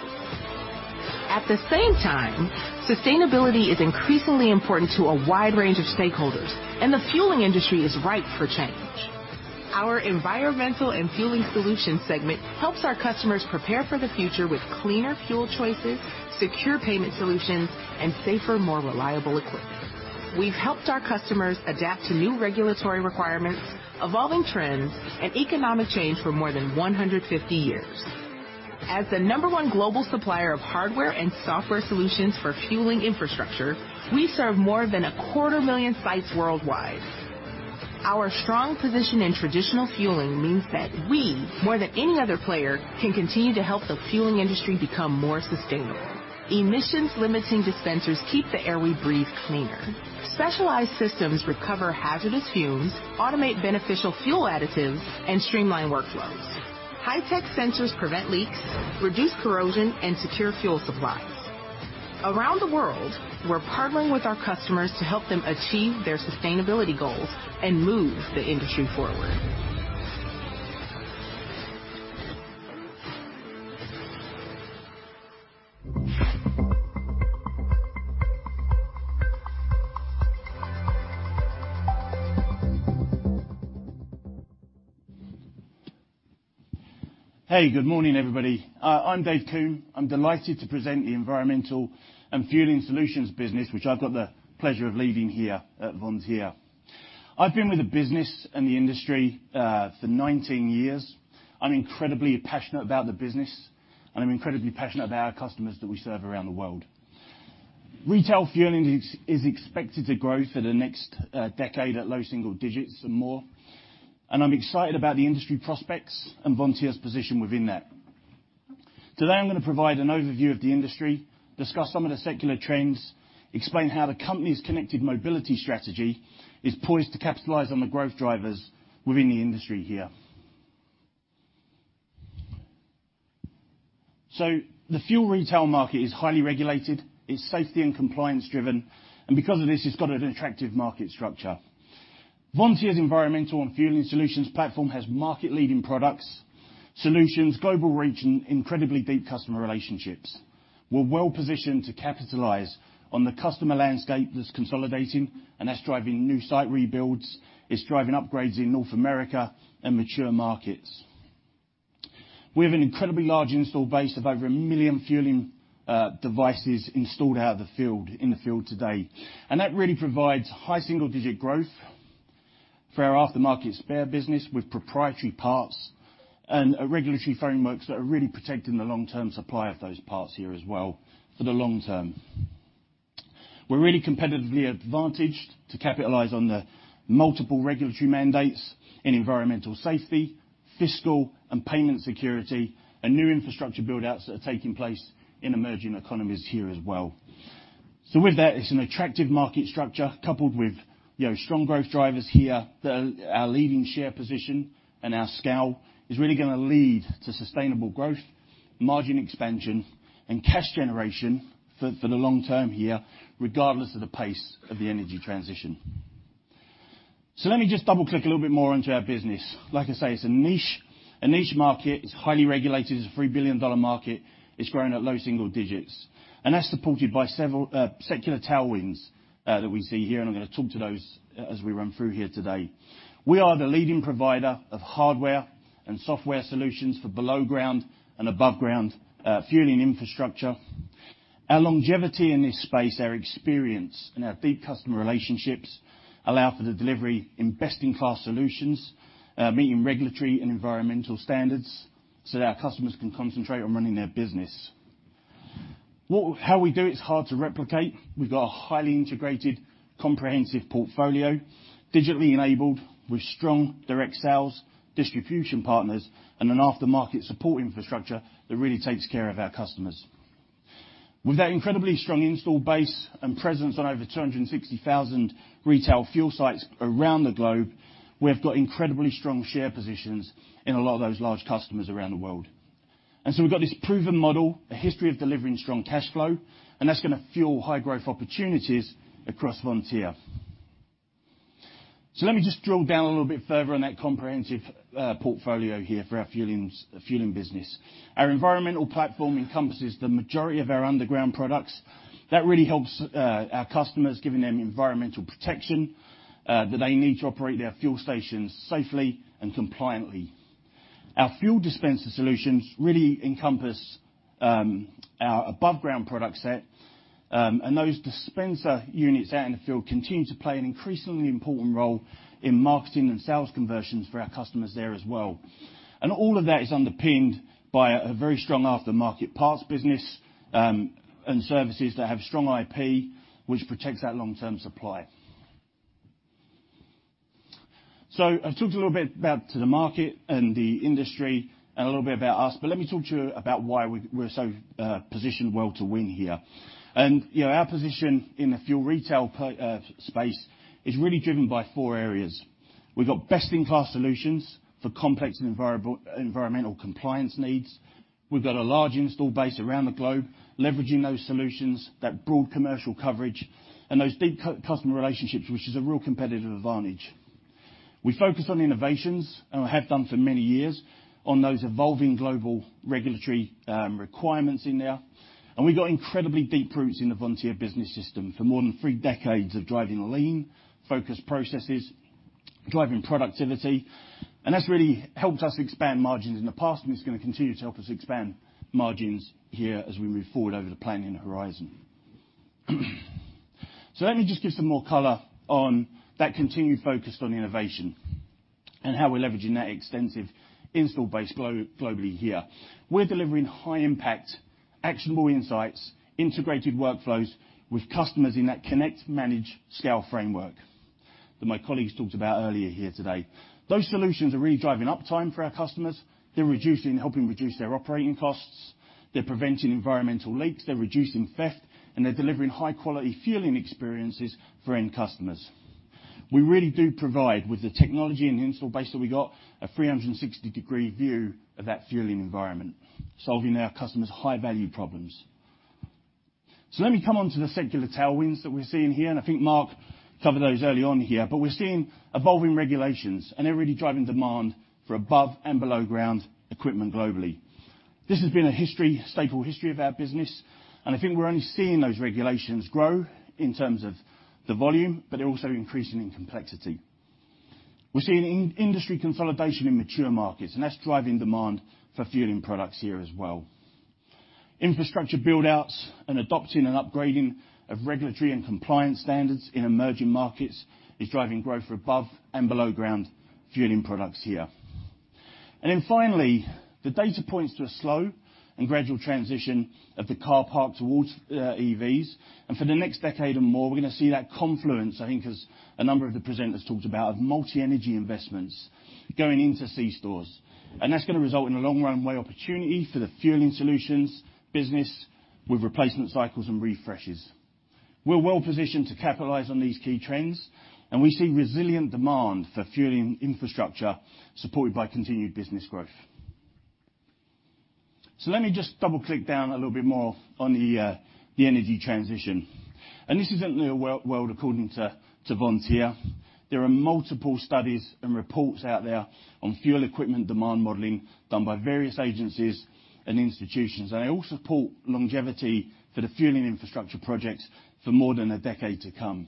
[SPEAKER 4] At the same time, sustainability is increasingly important to a wide range of stakeholders, and the fueling industry is ripe for change. Our Environmental and Fueling Solutions segment helps our customers prepare for the future with cleaner fuel choices, secure payment solutions, and safer, more reliable equipment. We've helped our customers adapt to new regulatory requirements, evolving trends, and economic change for more than 150 years. As the number one global supplier of hardware and software solutions for fueling infrastructure, we serve more than a quarter million sites worldwide. Our strong position in traditional fueling means that we, more than any other player, can continue to help the fueling industry become more sustainable. Emissions limiting dispensers keep the air we breathe cleaner. Specialized systems recover hazardous fumes, automate beneficial fuel additives, and streamline workflows. High-tech sensors prevent leaks, reduce corrosion, and secure fuel supplies. Around the world, we're partnering with our customers to help them achieve their sustainability goals and move the industry forward.
[SPEAKER 14] Hey, good morning, everybody. I'm Dave Coombe. I'm delighted to present the Environmental and Fueling Solutions business, which I've got the pleasure of leading here at Vontier. I've been with the business and the industry for 19 years. I'm incredibly passionate about the business, and I'm incredibly passionate about our customers that we serve around the world. Retail fueling is expected to grow for the next decade at low single digits or more, and I'm excited about the industry prospects and Vontier's position within that. Today I'm gonna provide an overview of the industry, discuss some of the secular trends, explain how the company's connected mobility strategy is poised to capitalize on the growth drivers within the industry here. The fuel retail market is highly regulated. It's safety and compliance-driven, and because of this, it's got an attractive market structure. Vontier's Environmental and Fueling Solutions platform has market-leading products, solutions, global reach, and incredibly deep customer relationships. We're well-positioned to capitalize on the customer landscape that's consolidating and that's driving new site rebuilds, it's driving upgrades in North America and mature markets. We have an incredibly large install base of over 1 million fueling devices installed out of the field, in the field today, and that really provides high single-digit growth for our aftermarket spare business with proprietary parts and regulatory frameworks that are really protecting the long-term supply of those parts here as well for the long term. We're really competitively advantaged to capitalize on the multiple regulatory mandates in environmental safety, fiscal and payment security, and new infrastructure build-outs that are taking place in emerging economies here as well. With that, it's an attractive market structure coupled with, you know, strong growth drivers here. Our leading share position and our scale is really gonna lead to sustainable growth, margin expansion, and cash generation for the long term here, regardless of the pace of the energy transition. Let me just double-click a little bit more onto our business. Like I say, it's a niche market. It's highly regulated. It's a $3 billion market. It's growing at low single digits, and that's supported by several secular tailwinds that we see here, and I'm gonna talk to those as we run through here today. We are the leading provider of hardware and software solutions for below-ground and above-ground fueling infrastructure. Our longevity in this space, our experience, and our deep customer relationships allow for the delivery in best-in-class solutions meeting regulatory and environmental standards so that our customers can concentrate on running their business. What... How we do it is hard to replicate. We've got a highly integrated comprehensive portfolio, digitally enabled with strong direct sales, distribution partners, and an aftermarket support infrastructure that really takes care of our customers. With that incredibly strong install base and presence on over 260,000 retail fuel sites around the globe, we've got incredibly strong share positions in a lot of those large customers around the world. We've got this proven model, a history of delivering strong cash flow, and that's gonna fuel high growth opportunities across Vontier. Let me just drill down a little bit further on that comprehensive portfolio here for our fueling business. Our environmental platform encompasses the majority of our underground products. That really helps our customers, giving them environmental protection that they need to operate their fuel stations safely and compliantly. Our fuel dispenser solutions really encompass our above ground product set, and those dispenser units out in the field continue to play an increasingly important role in marketing and sales conversions for our customers there as well. All of that is underpinned by a very strong aftermarket parts business, and services that have strong IP, which protects that long-term supply. I've talked a little bit about the market and the industry and a little bit about us, but let me talk to you about why we're so positioned well to win here. You know, our position in the fuel retail space is really driven by four areas. We've got best-in-class solutions for complex environmental compliance needs. We've got a large install base around the globe, leveraging those solutions, that broad commercial coverage and those deep customer relationships, which is a real competitive advantage. We focus on innovations, and we have done for many years, on those evolving global regulatory requirements in there, and we've got incredibly deep roots in the Vontier Business System for more than three decades of driving lean, focused processes, driving productivity, and that's really helped us expand margins in the past, and it's gonna continue to help us expand margins here as we move forward over the planning horizon. Let me just give some more color on that continued focus on innovation and how we're leveraging that extensive install base globally here. We're delivering high impact, actionable insights, integrated workflows with customers in that connect, manage, scale framework that my colleagues talked about earlier here today. Those solutions are really driving uptime for our customers. They're helping reduce their operating costs. They're preventing environmental leaks, they're reducing theft, and they're delivering high-quality fueling experiences for end customers. We really do provide, with the technology and install base that we got, a 360-degree view of that fueling environment, solving our customers' high-value problems. Let me come on to the secular tailwinds that we're seeing here, and I think Mark covered those early on here. We're seeing evolving regulations, and they're really driving demand for above and below ground equipment globally. This has been a staple history of our business, and I think we're only seeing those regulations grow in terms of the volume, but they're also increasing in complexity. We're seeing in-industry consolidation in mature markets, and that's driving demand for fueling products here as well. Infrastructure build-outs and adopting and upgrading of regulatory and compliance standards in emerging markets is driving growth for above and below ground fueling products here. Finally, the data points to a slow and gradual transition of the car park towards EVs. For the next decade or more, we're gonna see that confluence, I think, as a number of the presenters talked about of multi-energy investments going into c-stores. That's gonna result in a long runway opportunity for the fueling solutions business with replacement cycles and refreshes. We're well-positioned to capitalize on these key trends, and we see resilient demand for fueling infrastructure, supported by continued business growth. Let me just double-click down a little bit more on the energy transition. This isn't the world according to Vontier. There are multiple studies and reports out there on fuel equipment demand modeling done by various agencies and institutions. They all support longevity for the fueling infrastructure projects for more than 1 decade to come.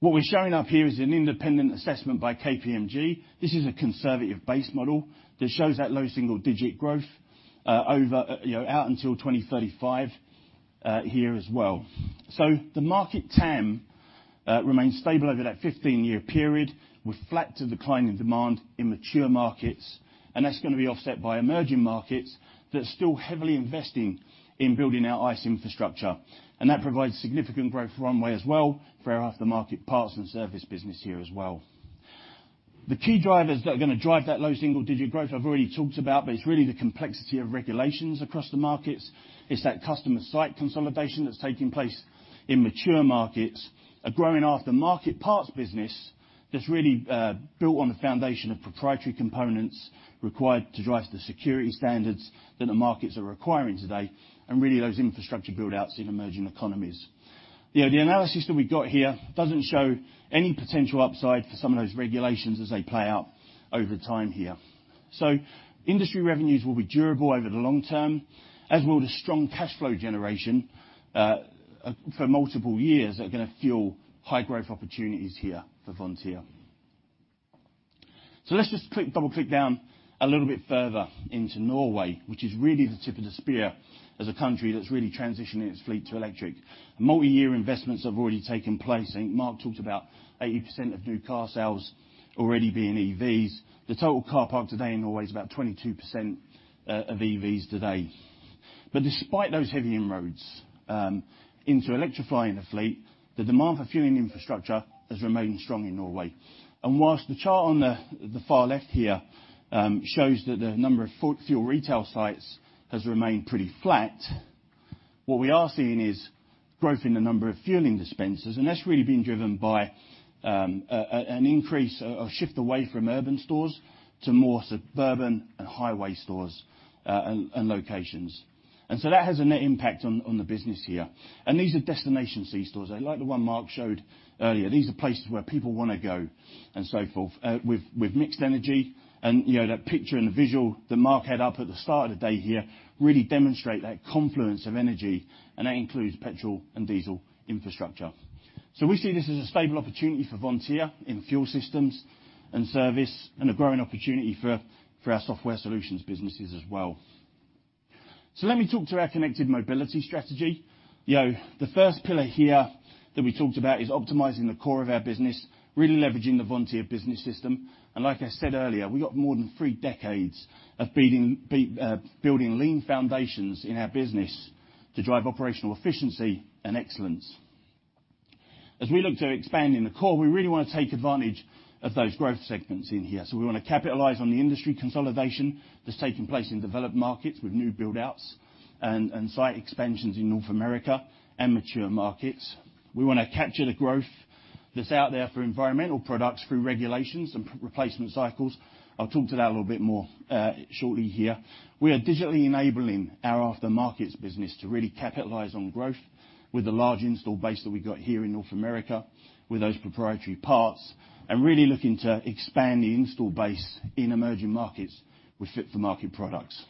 [SPEAKER 14] What we're showing up here is an independent assessment by KPMG. This is a conservative base model that shows that low single-digit growth, you know, out until 2035 here as well. The market TAM remains stable over that 15-year period, with flat to declining demand in mature markets, and that's gonna be offset by emerging markets that are still heavily investing in building our ICE infrastructure. That provides significant growth runway as well for our aftermarket parts and service business here as well. The key drivers that are gonna drive that low single-digit growth I've already talked about, but it's really the complexity of regulations across the markets. It's that customer site consolidation that's taking place in mature markets, a growing aftermarket parts business that's really built on the foundation of proprietary components required to drive the security standards that the markets are requiring today, and really those infrastructure build-outs in emerging economies. You know, the analysis that we've got here doesn't show any potential upside for some of those regulations as they play out over time here. Industry revenues will be durable over the long term, as will the strong cash flow generation for multiple years are gonna fuel high growth opportunities here for Vontier. Let's just double-click down a little bit further into Norway, which is really the tip of the spear as a country that's really transitioning its fleet to electric. Multi-year investments have already taken place. I think Mark talked about 80% of new car sales already being EVs. The total car park today in Norway is about 22% of EVs today. Despite those heavy inroads into electrifying the fleet, the demand for fueling infrastructure has remained strong in Norway. Whilst the chart on the far left here shows that the number of fuel retail sites has remained pretty flat, what we are seeing is growth in the number of fueling dispensers, and that's really been driven by an increase, a shift away from urban stores to more suburban and highway stores, and locations. That has a net impact on the business here. These are destination C-stores. They're like the one Mark showed earlier. These are places where people want to go and so forth, with mixed energy and, you know, that picture and the visual that Mark had up at the start of the day here really demonstrate that confluence of energy, that includes petrol and diesel infrastructure. We see this as a stable opportunity for Vontier in fuel systems and service and a growing opportunity for our software solutions businesses as well. Let me talk to our Connected Mobility Strategy. You know, the first pillar here that we talked about is optimizing the core of our business, really leveraging the Vontier Business System. Like I said earlier, we got more than three decades of building lean foundations in our business to drive operational efficiency and excellence. As we look to expanding the core, we really wanna take advantage of those growth segments in here. We wanna capitalize on the industry consolidation that's taking place in developed markets with new build-outs and site expansions in North America and mature markets. We wanna capture the growth that's out there for environmental products through regulations and replacement cycles. I'll talk to that a little bit more, shortly here. We are digitally enabling our aftermarkets business to really capitalize on growth with the large install base that we got here in North America with those proprietary parts and really looking to expand the install base in emerging markets with fit-for-market products.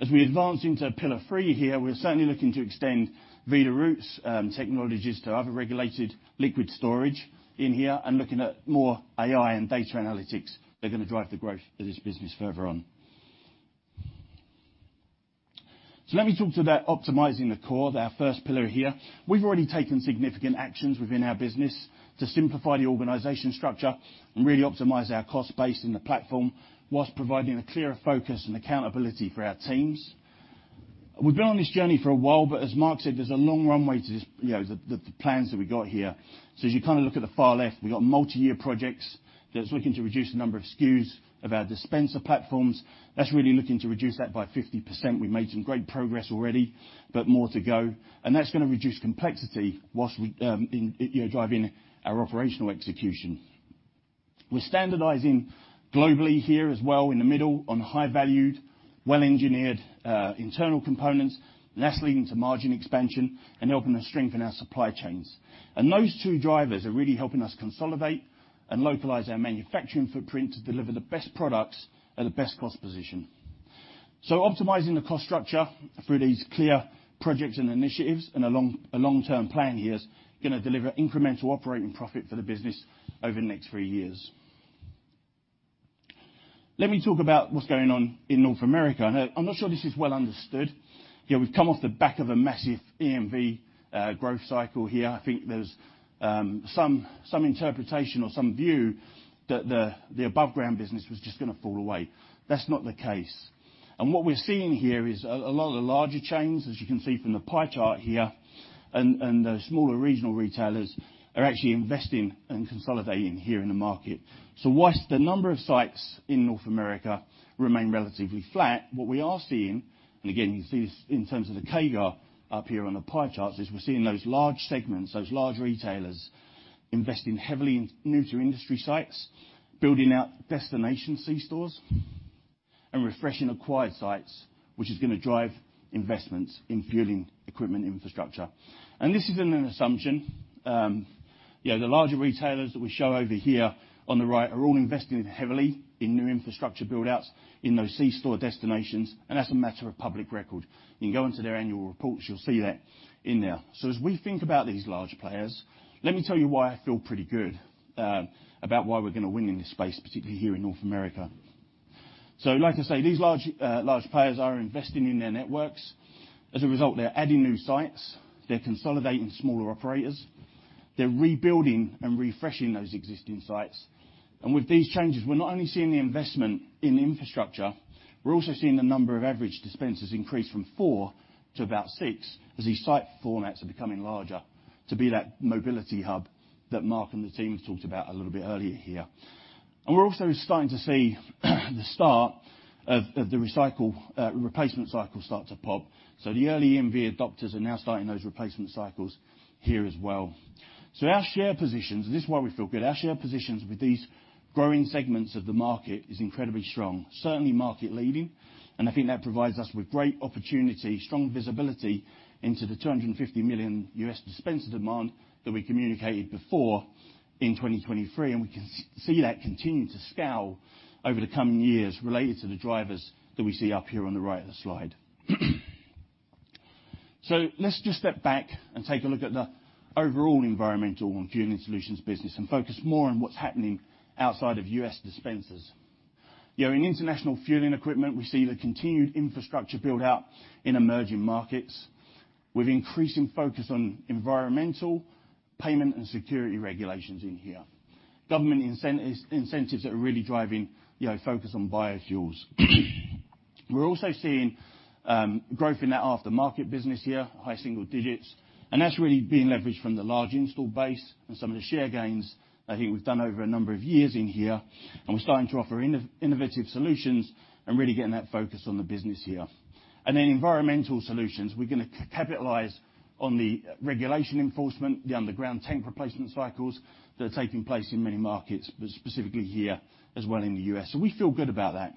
[SPEAKER 14] As we advance into pillar 3 here, we're certainly looking to extend Veeder-Root's technologies to other regulated liquid storage in here and looking at more AI and data analytics that are gonna drive the growth of this business further on. Let me talk to that optimizing the core, our 1st pillar here. We've already taken significant actions within our business to simplify the organization structure and really optimize our cost base in the platform whilst providing a clearer focus and accountability for our teams. We've been on this journey for a while, but as Mark said, there's a long runway to this, you know, the plans that we got here. As you kind of look at the far left, we've got multi-year projects that's looking to reduce the number of SKUs of our dispenser platforms. That's really looking to reduce that by 50%. We made some great progress already, more to go. That's gonna reduce complexity whilst we, you know, driving our operational execution. We're standardizing globally here as well in the middle on high-valued, well-engineered internal components, that's leading to margin expansion and helping us strengthen our supply chains. Those two drivers are really helping us consolidate and localize our manufacturing footprint to deliver the best products at the best cost position. Optimizing the cost structure through these clear projects and initiatives and a long-term plan here is gonna deliver incremental operating profit for the business over the next three years. Let me talk about what's going on in North America. I'm not sure this is well understood. You know, we've come off the back of a massive EMV growth cycle here. I think there's some interpretation or some view that the above-ground business was just gonna fall away. That's not the case. What we're seeing here is a lot of the larger chains, as you can see from the pie chart here, and the smaller regional retailers are actually investing and consolidating here in the market. Whilst the number of sites in North America remain relatively flat, what we are seeing, and again, you can see this in terms of the CAGR up here on the pie chart, is we're seeing those large segments, those large retailers investing heavily in new-to-industry sites, building out destination C-stores, and refreshing acquired sites, which is gonna drive investments in fueling equipment infrastructure. This isn't an assumption. You know, the larger retailers that we show over here on the right are all investing heavily in new infrastructure build-outs in those C-store destinations, and that's a matter of public record. You can go into their annual reports, you'll see that in there. As we think about these larger players, let me tell you why I feel pretty good about why we're gonna win in this space, particularly here in North America. Like I say, these large players are investing in their networks. As a result, they're adding new sites. They're consolidating smaller operators. They're rebuilding and refreshing those existing sites. With these changes, we're not only seeing the investment in infrastructure, we're also seeing the number of average dispensers increase from 4 to about 6 as these site formats are becoming larger to be that mobility hub that Mark and the team talked about a little bit earlier here. We're also starting to see the start of the recycle replacement cycle start to pop. The early EMV adopters are now starting those replacement cycles here as well. Our share positions, and this is why we feel good, our share positions with these growing segments of the market is incredibly strong, certainly market leading, and I think that provides us with great opportunity, strong visibility into the $250 million U.S. dispenser demand that we communicated before in 2023, and we can see that continue to scale over the coming years related to the drivers that we see up here on the right of the slide. Let's just step back and take a look at the overall Environmental and Fueling Solutions business and focus more on what's happening outside of U.S. dispensers. You know, in international fueling equipment, we see the continued infrastructure build-out in emerging markets with increasing focus on environmental, payment, and security regulations in here. Government incentives that are really driving, you know, focus on biofuels. We're also seeing growth in that aftermarket business here, high single digits, and that's really being leveraged from the large install base and some of the share gains I think we've done over a number of years in here, and we're starting to offer innovative solutions and really getting that focus on the business here. Environmental solutions, we're gonna capitalize on the regulation enforcement, the underground tank replacement cycles that are taking place in many markets, but specifically here as well in the U.S. We feel good about that.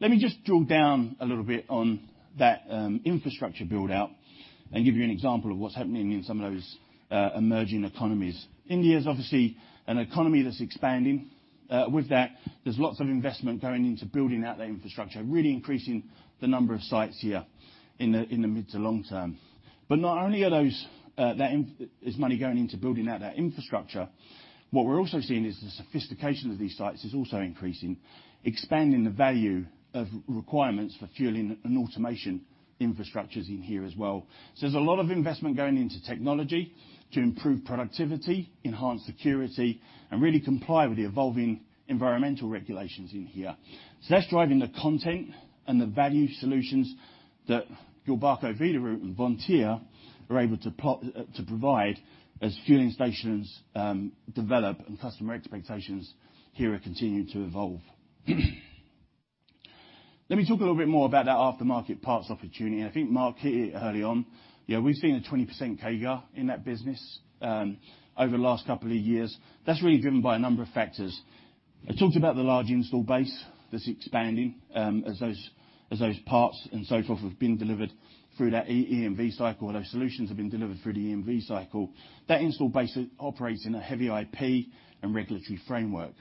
[SPEAKER 14] Let me just drill down a little bit on that infrastructure build-out and give you an example of what's happening in some of those emerging economies. India is obviously an economy that's expanding. With that, there's lots of investment going into building out their infrastructure, really increasing the number of sites here in the mid to long term. Not only are those, there's money going into building out that infrastructure, what we're also seeing is the sophistication of these sites is also increasing, expanding the value of requirements for fueling and automation infrastructures in here as well. There's a lot of investment going into technology to improve productivity, enhance security, and really comply with the evolving environmental regulations in here. That's driving the content and the value solutions that Gilbarco Veeder-Root and Vontier are able to provide as fueling stations develop and customer expectations here are continuing to evolve. Let me talk a little bit more about that after-market parts opportunity, and I think Mark hit it early on. You know, we've seen a 20% CAGR in that business over the last couple of years. That's really driven by a number of factors. I talked about the large install base that's expanding, as those parts and so forth have been delivered through that EMV cycle, or those solutions have been delivered through the EMV cycle. That install base operates in a heavy IP and regulatory framework.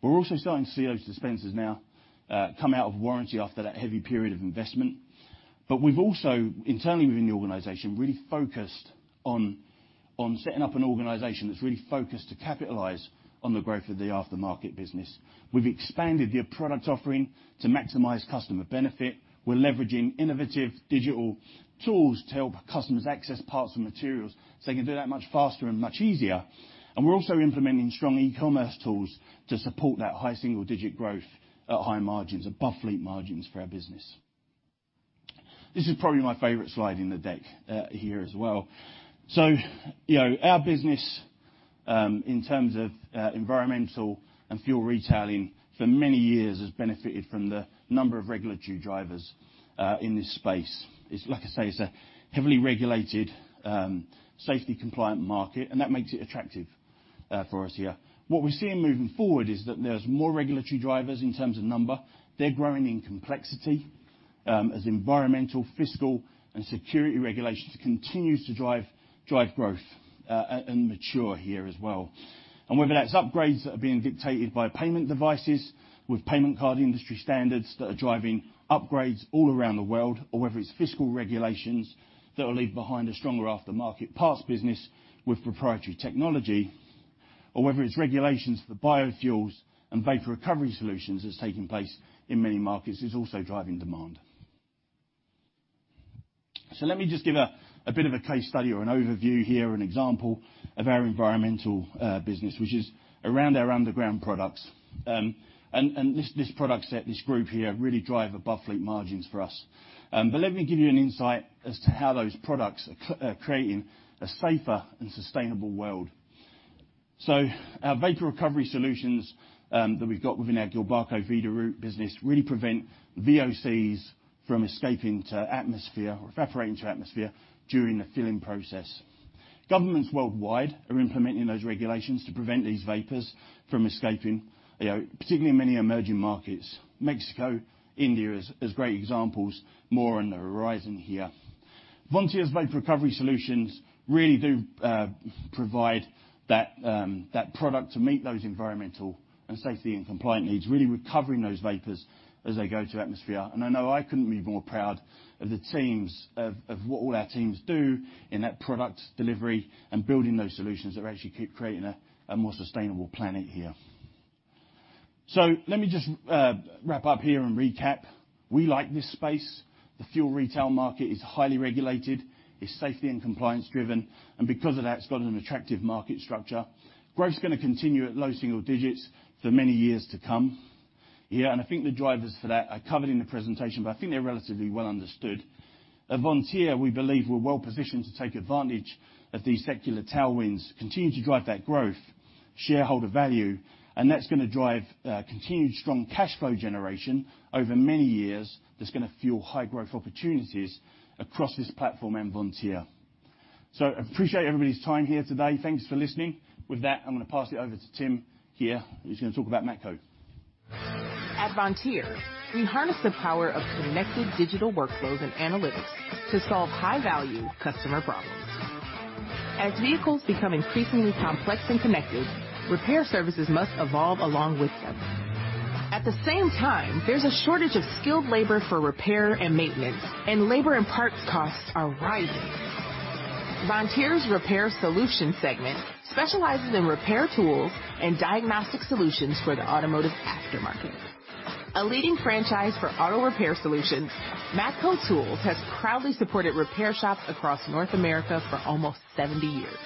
[SPEAKER 14] We're also starting to see those dispensers now come out of warranty after that heavy period of investment. We've also, internally within the organization, really focused on setting up an organization that's really focused to capitalize on the growth of the after-market business. We've expanded the product offering to maximize customer benefit. We're leveraging innovative digital tools to help customers access parts and materials, so they can do that much faster and much easier. We're also implementing strong e-commerce tools to support that high single-digit growth at high margins, above fleet margins for our business. This is probably my favorite slide in the deck here as well. You know, our business in terms of environmental and fuel retailing for many years has benefited from the number of regulatory drivers in this space. It's like I say, it's a heavily regulated, safety compliant market, and that makes it attractive. For us here. What we're seeing moving forward is that there's more regulatory drivers in terms of number. They're growing in complexity, as environmental, fiscal, and security regulations continues to drive growth and mature here as well. Whether that's upgrades that are being dictated by payment devices with Payment Card Industry standards that are driving upgrades all around the world, or whether it's fiscal regulations that will leave behind a stronger aftermarket parts business with proprietary technology, or whether it's regulations for biofuels and vapor recovery solutions that's taking place in many markets is also driving demand. Let me just give a bit of a case study or an overview here, an example of our environmental business, which is around our underground products. This product set, this group here really drive above-fleet margins for us. Let me give you an insight as to how those products are creating a safer and sustainable world. Our vapor recovery solutions that we've got within our Gilbarco Veeder-Root business really prevent VOCs from escaping to atmosphere or evaporating to atmosphere during the filling process. Governments worldwide are implementing those regulations to prevent these vapors from escaping, you know, particularly in many emerging markets. Mexico, India as great examples. More on the horizon here. Vontier's vapor recovery solutions really do provide that product to meet those environmental and safety and compliance needs, really recovering those vapors as they go to atmosphere. I know I couldn't be more proud of the teams of what all our teams do in that product delivery and building those solutions that actually keep creating a more sustainable planet here. Let me just wrap up here and recap. We like this space. The fuel retail market is highly regulated. It's safety and compliance driven, and because of that, it's got an attractive market structure. Growth's gonna continue at low single digits for many years to come. Yeah, and I think the drivers for that are covered in the presentation, but I think they're relatively well understood. At Vontier, we believe we're well-positioned to take advantage of these secular tailwinds, continue to drive that growth, shareholder value, and that's gonna drive continued strong cash flow generation over many years that's gonna fuel high growth opportunities across this platform and Vontier. I appreciate everybody's time here today. Thanks for listening. With that, I'm gonna pass it over to Tim here, who's gonna talk about Matco.
[SPEAKER 4] At Vontier, we harness the power of connected digital workflows and analytics to solve high-value customer problems. As vehicles become increasingly complex and connected, repair services must evolve along with them. At the same time, there's a shortage of skilled labor for repair and maintenance, and labor and parts costs are rising. Vontier's repair solution segment specializes in repair tools and diagnostic solutions for the automotive aftermarket. A leading franchise for auto repair solutions, Matco Tools has proudly supported repair shops across North America for almost 70 years.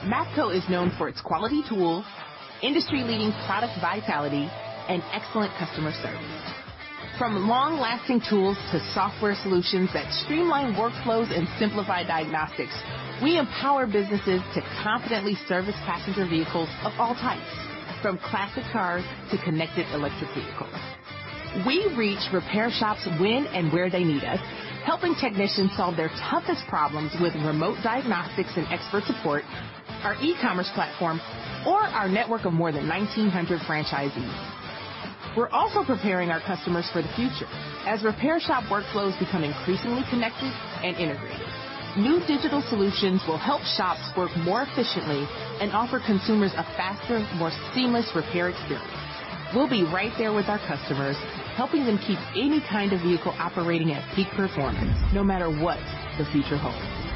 [SPEAKER 4] Matco is known for its quality tools, industry-leading product vitality, and excellent customer service. From long-lasting tools to software solutions that streamline workflows and simplify diagnostics, we empower businesses to confidently service passenger vehicles of all types, from classic cars to connected electric vehicles. We reach repair shops when and where they need us, helping technicians solve their toughest problems with remote diagnostics and expert support, our e-commerce platform or our network of more than 1,900 franchisees. We're also preparing our customers for the future, as repair shop workflows become increasingly connected and integrated. New digital solutions will help shops work more efficiently and offer consumers a faster, more seamless repair experience. We'll be right there with our customers, helping them keep any kind of vehicle operating at peak performance, no matter what the future holds.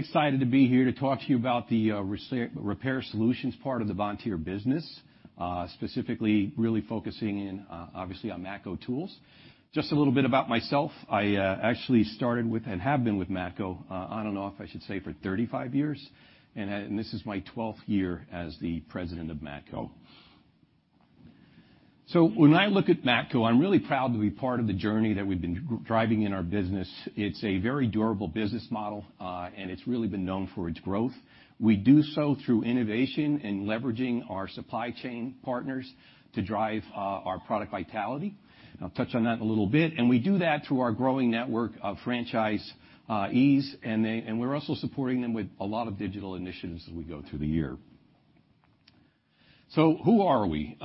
[SPEAKER 15] Really excited to be here to talk to you about the repair solutions part of the Vontier business, specifically really focusing in obviously on Matco Tools. Just a little bit about myself. I actually started with, and have been with Matco, on and off, I should say, for 35 years, and this is my 12th year as the president of Matco. When I look at Matco, I'm really proud to be part of the journey that we've been driving in our business. It's a very durable business model, and it's really been known for its growth. We do so through innovation and leveraging our supply chain partners to drive our product vitality, and I'll touch on that in a little bit. We do that through our growing network of franchisees, and they... We're also supporting them with a lot of digital initiatives as we go through the year. Who are we?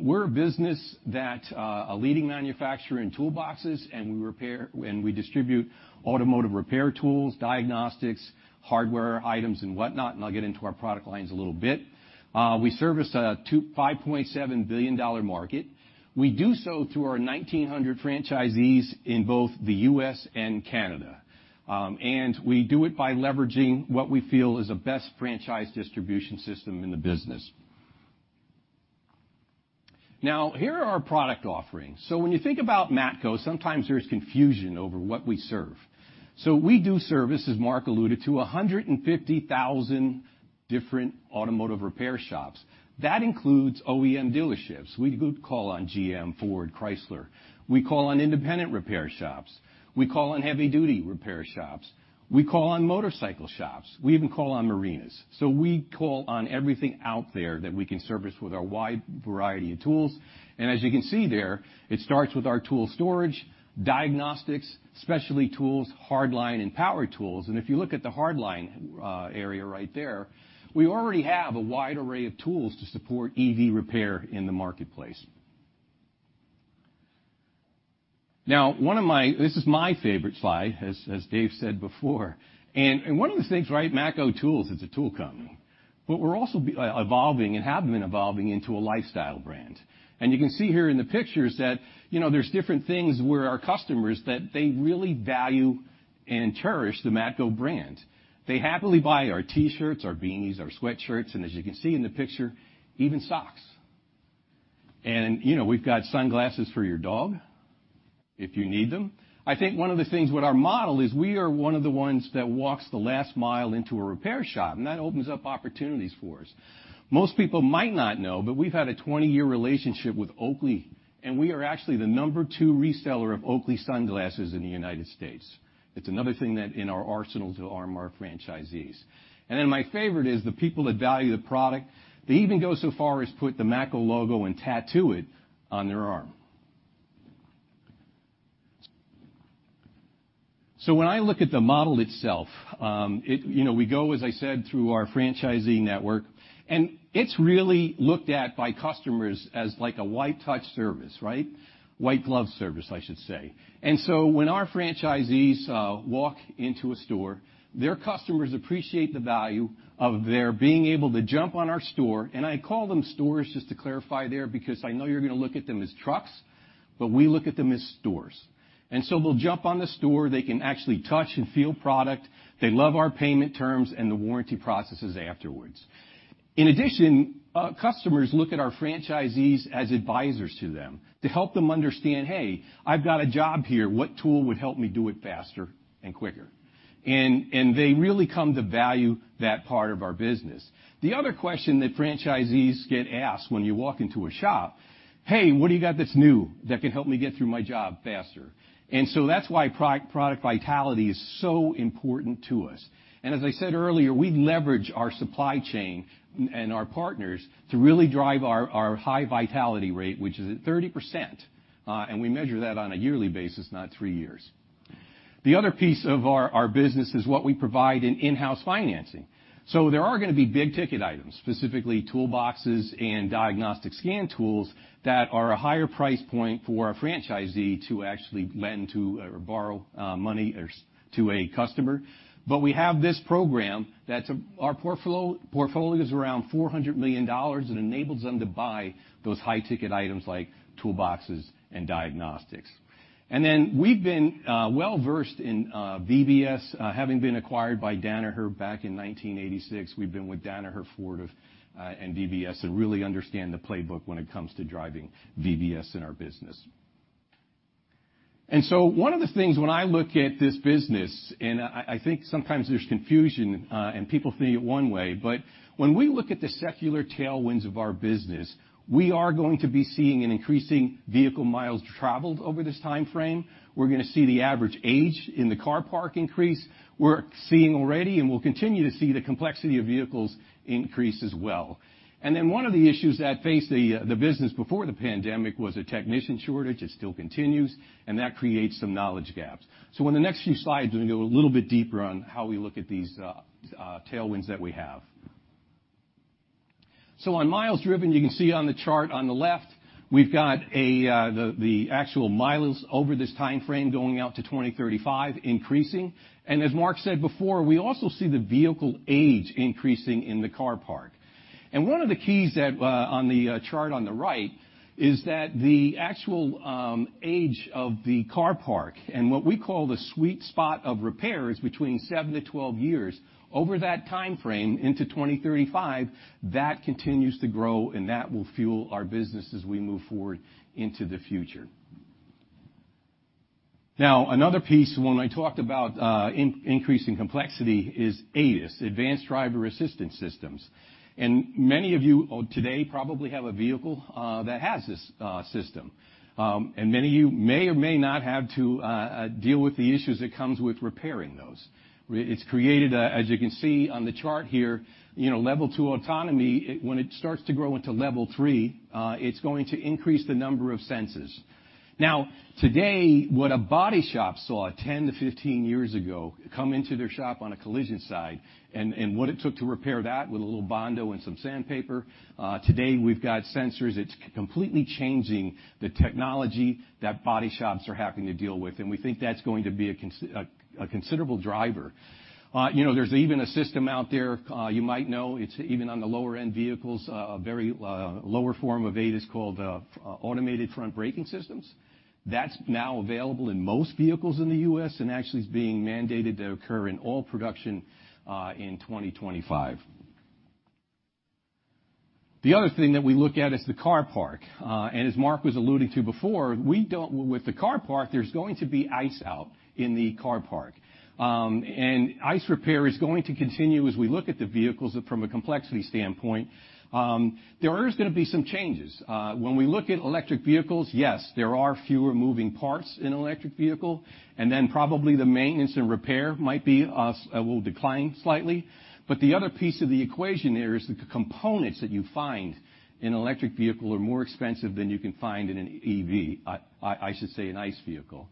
[SPEAKER 15] We're a business that, a leading manufacturer in toolboxes, and we distribute automotive repair tools, diagnostics, hardware items and whatnot, and I'll get into our product lines a little bit. We service a $5.7 billion market. We do so through our 1,900 franchisees in both the U.S. and Canada. We do it by leveraging what we feel is the best franchise distribution system in the business. Now here are our product offerings. When you think about Matco, sometimes there's confusion over what we serve. We do service, as Mark alluded to, 150,000 different automotive repair shops. That includes OEM dealerships. We do call on GM, Ford, Chrysler. We call on independent repair shops. We call on heavy duty repair shops. We call on motorcycle shops. We even call on marinas. We call on everything out there that we can service with our wide variety of tools. As you can see there, it starts with our tool storage, diagnostics, specialty tools, hard line, and power tools. If you look at the hard line area right there, we already have a wide array of tools to support EV repair in the marketplace. Now, this is my favorite slide, as Dave said before. One of the things, right, Matco Tools is a tool company, but we're also evolving and have been evolving into a lifestyle brand. You can see here in the pictures that, you know, there's different things where our customers, that they really value and cherish the Matco brand. They happily buy our T-shirts, our beanies, our sweatshirts, and as you can see in the picture, even socks. You know, we've got sunglasses for your dog if you need them. I think one of the things with our model is we are one of the ones that walks the last mile into a repair shop, and that opens up opportunities for us. Most people might not know, but we've had a 20-year relationship with Oakley, and we are actually the number 2 reseller of Oakley sunglasses in the United States. It's another thing that in our arsenal to arm our franchisees. My favorite is the people that value the product, they even go so far as put the Matco logo and tattoo it on their arm. When I look at the model itself, you know, we go, as I said, through our franchisee network, and it's really looked at by customers as like a white touch service, right? White glove service, I should say. When our franchisees walk into a store, their customers appreciate the value of their being able to jump on our store. I call them stores just to clarify there, because I know you're gonna look at them as trucks, but we look at them as stores. They'll jump on the store, they can actually touch and feel product. They love our payment terms and the warranty processes afterwards. In addition, customers look at our franchisees as advisors to them, to help them understand, "Hey, I've got a job here. What tool would help me do it faster and quicker?" They really come to value that part of our business. The other question that franchisees get asked when you walk into a shop, "Hey, what do you got that's new that can help me get through my job faster?" That's why pro-product vitality is so important to us. As I said earlier, we leverage our supply chain and our partners to really drive our high vitality rate, which is at 30%, and we measure that on a yearly basis, not 3 years. The other piece of our business is what we provide in in-house financing. There are gonna be big-ticket items, specifically toolboxes and diagnostic scan tools, that are a higher price point for a franchisee to actually lend to or borrow money to a customer. We have this program that's our portfolio is around $400 million. It enables them to buy those high-ticket items like toolboxes and diagnostics. We've been well-versed in VBS. Having been acquired by Danaher back in 1986, we've been with Danaher and VBS and really understand the playbook when it comes to driving VBS in our business. One of the things when I look at this business, and I think sometimes there's confusion, and people see it one way, but when we look at the secular tailwinds of our business, we are going to be seeing an increasing vehicle miles traveled over this timeframe. We're gonna see the average age in the car park increase. We're seeing already and will continue to see the complexity of vehicles increase as well. One of the issues that faced the business before the pandemic was a technician shortage. It still continues, and that creates some knowledge gaps. In the next few slides, we're gonna go a little bit deeper on how we look at these tailwinds that we have. On miles driven, you can see on the chart on the left, we've got the actual mileage over this timeframe going out to 2035 increasing. As Mark said before, we also see the vehicle age increasing in the car park. One of the keys that on the chart on the right is that the actual age of the car park and what we call the sweet spot of repair is between 7 to 12 years. Over that timeframe into 2035, that continues to grow, and that will fuel our business as we move forward into the future. Another piece when I talked about increase in complexity is ADAS, Advanced Driver Assistance Systems. Many of you today probably have a vehicle that has this system. Many of you may or may not have to deal with the issues that comes with repairing those. As you can see on the chart here, you know, level 2 autonomy, when it starts to grow into level 3, it's going to increase the number of sensors. Today, what a body shop saw 10-15 years ago come into their shop on a collision side and what it took to repair that with a little Bondo and some sandpaper, today we've got sensors. It's completely changing the technology that body shops are having to deal with, and we think that's going to be a considerable driver. You know, there's even a system out there, you might know, it's even on the lower-end vehicles, a very, lower form of ADAS called, automated front braking systems. That's now available in most vehicles in the U.S. and actually is being mandated to occur in all production, in 2025. The other thing that we look at is the car park. As Mark was alluding to before, with the car park, there's going to be ICE out in the car park. ICE repair is going to continue as we look at the vehicles from a complexity standpoint. There is gonna be some changes. When we look at electric vehicles, yes, there are fewer moving parts in an electric vehicle, and then probably the maintenance and repair might be, will decline slightly. The other piece of the equation there is the components that you find in an electric vehicle are more expensive than you can find in an EV, I should say an ICE vehicle.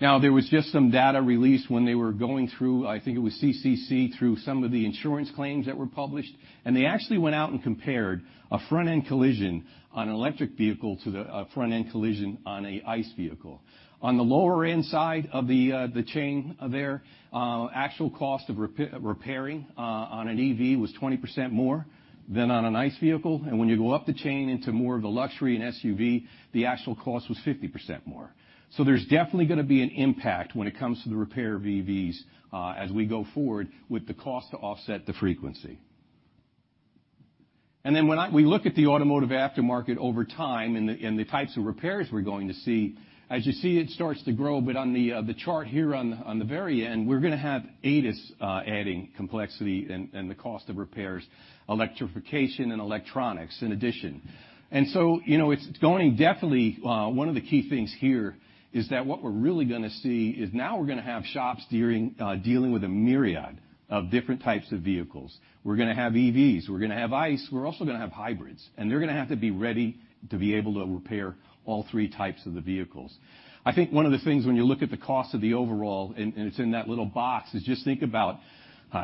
[SPEAKER 15] Now, there was just some data released when they were going through, I think it was CCC, through some of the insurance claims that were published, and they actually went out and compared a front-end collision on an electric vehicle to a front-end collision on an ICE vehicle. On the lower end side of the chain there, actual cost of repairing on an EV was 20% more than on an ICE vehicle. When you go up the chain into more of the luxury and SUV, the actual cost was 50% more. There's definitely gonna be an impact when it comes to the repair of EVs as we go forward with the cost to offset the frequency. When we look at the automotive aftermarket over time and the types of repairs we're going to see, as you see, it starts to grow, but on the chart here on the very end, we're gonna have ADAS adding complexity and the cost of repairs, electrification and electronics in addition. You know, it's going definitely one of the key things here is that what we're really gonna see is now we're gonna have shops dealing with a myriad of different types of vehicles. We're gonna have EVs, we're gonna have ICE, we're also gonna have hybrids, and they're gonna have to be ready to be able to repair all three types of the vehicles. I think one of the things when you look at the cost of the overall, and it's in that little box, is just think about,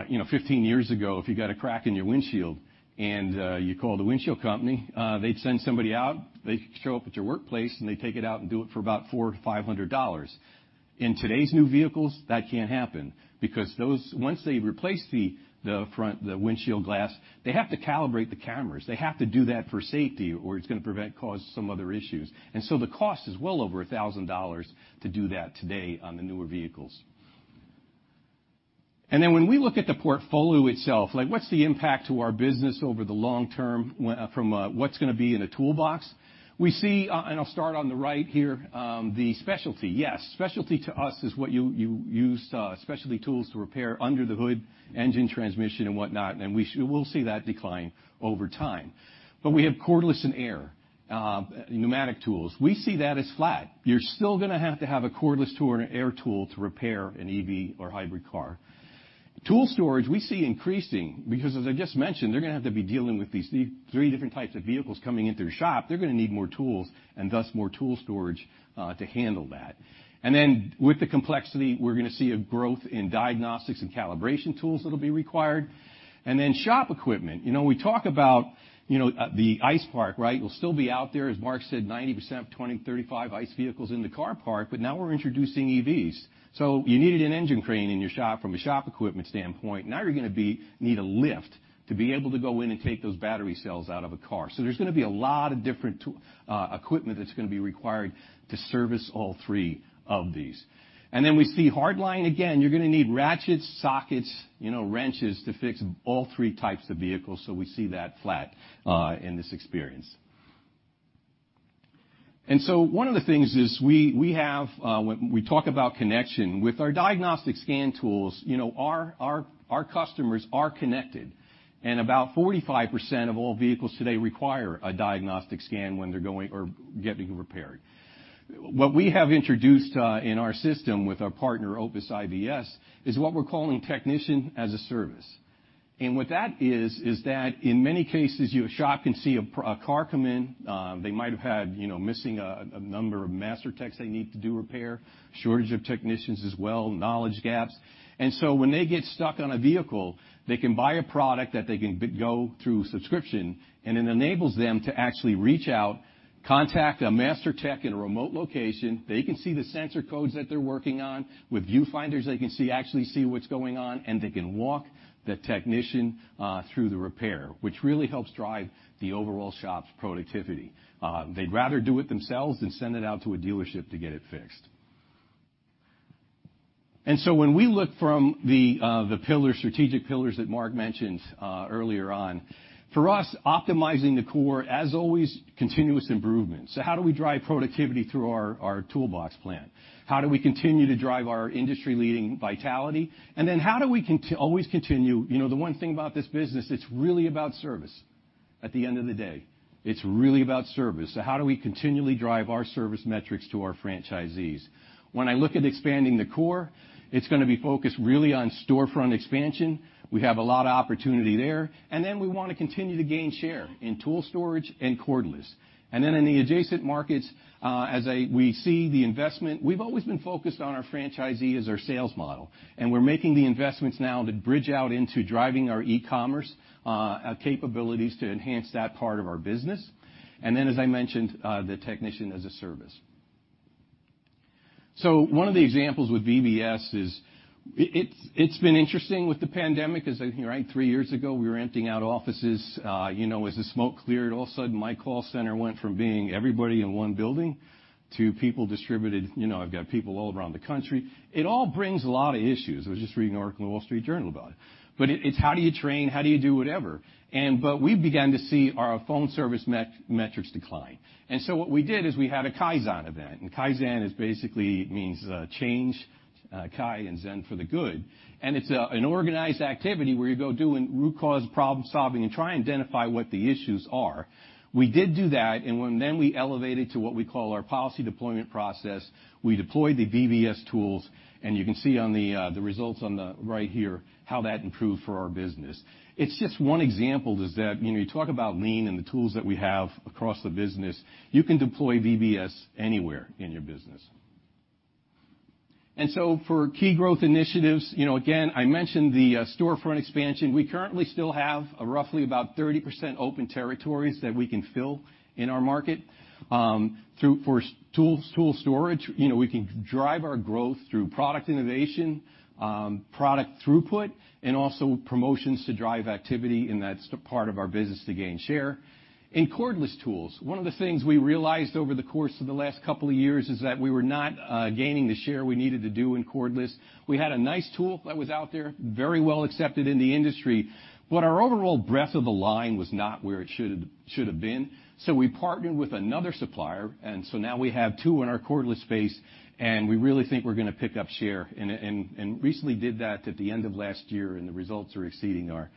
[SPEAKER 15] you know, 15 years ago, if you got a crack in your windshield, and you call the windshield company, they'd send somebody out, they show up at your workplace, and they take it out and do it for about $400-$500. In today's new vehicles, that can't happen because once they replace the front, the windshield glass, they have to calibrate the cameras. They have to do that for safety, or it's gonna cause some other issues. The cost is well over $1,000 to do that today on the newer vehicles. When we look at the portfolio itself, like what's the impact to our business over the long term from what's gonna be in a toolbox? We see, I'll start on the right here, the specialty. Yes, specialty to us is what you use specialty tools to repair under the hood, engine, transmission and whatnot, we'll see that decline over time. We have cordless and air pneumatic tools. We see that as flat. You're still gonna have to have a cordless tool or an air tool to repair an EV or hybrid car. Tool storage, we see increasing because, as I just mentioned, they're gonna have to be dealing with these three different types of vehicles coming into their shop. They're gonna need more tools and thus more tool storage to handle that. With the complexity, we're gonna see a growth in diagnostics and calibration tools that'll be required. Shop equipment. You know, we talk about, you know, the ICE park, right? It'll still be out there. As Mark said, 90% of 2035 ICE vehicles in the car park, but now we're introducing EVs. You needed an engine crane in your shop from a shop equipment standpoint. Now you're gonna need a lift to be able to go in and take those battery cells out of a car. There's gonna be a lot of different equipment that's gonna be required to service all three of these. We see hardline again. You're gonna need ratchets, sockets, you know, wrenches to fix all three types of vehicles, so we see that flat in this experience. One of the things is we have, when we talk about connection, with our diagnostic scan tools, you know, our customers are connected, and about 45% of all vehicles today require a diagnostic scan when they're going or getting repaired. What we have introduced in our system with our partner, Opus IVS, is what we're calling Technician as a Service. What that is that in many cases, your shop can see a car come in, they might have had, you know, missing a number of master techs they need to do repair, shortage of technicians as well, knowledge gaps. When they get stuck on a vehicle, they can buy a product that they can go through subscription, and it enables them to actually reach out, contact a master tech in a remote location. They can see the sensor codes that they're working on. With viewfinders, they can see, actually see what's going on, and they can walk the technician through the repair, which really helps drive the overall shop's productivity. They'd rather do it themselves than send it out to a dealership to get it fixed. When we look from the pillars, strategic pillars that Mark mentioned earlier on, for us, optimizing the core, as always, continuous improvement. How do we drive productivity through our toolbox plan? How do we continue to drive our industry-leading vitality? How do we always continue? You know, the one thing about this business, it's really about service at the end of the day. It's really about service. How do we continually drive our service metrics to our franchisees? When I look at expanding the core, it's gonna be focused really on storefront expansion. We have a lot of opportunity there. We wanna continue to gain share in tool storage and cordless. In the adjacent markets, as we see the investment, we've always been focused on our franchisee as our sales model, and we're making the investments now to bridge out into driving our e-commerce capabilities to enhance that part of our business, and then, as I mentioned, the Technician as a Service. One of the examples with VBS is it's been interesting with the pandemic 'cause I think, right, three years ago, we were renting out offices. You know, as the smoke cleared, all of a sudden, my call center went from being everybody in one building to people distributed. You know, I've got people all around the country. It all brings a lot of issues. I was just reading an article in Wall Street Journal about it. It's how do you train? How do you do whatever? We began to see our phone service metrics decline. What we did is we had a Kaizen event. Kaizen is basically means change, Kai and Zen, for the good. It's an organized activity where you go doing root cause problem-solving and try and identify what the issues are. We did do that, we elevated to what we call our policy deployment process, we deployed the VBS tools, and you can see on the results on the right here, how that improved for our business. It's just one example is that, you know, you talk about lean and the tools that we have across the business, you can deploy VBS anywhere in your business. For key growth initiatives, you know, again, I mentioned the storefront expansion. We currently still have roughly about 30% open territories that we can fill in our market. For tools, tool storage, you know, we can drive our growth through product innovation, product throughput, also promotions to drive activity. That's the part of our business to gain share. In cordless tools, one of the things we realized over the course of the last couple of years is that we were not gaining the share we needed to do in cordless. We had a nice tool that was out there, very well accepted in the industry, but our overall breadth of the line was not where it should've been. We partnered with another supplier, now we have two in our cordless space, and we really think we're gonna pick up share and recently did that at the end of last year, and the results are exceeding our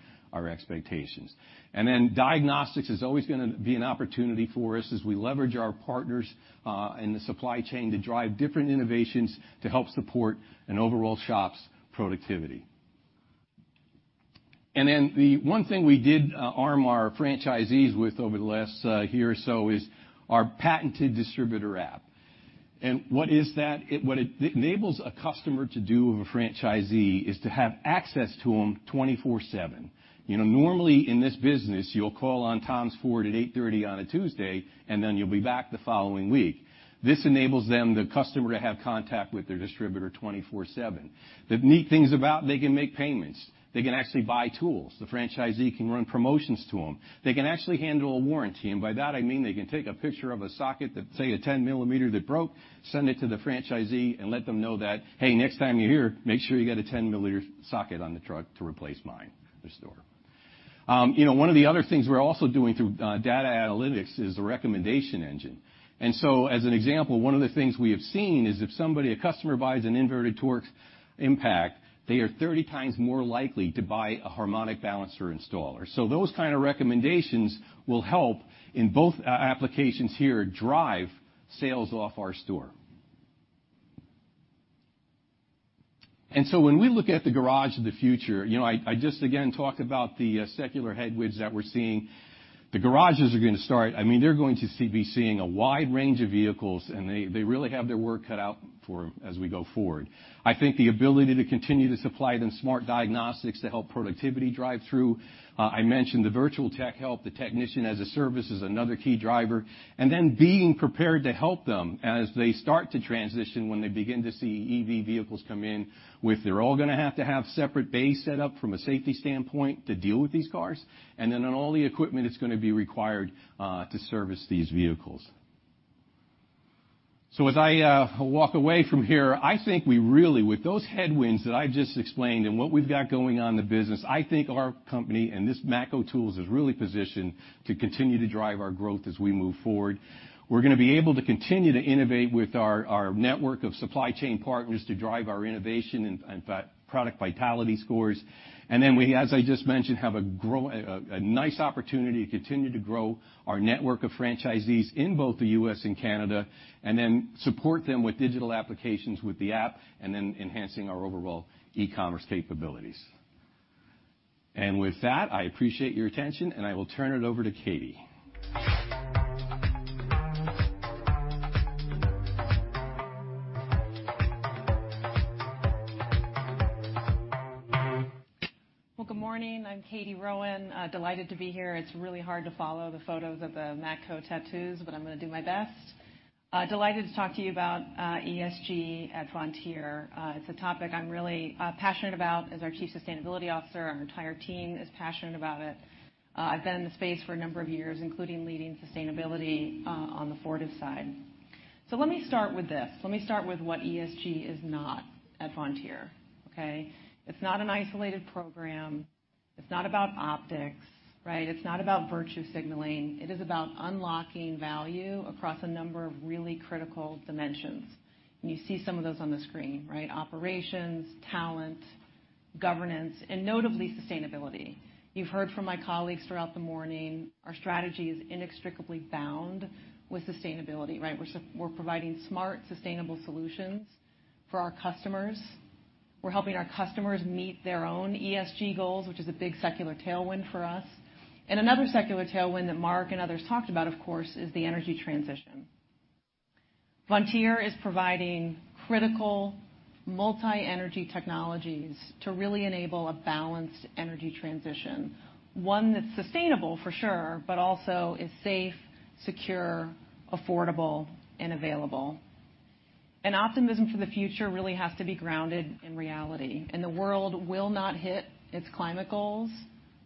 [SPEAKER 15] expectations. Diagnostics is always gonna be an opportunity for us as we leverage our partners and the supply chain to drive different innovations to help support an overall shop's productivity. The one thing we did arm our franchisees with over the last year or so is our patented distributor app. What is that? What it enables a customer to do of a franchisee is to have access to them 24/7. You know, normally in this business, you'll call on Tom's Ford at 8:30 on a Tuesday, and then you'll be back the following week. This enables them, the customer, to have contact with their distributor 24/7. They can make payments. They can actually buy tools. The franchisee can run promotions to them. They can actually handle a warranty, and by that, I mean, they can take a picture of a socket that, say, a 10-millimeter that broke, send it to the franchisee and let them know that, "Hey, next time you're here, make sure you get a 10-milliliter socket on the truck to replace mine," at the store. You know, one of the other things we're also doing through data analytics is a recommendation engine. As an example, one of the things we have seen is if somebody, a customer buys an inverted torque impact, they are 30 times more likely to buy a harmonic balancer installer. Those kind of recommendations will help in both applications here drive sales off our store. When we look at the garage of the future, you know, I just again talk about the secular headwinds that we're seeing. The garages are gonna start. I mean, they're gonna be seeing a wide range of vehicles, and they really have their work cut out for as we go forward. I think the ability to continue to supply them smart diagnostics to help productivity drive through. I mentioned the virtual tech help, the Technician as a Service is another key driver. Then being prepared to help them as they start to transition when they begin to see EV vehicles come in with they're all gonna have to have separate bay set up from a safety standpoint to deal with these cars. On all the equipment that's gonna be required to service these vehicles. As I walk away from here, I think we really, with those headwinds that I just explained and what we've got going on in the business, I think our company and this Matco Tools is really positioned to continue to drive our growth as we move forward. We're gonna be able to continue to innovate with our network of supply chain partners to drive our innovation and product vitality scores. Then we, as I just mentioned, have a nice opportunity to continue to grow our network of franchisees in both the U.S. and Canada, and then support them with digital applications with the app, and then enhancing our overall e-commerce capabilities. With that, I appreciate your attention, and I will turn it over to Katie. Well, good morning. I'm Katie Rowan. delighted to be here. It's really hard to follow the photos of the Matco tattoos, but I'm gonna do my best. delighted to talk to you about ESG at Vontier. It's a topic I'm really passionate about as our chief sustainability officer. Our entire team is passionate about it. I've been in the space for a number of years, including leading sustainability on the Fortive side. Let me start with this. Let me start with what ESG is not at Vontier, okay? It's not an isolated program, it's not about optics, right? It's not about virtue signaling. It is about unlocking value across a number of really critical dimensions. You see some of those on the screen, right? Operations, talent, governance, and notably sustainability. You've heard from my colleagues throughout the morning, our strategy is inextricably bound with sustainability, right? We're providing smart, sustainable solutions for our customers. We're helping our customers meet their own ESG goals, which is a big secular tailwind for us. Another secular tailwind that Mark and others talked about, of course, is the energy transition. Vontier is providing critical multi-energy technologies to really enable a balanced energy transition, one that's sustainable for sure, but also is safe, secure, affordable, and available. Optimism for the future really has to be grounded in reality, and the world will not hit its climate goals.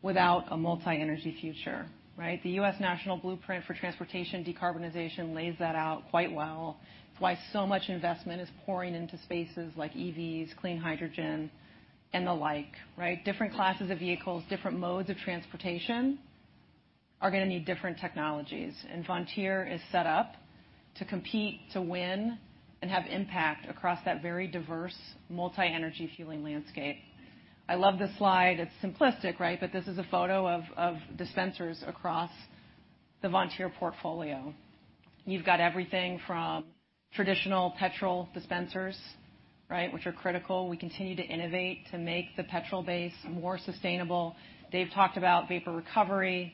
[SPEAKER 16] Without a multi-energy future, right? The U.S. National Blueprint for Transportation Decarbonization lays that out quite well. It's why so much investment is pouring into spaces like EVs, clean hydrogen, and the like, right? Different classes of vehicles, different modes of transportation are gonna need different technologies. Vontier is set up to compete, to win, and have impact across that very diverse multi-energy fueling landscape. I love this slide. It's simplistic, right? This is a photo of dispensers across the Vontier portfolio. You've got everything from traditional petrol dispensers, right, which are critical. We continue to innovate to make the petrol base more sustainable. Dave talked about vapor recovery.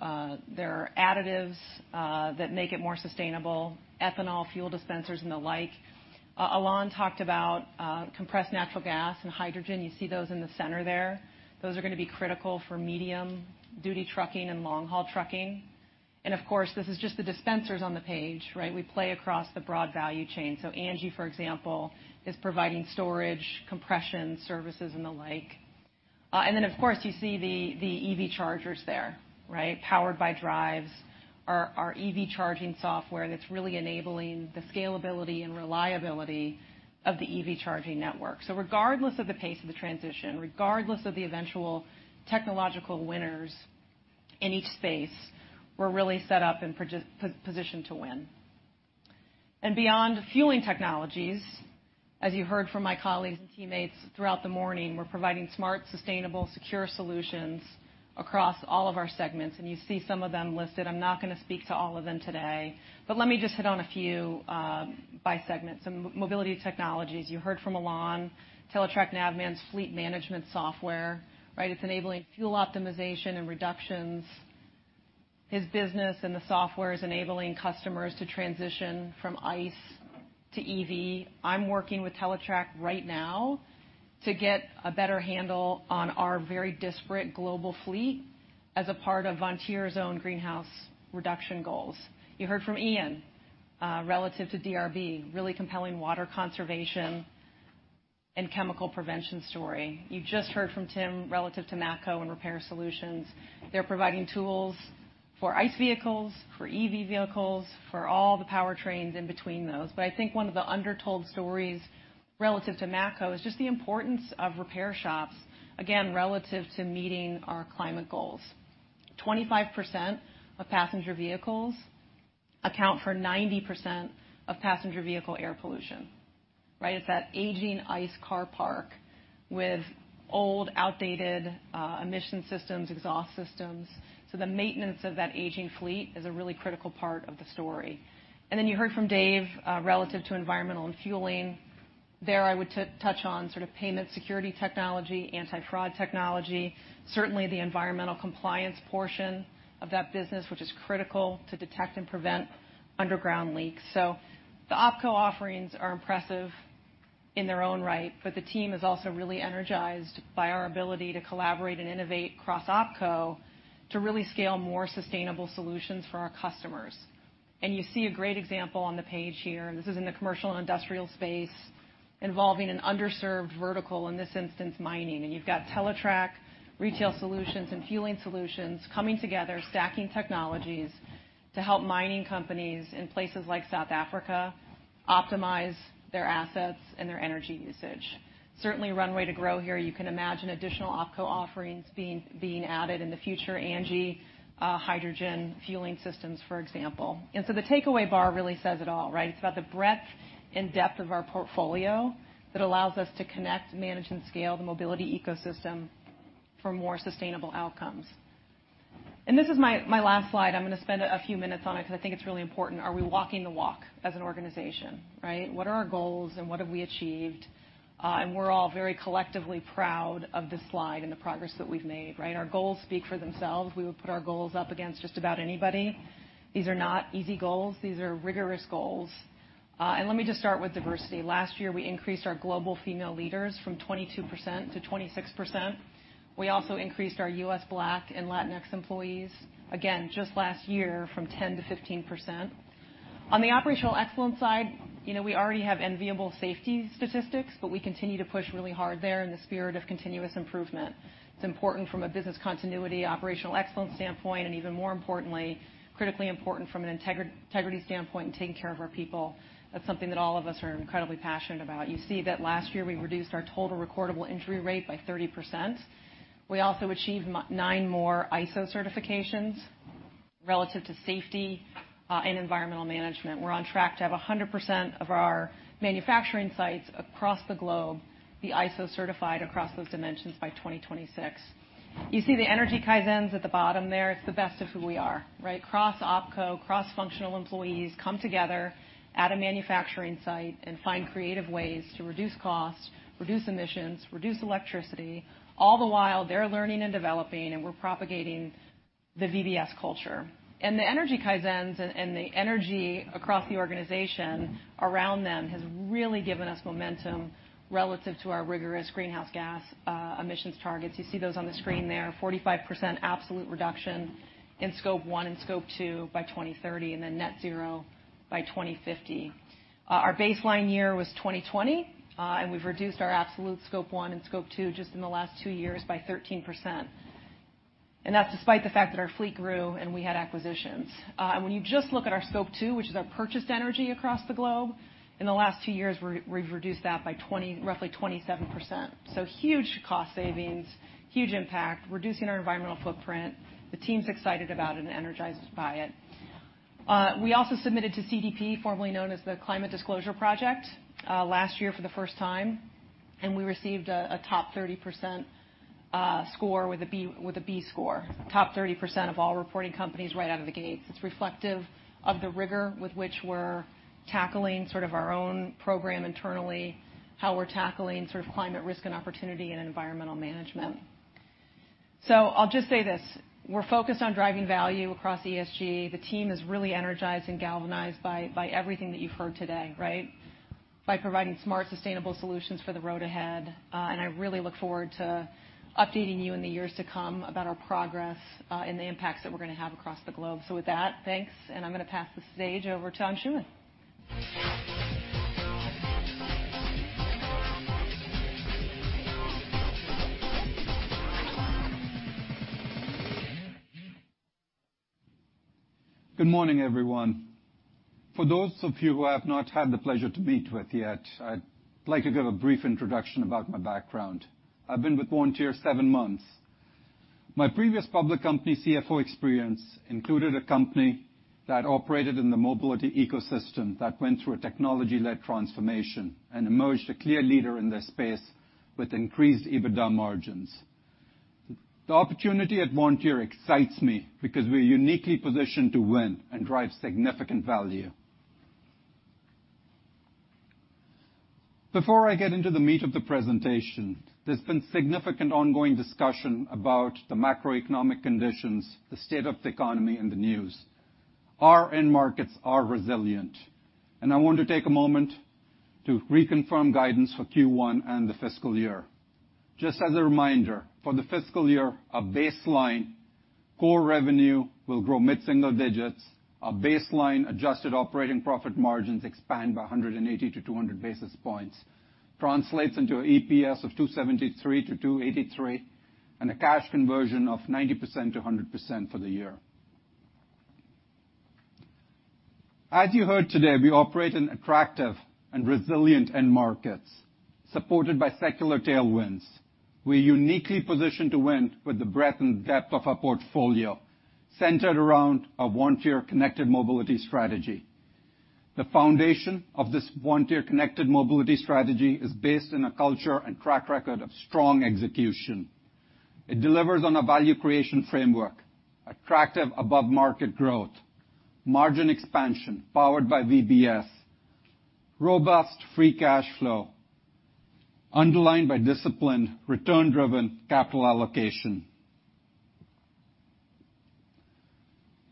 [SPEAKER 16] There are additives that make it more sustainable, ethanol fuel dispensers and the like. Alon talked about compressed natural gas and hydrogen. You see those in the center there. Those are gonna be critical for medium-duty trucking and long-haul trucking. Of course, this is just the dispensers on the page, right? We play across the broad value chain. ANGI, for example, is providing storage, compression services and the like. Of course, you see the EV chargers there, right? Powered by Driivz. Our EV charging software that's really enabling the scalability and reliability of the EV charging network. Regardless of the pace of the transition, regardless of the eventual technological winners in each space, we're really set up and positioned to win. Beyond fueling technologies, as you heard from my colleagues and teammates throughout the morning, we're providing smart, sustainable, secure solutions across all of our segments. You see some of them listed. I'm not gonna speak to all of them today, but let me just hit on a few by segment. Mobility Technologies, you heard from Alon. Teletrac Navman's fleet management software, right? It's enabling fuel optimization and reductions. His business and the software is enabling customers to transition from ICE to EV. I'm working with Teletrac right now to get a better handle on our very disparate global fleet as a part of Vontier's own greenhouse reduction goals. You heard from Ian relative to DRB, really compelling water conservation and chemical prevention story. You just heard from Tim relative to Matco and repair solutions. They're providing tools for ICE vehicles, for EV vehicles, for all the powertrains in between those. I think one of the undertold stories relative to Matco is just the importance of repair shops, again, relative to meeting our climate goals. 25% of passenger vehicles account for 90% of passenger vehicle air pollution, right? It's that aging ICE car park with old, outdated, emission systems, exhaust systems. The maintenance of that aging fleet is a really critical part of the story. Then you heard from Dave relative to environmental and fueling. There, I would touch on sort of payment security technology, anti-fraud technology, certainly the environmental compliance portion of that business, which is critical to detect and prevent underground leaks. The OpCo offerings are impressive in their own right, but the team is also really energized by our ability to collaborate and innovate across OpCo to really scale more sustainable solutions for our customers. You see a great example on the page here. This is in the commercial and industrial space involving an underserved vertical, in this instance, mining. You've got Teletrac, Retail Solutions, and Fueling Solutions coming together, stacking technologies to help mining companies in places like South Africa optimize their assets and their energy usage. Certainly runway to grow here. You can imagine additional OpCo offerings being added in the future, ANGI, hydrogen fueling systems, for example. The takeaway bar really says it all, right? It's about the breadth and depth of our portfolio that allows us to connect, manage, and scale the mobility ecosystem for more sustainable outcomes. This is my last slide. I'm gonna spend a few minutes on it 'cause I think it's really important. Are we walking the walk as an organization, right? What are our goals and what have we achieved? We're all very collectively proud of this slide and the progress that we've made, right? Our goals speak for themselves. We would put our goals up against just about anybody. These are not easy goals. These are rigorous goals. Let me just start with diversity. Last year, we increased our global female leaders from 22% to 26%. We also increased our U.S. Black and Latinx employees, again, just last year from 10 to 15%. On the operational excellence side, you know, we already have enviable safety statistics, but we continue to push really hard there in the spirit of continuous improvement. It's important from a business continuity, operational excellence standpoint, and even more importantly, critically important from an integrity standpoint in taking care of our people. That's something that all of us are incredibly passionate about. You see that last year, we reduced our total recordable injury rate by 30%. We also achieved nine more ISO certifications relative to safety and environmental management. We're on track to have 100% of our manufacturing sites across the globe be ISO certified across those dimensions by 2026. You see the energy Kaizens at the bottom there. It's the best of who we are, right? Cross OpCo, cross-functional employees come together at a manufacturing site and find creative ways to reduce cost, reduce emissions, reduce electricity. All the while, they're learning and developing, and we're propagating the VBS culture. The energy Kaizens and the energy across the organization around them has really given us momentum relative to our rigorous greenhouse gas emissions targets. You see those on the screen there, 45% absolute reduction in Scope 1 and Scope 2 by 2030 and then net zero by 2050. Our baseline year was 2020, and we've reduced our absolute Scope 1 and Scope 2 just in the last 2 years by 13%. That's despite the fact that our fleet grew, and we had acquisitions. When you just look at our Scope 2, which is our purchased energy across the globe, in the last 2 years, we've reduced that by roughly 27%. Huge cost savings, huge impact, reducing our environmental footprint. The team's excited about it and energized by it. We also submitted to CDP, formerly known as the Carbon Disclosure Project, last year for the first time, and we received a top 30% score with a B score. Top 30% of all reporting companies right out of the gate. It's reflective of the rigor with which we're tackling sort of our own program internally, how we're tackling sort of climate risk and opportunity and environmental management. I'll just say this, we're focused on driving value across ESG. The team is really energized and galvanized by everything that you've heard today, right? By providing smart, sustainable solutions for the road ahead. I really look forward to updating you in the years to come about our progress, and the impacts that we're gonna have across the globe. With that, thanks, and I'm gonna pass the stage over to Tom Schumann.
[SPEAKER 17] Good morning, everyone. For those of you who I have not had the pleasure to meet with yet, I'd like to give a brief introduction about my background. I've been with Vontier 7 months. My previous public company CFO experience included a company that operated in the mobility ecosystem that went through a technology-led transformation and emerged a clear leader in this space with increased EBITDA margins. The opportunity at Vontier excites me because we're uniquely positioned to win and drive significant value. Before I get into the meat of the presentation, there's been significant ongoing discussion about the macroeconomic conditions, the state of the economy in the news. Our end markets are resilient, and I want to take a moment to reconfirm guidance for Q1 and the fiscal year. Just as a reminder, for the fiscal year, our baseline core revenue will grow mid-single digits. Our baseline adjusted operating profit margins expand by 180-200 basis points, translates into EPS of $2.73-$2.83, and a cash conversion of 90%-100% for the year. As you heard today, we operate in attractive and resilient end markets supported by secular tailwinds. We're uniquely positioned to win with the breadth and depth of our portfolio centered around our Vontier Connected Mobility Strategy. The foundation of this Vontier Connected Mobility Strategy is based in a culture and track record of strong execution. It delivers on a value creation framework, attractive above-market growth, margin expansion powered by VBS, robust free cash flow, underlined by disciplined, return-driven capital allocation.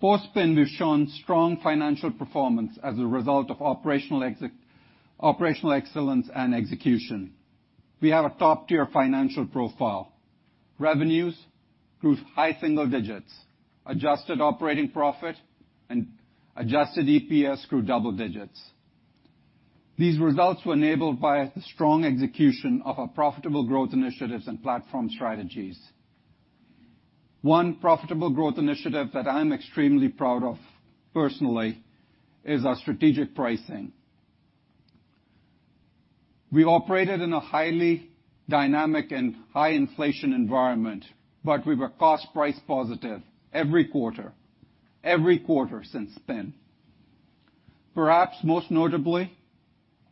[SPEAKER 17] Post-spin, we've shown strong financial performance as a result of operational excellence and execution. We have a top-tier financial profile. Revenues grew high single digits. Adjusted operating profit and adjusted EPS grew double digits. These results were enabled by the strong execution of our profitable growth initiatives and platform strategies. One profitable growth initiative that I'm extremely proud of personally is our strategic pricing. We operated in a highly dynamic and high inflation environment, but we were cost price positive every quarter since spin. Perhaps most notably,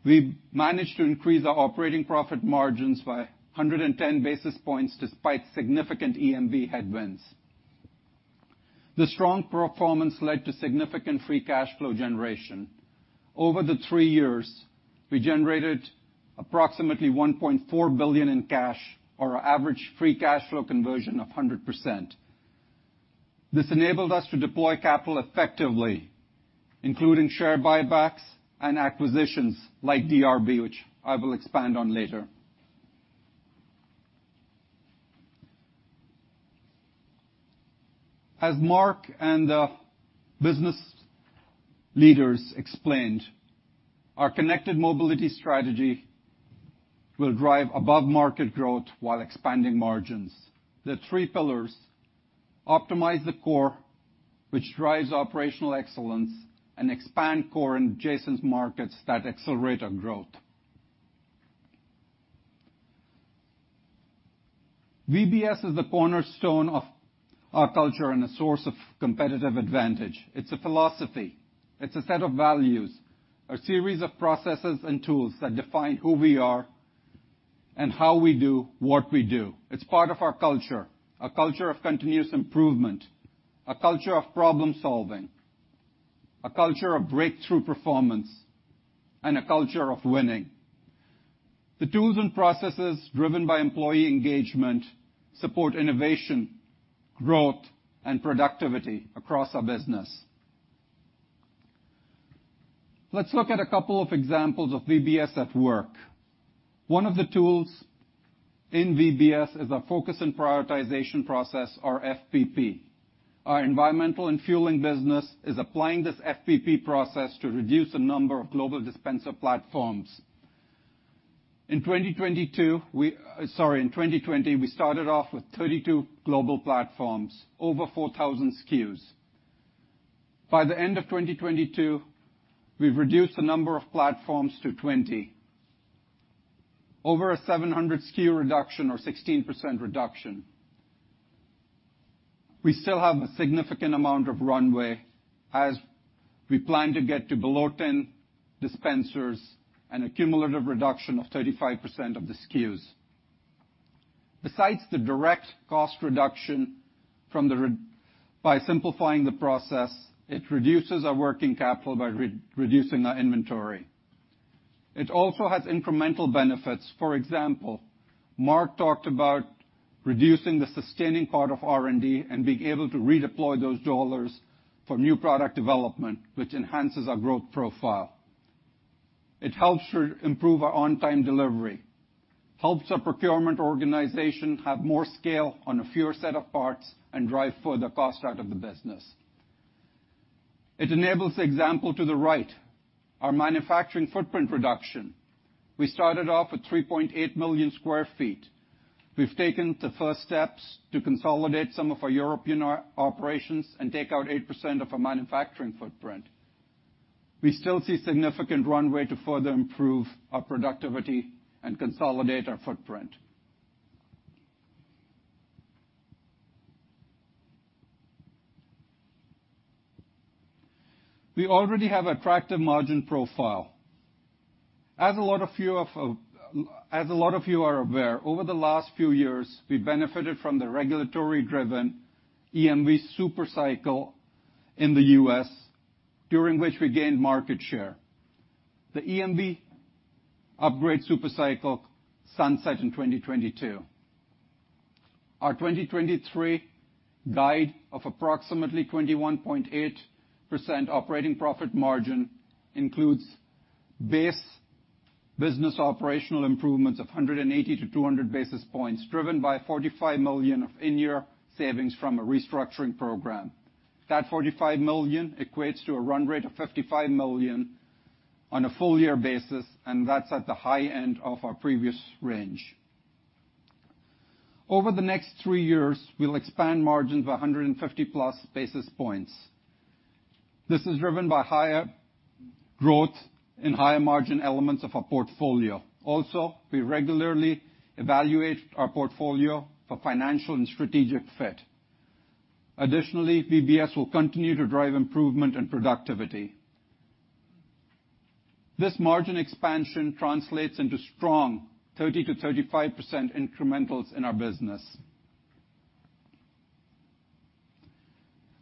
[SPEAKER 17] we managed to increase our operating profit margins by 110 basis points despite significant EMV headwinds. The strong performance led to significant free cash flow generation. Over the 3 years, we generated approximately $1.4 billion in cash or an average free cash flow conversion of 100%. This enabled us to deploy capital effectively, including share buybacks and acquisitions like DRB, which I will expand on later. As Mark and the business leaders explained, our Connected Mobility Strategy will drive above-market growth while expanding margins. The three pillars optimize the core, which drives operational excellence and expand core adjacent markets that accelerate our growth. VBS is the cornerstone of our culture and a source of competitive advantage. It's a philosophy. It's a set of values, a series of processes and tools that define who we are and how we do what we do. It's part of our culture, a culture of continuous improvement, a culture of problem-solving, a culture of breakthrough performance, and a culture of winning. The tools and processes driven by employee engagement support innovation, growth, and productivity across our business. Let's look at a couple of examples of VBS at work. One of the tools in VBS is our Focus and Prioritization Process or FPP. Our environmental and fueling business is applying this FPP process to reduce the number of global dispenser platforms. In 2020, we started off with 32 global platforms, over 4,000 SKUs. By the end of 2022, we've reduced the number of platforms to 20. Over a 700 SKU reduction or 16% reduction. We still have a significant amount of runway as we plan to get to below 10 dispensers and a cumulative reduction of 35% of the SKUs. Besides the direct cost reduction from simplifying the process, it reduces our working capital by re-reducing our inventory. It also has incremental benefits. For example, Mark talked about reducing the sustaining part of R&D and being able to redeploy those dollars for new product development, which enhances our growth profile. It helps to improve our on-time delivery, helps our procurement organization have more scale on a fewer set of parts, and drive further cost out of the business. It enables the example to the right, our manufacturing footprint reduction. We started off with 3.8 million sq ft. We've taken the first steps to consolidate some of our European operations and take out 8% of our manufacturing footprint. We still see significant runway to further improve our productivity and consolidate our footprint. We already have attractive margin profile. As a lot of you are aware, over the last few years, we benefited from the regulatory-driven EMV super cycle in the US, during which we gained market share. The EMV upgrade super cycle sunset in 2022. Our 2023 guide of approximately 21.8% operating profit margin includes base business operational improvements of 180-200 basis points, driven by $45 million of in-year savings from a restructuring program. That $45 million equates to a run rate of $55 million on a full year basis, and that's at the high end of our previous range. Over the next 3 years, we'll expand margins of 150+ basis points. This is driven by higher growth and higher margin elements of our portfolio. We regularly evaluate our portfolio for financial and strategic fit. VBS will continue to drive improvement and productivity. This margin expansion translates into strong 30%-35% incrementals in our business.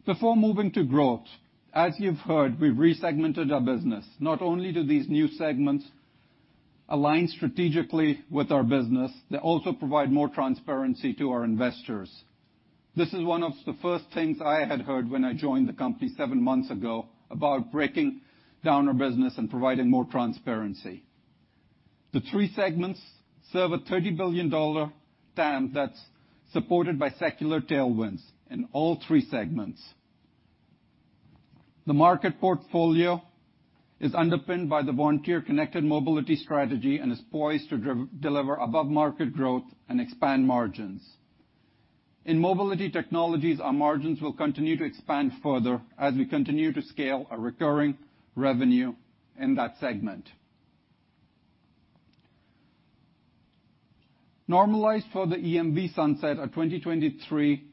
[SPEAKER 17] Before moving to growth, as you've heard, we've resegmented our business. Not only do these new segments align strategically with our business, they also provide more transparency to our investors. This is one of the first things I had heard when I joined the company seven months ago about breaking down our business and providing more transparency. The three segments serve a $30 billion TAM that's supported by secular tailwinds in all three segments. The market portfolio is underpinned by the Vontier Connected Mobility Strategy and is poised to deliver above market growth and expand margins. In mobility technologies, our margins will continue to expand further as we continue to scale our recurring revenue in that segment. Normalized for the EMV sunset of 2023,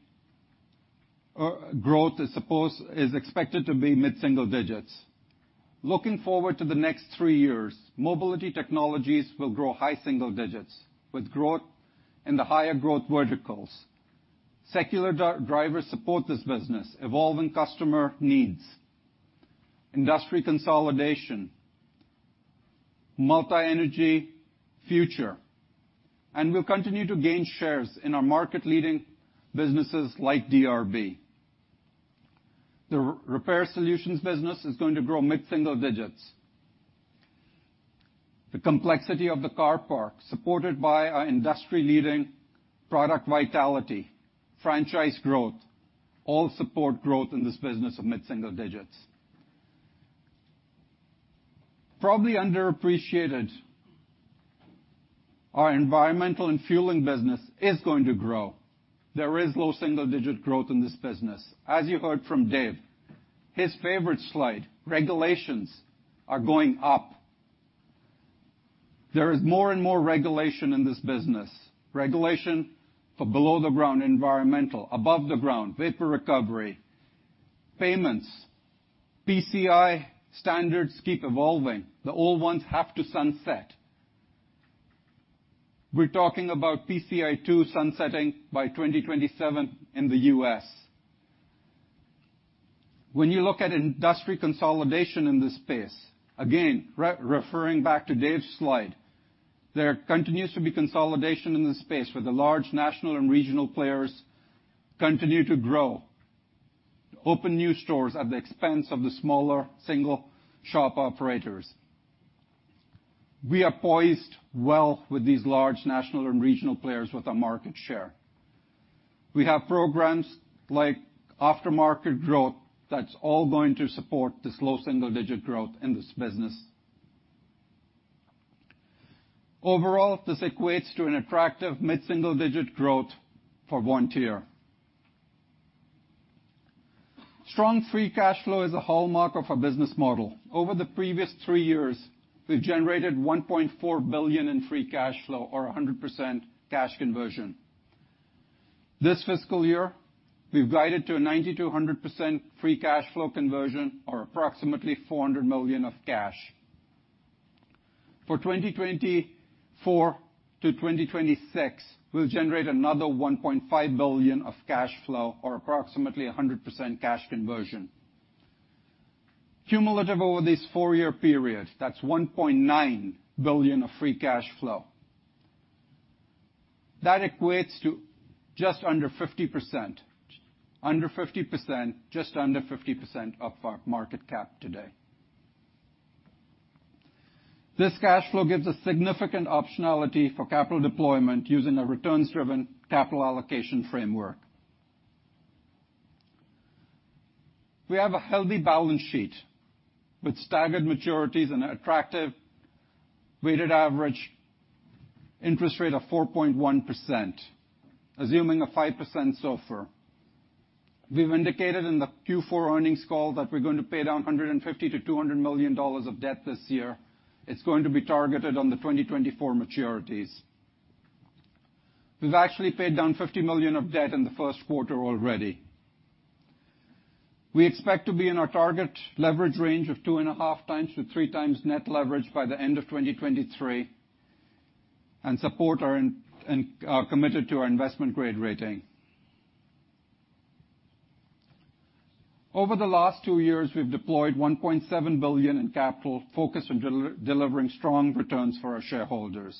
[SPEAKER 17] growth is expected to be mid-single digits. Looking forward to the next three years, mobility technologies will grow high single digits with growth in the higher growth verticals. Secular drivers support this business, evolving customer needs, industry consolidation, multi-energy future. We'll continue to gain shares in our market-leading businesses like DRB. The repair solutions business is going to grow mid-single digits. The complexity of the car park, supported by our industry-leading product vitality, franchise growth, all support growth in this business of mid-single digits. Probably underappreciated, our environmental and fueling business is going to grow. There is low single-digit growth in this business. As you heard from Dave, his favorite slide, regulations are going up. There is more and more regulation in this business. Regulation for below the ground environmental, above the ground, vapor recovery, payments, PCI standards keep evolving. The old ones have to sunset. We're talking about PCI 2 sunsetting by 2027 in the U.S. When you look at industry consolidation in this space, again, re-referring back to Dave's slide, there continues to be consolidation in this space, where the large national and regional players continue to grow, open new stores at the expense of the smaller single shop operators. We are poised well with these large national and regional players with our market share. We have programs like aftermarket growth that's all going to support this low single-digit growth in this business. Overall, this equates to an attractive mid-single digit growth for Vontier. Strong free cash flow is a hallmark of our business model. Over the previous 3 years, we've generated $1.4 billion in free cash flow or a 100% cash conversion. This fiscal year, we've guided to a 90%-100% free cash flow conversion or approximately $400 million of cash. For 2024 to 2026, we'll generate another $1.5 billion of cash flow or approximately 100% cash conversion. Cumulative over this 4-year period, that's $1.9 billion of free cash flow. That equates to just under 50%. Under 50%, just under 50% of our market cap today. This cash flow gives us significant optionality for capital deployment using a returns-driven capital allocation framework. We have a healthy balance sheet with staggered maturities and attractive weighted average interest rate of 4.1%, assuming a 5% SOFR. We've indicated in the Q4 earnings call that we're going to pay down $150 million-$200 million of debt this year. It's going to be targeted on the 2024 maturities. We've actually paid down $50 million of debt in the first quarter already. We expect to be in our target leverage range of 2.5 times to 3 times net leverage by the end of 2023 and committed to our investment grade rating. Over the last 2 years, we've deployed $1.7 billion in capital focused on delivering strong returns for our shareholders.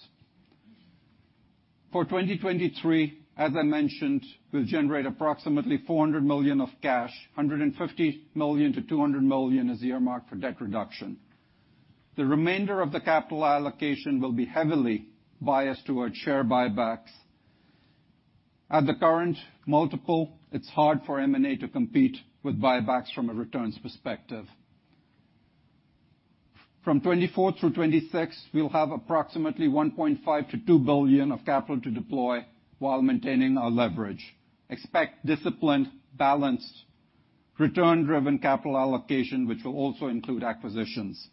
[SPEAKER 17] For 2023, as I mentioned, we'll generate approximately $400 million of cash, $150 million-$200 million is earmarked for debt reduction. The remainder of the capital allocation will be heavily biased towards share buybacks. At the current multiple, it's hard for M&A to compete with buybacks from a returns perspective. From 2024 through 2026, we'll have approximately $1.5 billion-$2 billion of capital to deploy while maintaining our leverage. Expect disciplined, balanced, return-driven capital allocation, which will also include acquisitions.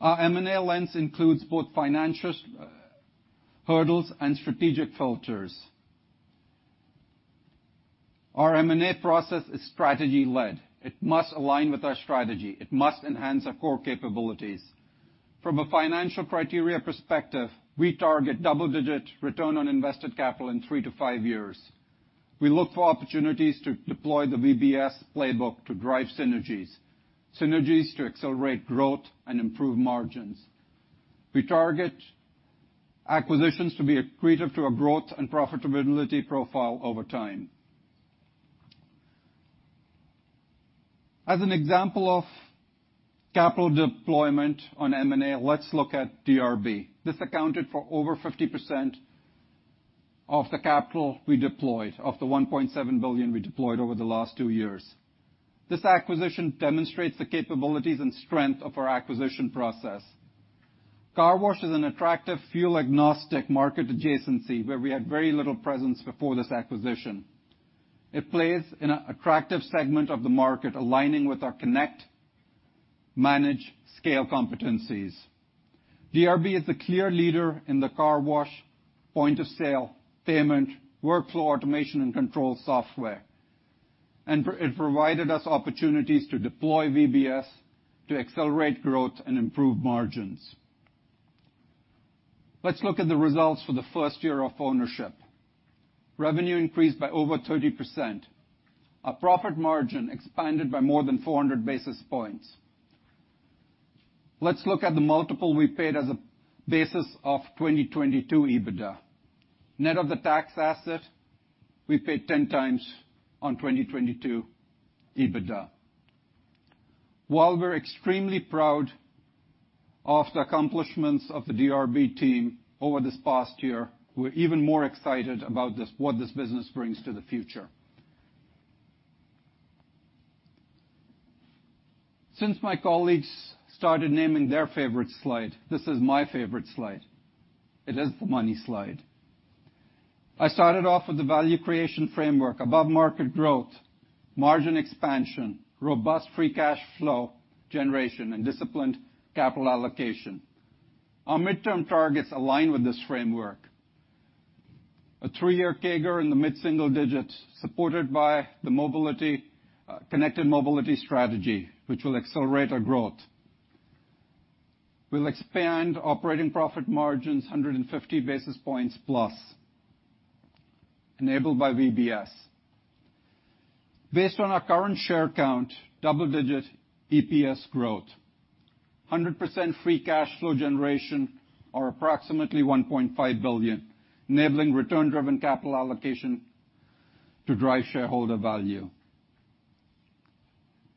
[SPEAKER 17] Our M&A lens includes both financial hurdles and strategic filters. Our M&A process is strategy-led. It must align with our strategy. It must enhance our core capabilities. From a financial criteria perspective, we target double-digit return on invested capital in 3-5 years. We look for opportunities to deploy the VBS playbook to drive synergies to accelerate growth and improve margins. We target acquisitions to be accretive to our growth and profitability profile over time. As an example of capital deployment on M&A, let's look at DRB. This accounted for over 50% of the capital we deployed, of the $1.7 billion we deployed over the last 2 years. This acquisition demonstrates the capabilities and strength of our acquisition process. Car wash is an attractive fuel-agnostic market adjacency where we had very little presence before this acquisition. It plays in an attractive segment of the market aligning with our connect, manage, scale competencies. DRB is the clear leader in the car wash point of sale, payment, workflow automation, and control software. It provided us opportunities to deploy VBS to accelerate growth and improve margins. Let's look at the results for the first year of ownership. Revenue increased by over 30%. Our profit margin expanded by more than 400 basis points. Let's look at the multiple we paid as a basis of 2022 EBITDA. Net of the tax asset, we paid 10x on 2022 EBITDA. While we're extremely proud of the accomplishments of the DRB team over this past year, we're even more excited about what this business brings to the future. Since my colleagues started naming their favorite slide, this is my favorite slide. It is the money slide. I started off with the value creation framework, above-market growth, margin expansion, robust free cash flow generation, and disciplined capital allocation. Our midterm targets align with this framework. A three-year CAGR in the mid-single digits, supported by the Connected Mobility Strategy, which will accelerate our growth. We'll expand operating profit margins 150 basis points plus, enabled by VBS. Based on our current share count, double-digit EPS growth. 100% free cash flow generation or approximately $1.5 billion, enabling return-driven capital allocation to drive shareholder value.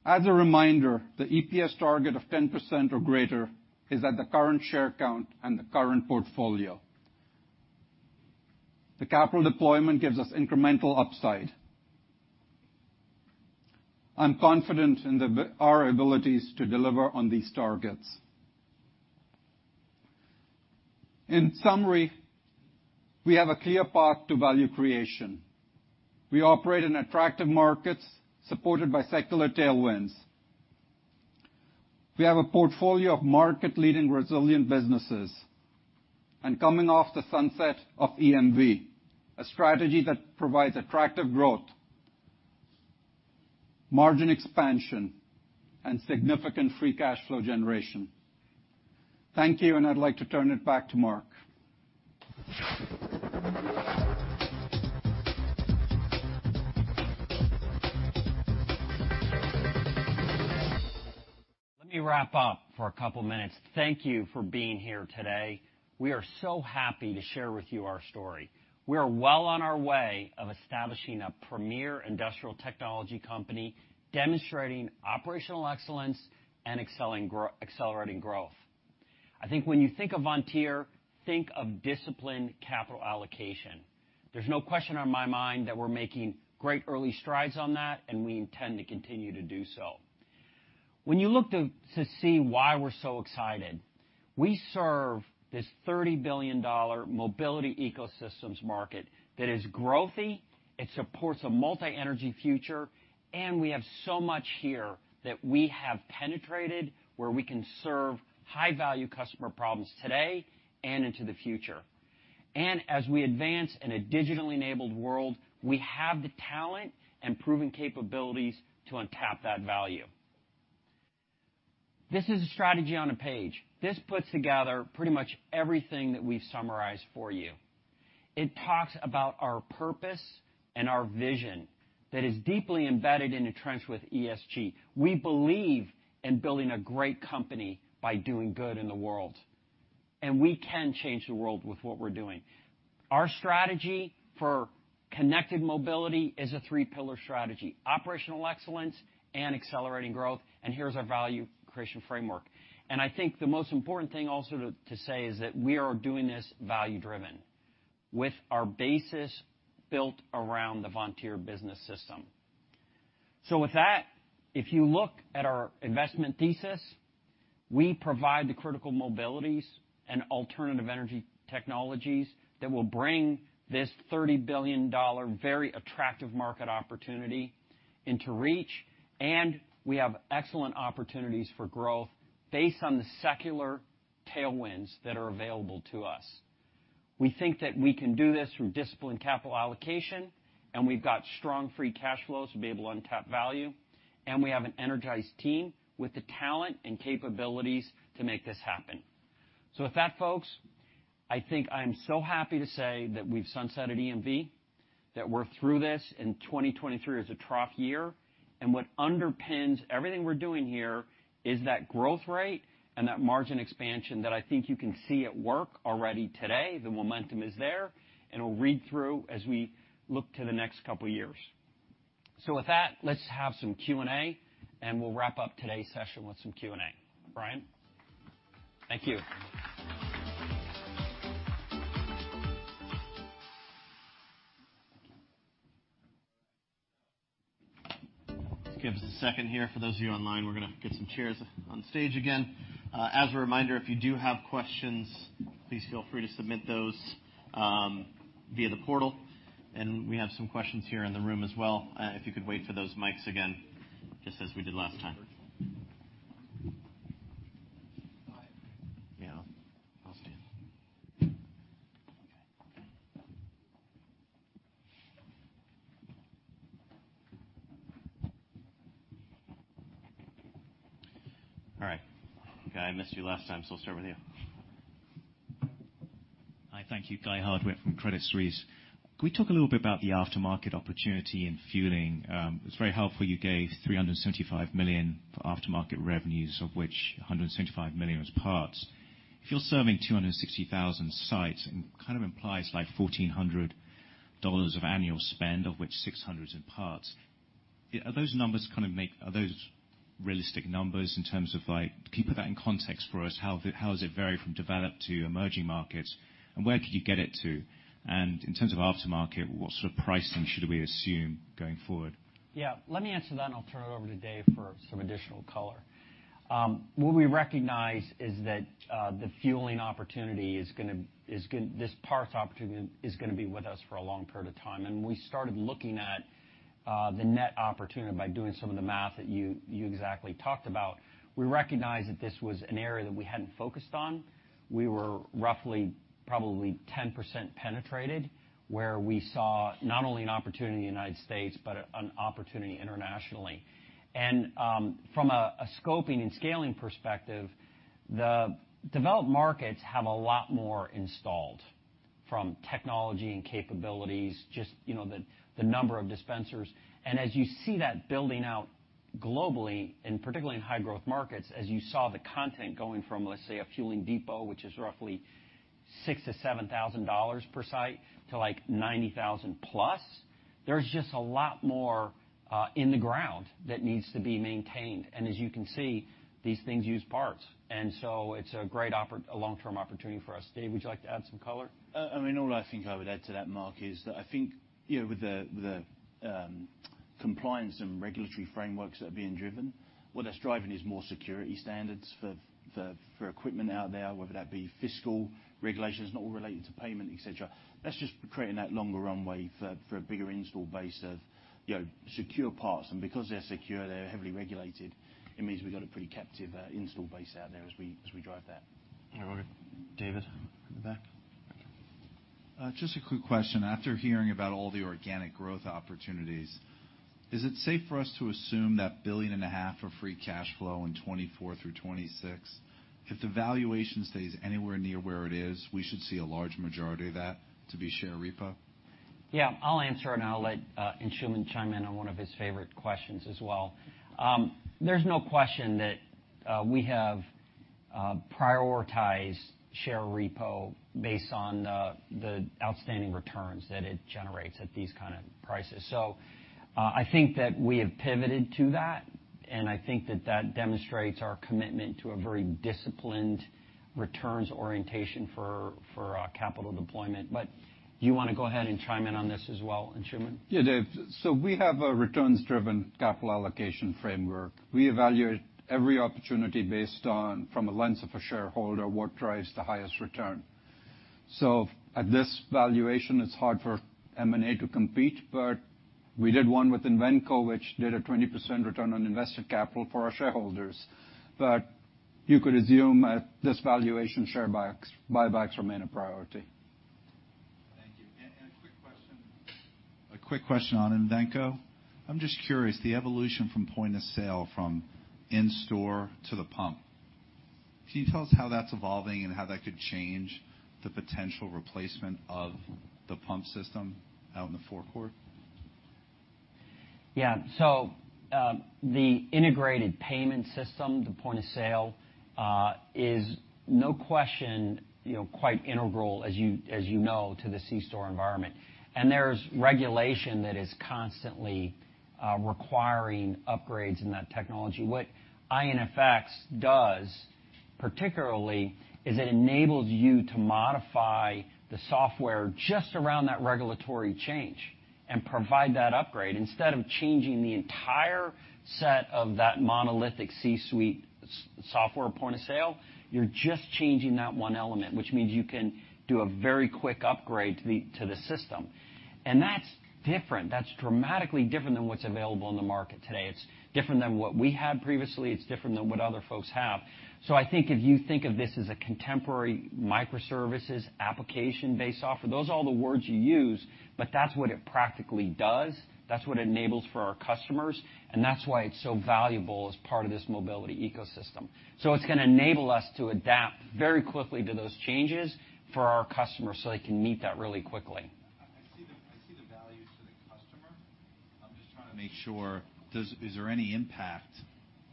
[SPEAKER 17] As a reminder, the EPS target of 10% or greater is at the current share count and the current portfolio. The capital deployment gives us incremental upside. I'm confident in our abilities to deliver on these targets. In summary, we have a clear path to value creation. We operate in attractive markets supported by secular tailwinds. We have a portfolio of market-leading resilient businesses. Coming off the sunset of EMV, a strategy that provides attractive growth, margin expansion, and significant free cash flow generation. Thank you, and I'd like to turn it back to Mark.
[SPEAKER 3] Let me wrap up for a couple minutes. Thank you for being here today. We are so happy to share with you our story. We are well on our way of establishing a premier industrial technology company, demonstrating operational excellence and accelerating growth. I think when you think of Vontier, think of disciplined capital allocation. There's no question on my mind that we're making great early strides on that. We intend to continue to do so. When you look to see why we're so excited, we serve this $30 billion mobility ecosystems market that is growthy, it supports a multi-energy future, and we have so much here that we have penetrated where we can serve high value customer problems today and into the future. As we advance in a digitally enabled world, we have the talent and proven capabilities to untap that value. This is a strategy on a page. This puts together pretty much everything that we've summarized for you. It talks about our purpose and our vision that is deeply embedded into trench with ESG. We believe in building a great company by doing good in the world, and we can change the world with what we're doing. Our strategy for connected mobility is a three-pillar strategy, operational excellence and accelerating growth, and here's our value creation framework. I think the most important thing also to say is that we are doing this value-driven with our basis built around the Vontier Business System. With that, if you look at our investment thesis, we provide the critical mobilities and alternative energy technologies that will bring this $30 billion very attractive market opportunity into reach. We have excellent opportunities for growth based on the secular tailwinds that are available to us. We think that we can do this through disciplined capital allocation. We've got strong free cash flows to be able to untap value. We have an energized team with the talent and capabilities to make this happen. With that, folks, I think I'm so happy to say that we've sunset at EMV, that we're through this, and 2023 is a trough year. What underpins everything we're doing here is that growth rate and that margin expansion that I think you can see at work already today. The momentum is there, and it'll read through as we look to the next couple of years. With that, let's have some Q&A, and we'll wrap up today's session with some Q&A. Brian? Thank you. Just give us a second here. For those of you online, we're gonna get some chairs on stage again. As a reminder, if you do have questions, please feel free to submit those via the portal. We have some questions here in the room as well. If you could wait for those mics again, just as we did last time. Hi. Yeah. I'll stand. Okay. All right. Guy, I missed you last time, so I'll start with you.
[SPEAKER 18] Hi. Thank you. Guy Hardwick from Credit Suisse. Can we talk a little bit about the aftermarket opportunity in fueling? It's very helpful you gave $375 million for aftermarket revenues, of which $175 million was parts. If you're serving 260,000 sites, it kind of implies like $1,400 of annual spend, of which $600 is in parts. Are those numbers realistic numbers in terms of, like, can you put that in context for us? How, how does it vary from developed to emerging markets, and where could you get it to? In terms of aftermarket, what sort of pricing should we assume going forward?
[SPEAKER 3] Yeah. Let me answer that. I'll turn it over to Dave for some additional color. What we recognize is that this parts opportunity is gonna be with us for a long period of time. We started looking at the net opportunity by doing some of the math that you exactly talked about. We recognized that this was an area that we hadn't focused on. We were roughly probably 10% penetrated, where we saw not only an opportunity in the United States, but an opportunity internationally. From a scoping and scaling perspective, the developed markets have a lot more installed from technology and capabilities, just, you know, the number of dispensers. As you see that building out globally, and particularly in high growth markets, as you saw the content going from, let's say, a fueling depot, which is roughly $6,000-$7,000 per site to like $90,000+. There's just a lot more in the ground that needs to be maintained. As you can see, these things use parts, and so it's a great long-term opportunity for us. Dave, would you like to add some color?
[SPEAKER 2] I mean, all I think I would add to that, Mark, is that I think, you know, with the compliance and regulatory frameworks that are being driven, what that's driving is more security standards for equipment out there, whether that be fiscal regulations, not all related to payment, et cetera. That's just creating that longer runway for a bigger install base of, you know, secure parts. Because they're secure, they're heavily regulated, it means we've got a pretty captive install base out there as we drive that.
[SPEAKER 3] All right. David, in the back.
[SPEAKER 19] Just a quick question. After hearing about all the organic growth opportunities, is it safe for us to assume that billion and a half of free cash flow in 2024 through 2026, if the valuation stays anywhere near where it is, we should see a large majority of that to be share repo?
[SPEAKER 3] I'll answer, and I'll let Anshuman chime in on one of his favorite questions as well. There's no question that we have prioritized share repo based on the outstanding returns that it generates at these kind of prices. I think that we have pivoted to that, and I think that that demonstrates our commitment to a very disciplined returns orientation for capital deployment. You wanna go ahead and chime in on this as well, Anshuman?
[SPEAKER 17] Yeah, Dave. We have a returns-driven capital allocation framework. We evaluate every opportunity based on, from a lens of a shareholder, what drives the highest return. At this valuation, it's hard for M&A to compete, but we did one with Invenco, which did a 20% return on invested capital for our shareholders. You could assume at this valuation, share buybacks remain a priority.
[SPEAKER 19] Thank you. A quick question on Invenco. I'm just curious, the evolution from point-of-sale from in-store to the pump, can you tell us how that's evolving and how that could change the potential replacement of the pump system out in the forecourt?
[SPEAKER 3] The integrated payment system, the point of sale, is no question, you know, quite integral as you know to the c-store environment. There's regulation that is constantly requiring upgrades in that technology. What iNFX does particularly is it enables you to modify the software just around that regulatory change and provide that upgrade. Instead of changing the entire set of that monolithic C-suite software point of sale, you're just changing that one element, which means you can do a very quick upgrade to the system. That's different. That's dramatically different than what's available in the market today. It's different than what we had previously. It's different than what other folks have. I think if you think of this as a contemporary microservices application-based software, those are all the words you use, but that's what it practically does. That's what it enables for our customers, and that's why it's so valuable as part of this mobility ecosystem. It's gonna enable us to adapt very quickly to those changes for our customers, so they can meet that really quickly.
[SPEAKER 19] I see the value to the customer. I'm just trying to make sure, is there any impact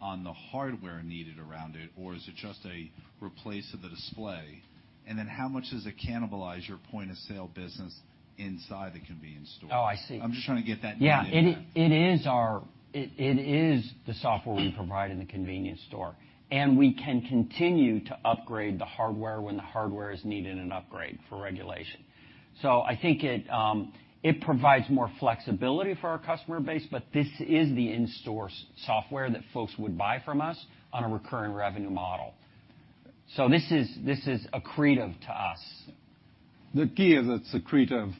[SPEAKER 19] on the hardware needed around it, or is it just a replace of the display? Then how much does it cannibalize your point of sale business inside the convenience store?
[SPEAKER 3] Oh, I see.
[SPEAKER 19] I'm just trying to get that dynamic there.
[SPEAKER 3] Yeah. It is the software we provide in the convenience store, and we can continue to upgrade the hardware when the hardware has needed an upgrade for regulation. I think it provides more flexibility for our customer base, but this is the in-store software that folks would buy from us on a recurring revenue model. This is accretive to us.
[SPEAKER 17] The key is it's accretive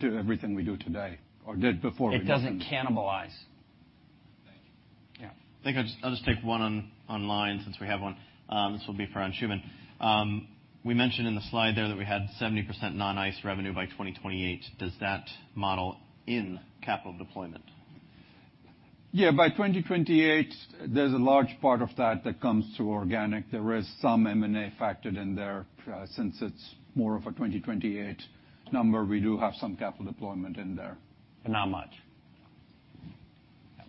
[SPEAKER 17] to everything we do today or did before we got to this.
[SPEAKER 3] It doesn't cannibalize.
[SPEAKER 19] Thank you.
[SPEAKER 3] Yeah.
[SPEAKER 2] I think I'll just take one on online since we have one. This will be for Anshuman. We mentioned in the slide there that we had 70% non-ICE revenue by 2028. Does that model in capital deployment?
[SPEAKER 17] Yeah. By 2028, there's a large part of that that comes through organic. There is some M&A factored in there. Since it's more of a 2028 number, we do have some capital deployment in there.
[SPEAKER 2] Not much.
[SPEAKER 3] No.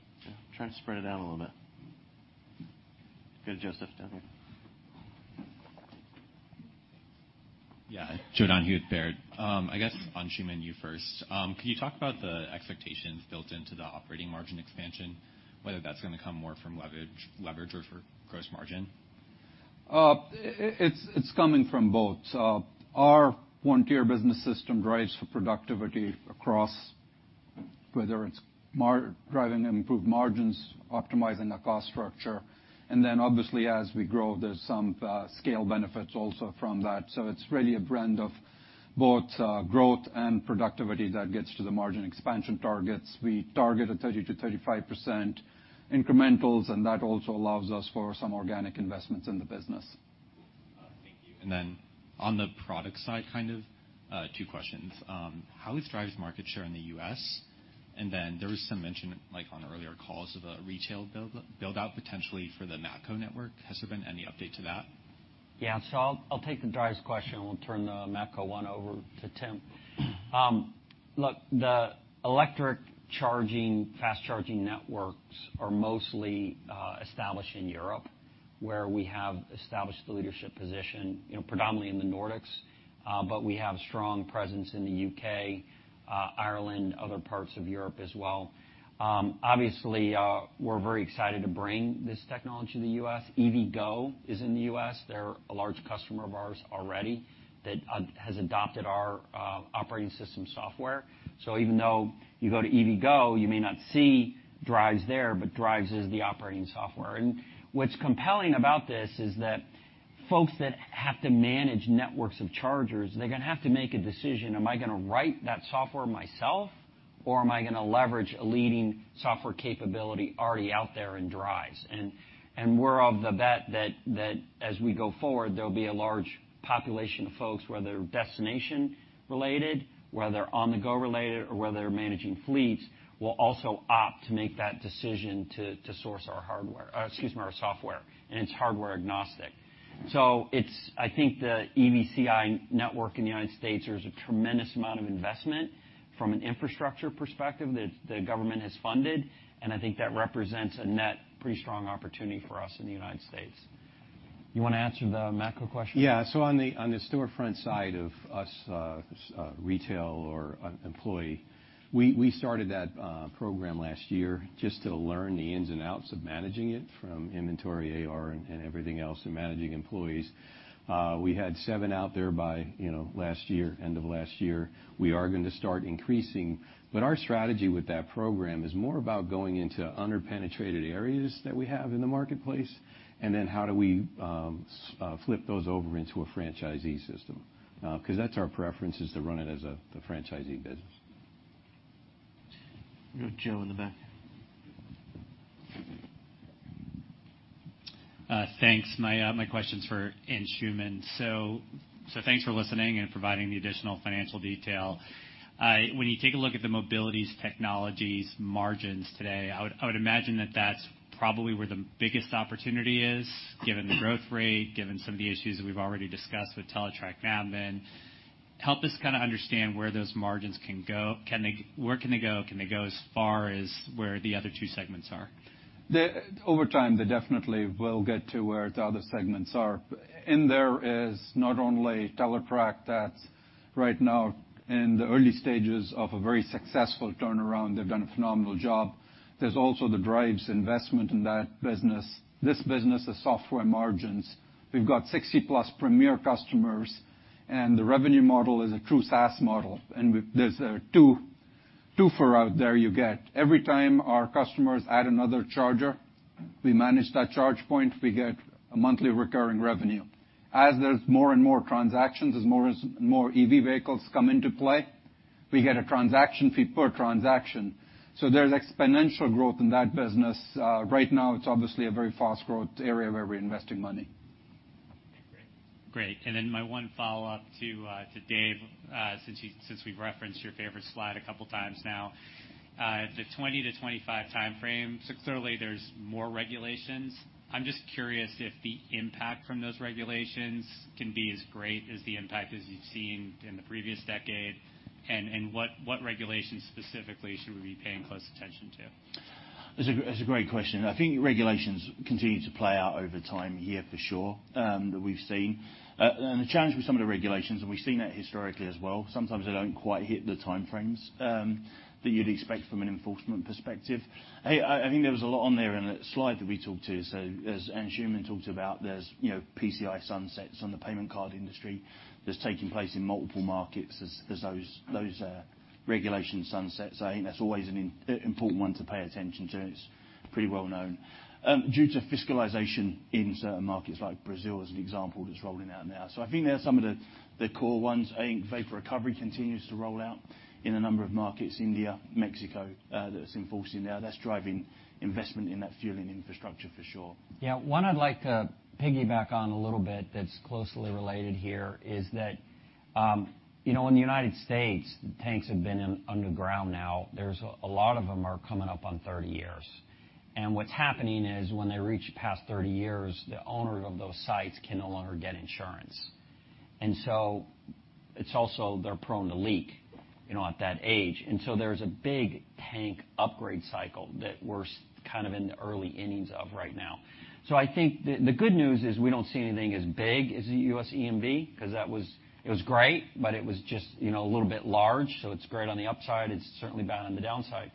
[SPEAKER 2] Trying to spread it out a little bit. Go to Joseph down here.
[SPEAKER 19] Yeah. Joe Donahue at Baird. I guess on Anshuman, you first. Can you talk about the expectations built into the operating margin expansion, whether that's gonna come more from leverage or for gross margin?
[SPEAKER 17] It's coming from both. Our Vontier Business System drives for productivity across whether it's driving improved margins, optimizing the cost structure, and then obviously as we grow, there's some scale benefits also from that. It's really a blend of both growth and productivity that gets to the margin expansion targets. We target a 30%-35% incrementals, and that also allows us for some organic investments in the business.
[SPEAKER 19] Thank you. On the product side, kind of, two questions. How is Driivz market share in the U.S.? There was some mention, like on earlier calls, of a retail build-out potentially for the Matco network. Has there been any update to that?
[SPEAKER 3] Yeah. I'll take the Driivz question, and we'll turn the Matco one over to Tim. Look, the electric charging, fast-charging networks are mostly established in Europe, where we have established the leadership position, you know, predominantly in the Nordics, but we have strong presence in the UK, Ireland, other parts of Europe as well. Obviously, we're very excited to bring this technology to the US. EVgo is in the US. They're a large customer of ours already that has adopted our operating system software. Even though you go to EVgo, you may not see Driivz there, but Driivz is the operating software. And what's compelling about this is that folks that have to manage networks of chargers, they're gonna have to make a decision. Am I gonna write that software myself, or am I gonna leverage a leading software capability already out there in Driivz? We're of the bet that as we go forward, there'll be a large population of folks, whether destination-related, whether on-the-go related, or whether managing fleets, will also opt to make that decision to source our hardware, excuse me, our software, and it's hardware agnostic. I think the EVCI network in the United States, there's a tremendous amount of investment from an infrastructure perspective that the government has funded, and I think that represents a net pretty strong opportunity for us in the United States. You wanna answer the Matco question?
[SPEAKER 2] Yeah. On the, on the storefront side of us, retail or employee, we started that program last year just to learn the ins and outs of managing it from inventory, AR and everything else, and managing employees. We had 7 out there by, you know, last year, end of last year. We are gonna start increasing. Our strategy with that program is more about going into under-penetrated areas that we have in the marketplace, and then how do we flip those over into a franchisee system? 'Cause that's our preference is to run it as the franchisee business.
[SPEAKER 3] We got Joe in the back.
[SPEAKER 10] Thanks. My question's for Anshooman Aga. Thanks for listening and providing the additional financial detail. When you take a look at the mobilities technologies margins today, I would imagine that that's probably where the biggest opportunity is, given the growth rate, given some of the issues that we've already discussed with Teletrac Navman. Help us kinda understand where those margins can go. Where can they go? Can they go as far as where the other two segments are?
[SPEAKER 17] Over time, they definitely will get to where the other segments are. In there is not only Teletrac that's right now in the early stages of a very successful turnaround. They've done a phenomenal job. There's also the Driivz investment in that business. This business is software margins. We've got 60-plus premier customers, the revenue model is a true SaaS model. There's a 2-fer out there you get. Every time our customers add another charger, we manage that charge point, we get a monthly recurring revenue. As there's more and more transactions, as more EV vehicles come into play, we get a transaction fee per transaction. There's exponential growth in that business. Right now, it's obviously a very fast growth area where we're investing money.
[SPEAKER 10] Okay, great. Great. My one follow-up to Dave, since we've referenced your favorite slide a couple times now. The 20-25 timeframe, clearly there's more regulations. I'm just curious if the impact from those regulations can be as great as the impact as you've seen in the previous decade, and what regulations specifically should we be paying close attention to?
[SPEAKER 14] That's a great question. I think regulations continue to play out over time here for sure, that we've seen. The challenge with some of the regulations, and we've seen that historically as well, sometimes they don't quite hit the time frames, that you'd expect from an enforcement perspective. I think there was a lot on there in a slide that we talked to. As Anshooman Aga talked about, there's, you know, PCI sunsets on the Payment Card Industry that's taking place in multiple markets as those regulation sunsets. I think that's always an important one to pay attention to. It's pretty well known. Due to fiscalization in certain markets like Brazil as an example that's rolling out now. I think there are some of the core ones. I think vapor recovery continues to roll out in a number of markets, India, Mexico, that's enforcing now. That's driving investment in that fueling infrastructure for sure.
[SPEAKER 3] One I'd like to piggyback on a little bit that's closely related here is that, you know, in the United States, tanks have been in underground now. There's a lot of them are coming up on 30 years. What's happening is when they reach past 30 years, the owner of those sites can no longer get insurance. So it's also they're prone to leak, you know, at that age. So there's a big tank upgrade cycle that we're kind of in the early innings of right now. I think the good news is we don't see anything as big as the U.S. EMV because it was great, but it was just, you know, a little bit large. It's great on the upside. It's certainly bad on the downside.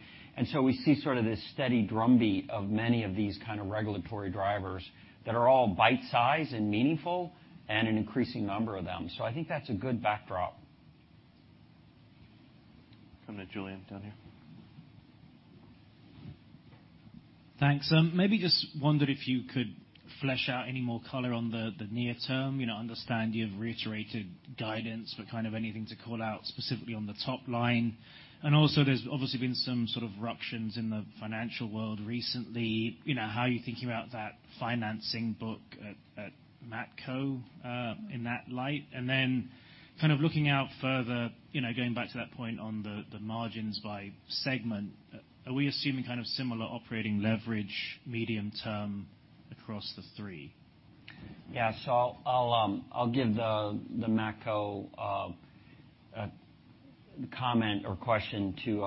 [SPEAKER 3] We see sort of this steady drumbeat of many of these kind of regulatory drivers that are all bite-sized and meaningful and an increasing number of them. I think that's a good backdrop.
[SPEAKER 2] Coming to Julian down here.
[SPEAKER 11] Thanks. maybe just wondered if you could flesh out any more color on the near term. You know, understand you've reiterated guidance, but kind of anything to call out specifically on the top line? Also, there's obviously been some sort of ruptions in the financial world recently. You know, how are you thinking about that financing book at Matco in that light? looking out further, you know, going back to that point on the margins by segment, are we assuming kind of similar operating leverage medium term across the three?
[SPEAKER 3] Yeah. I'll give the Matco comment or question to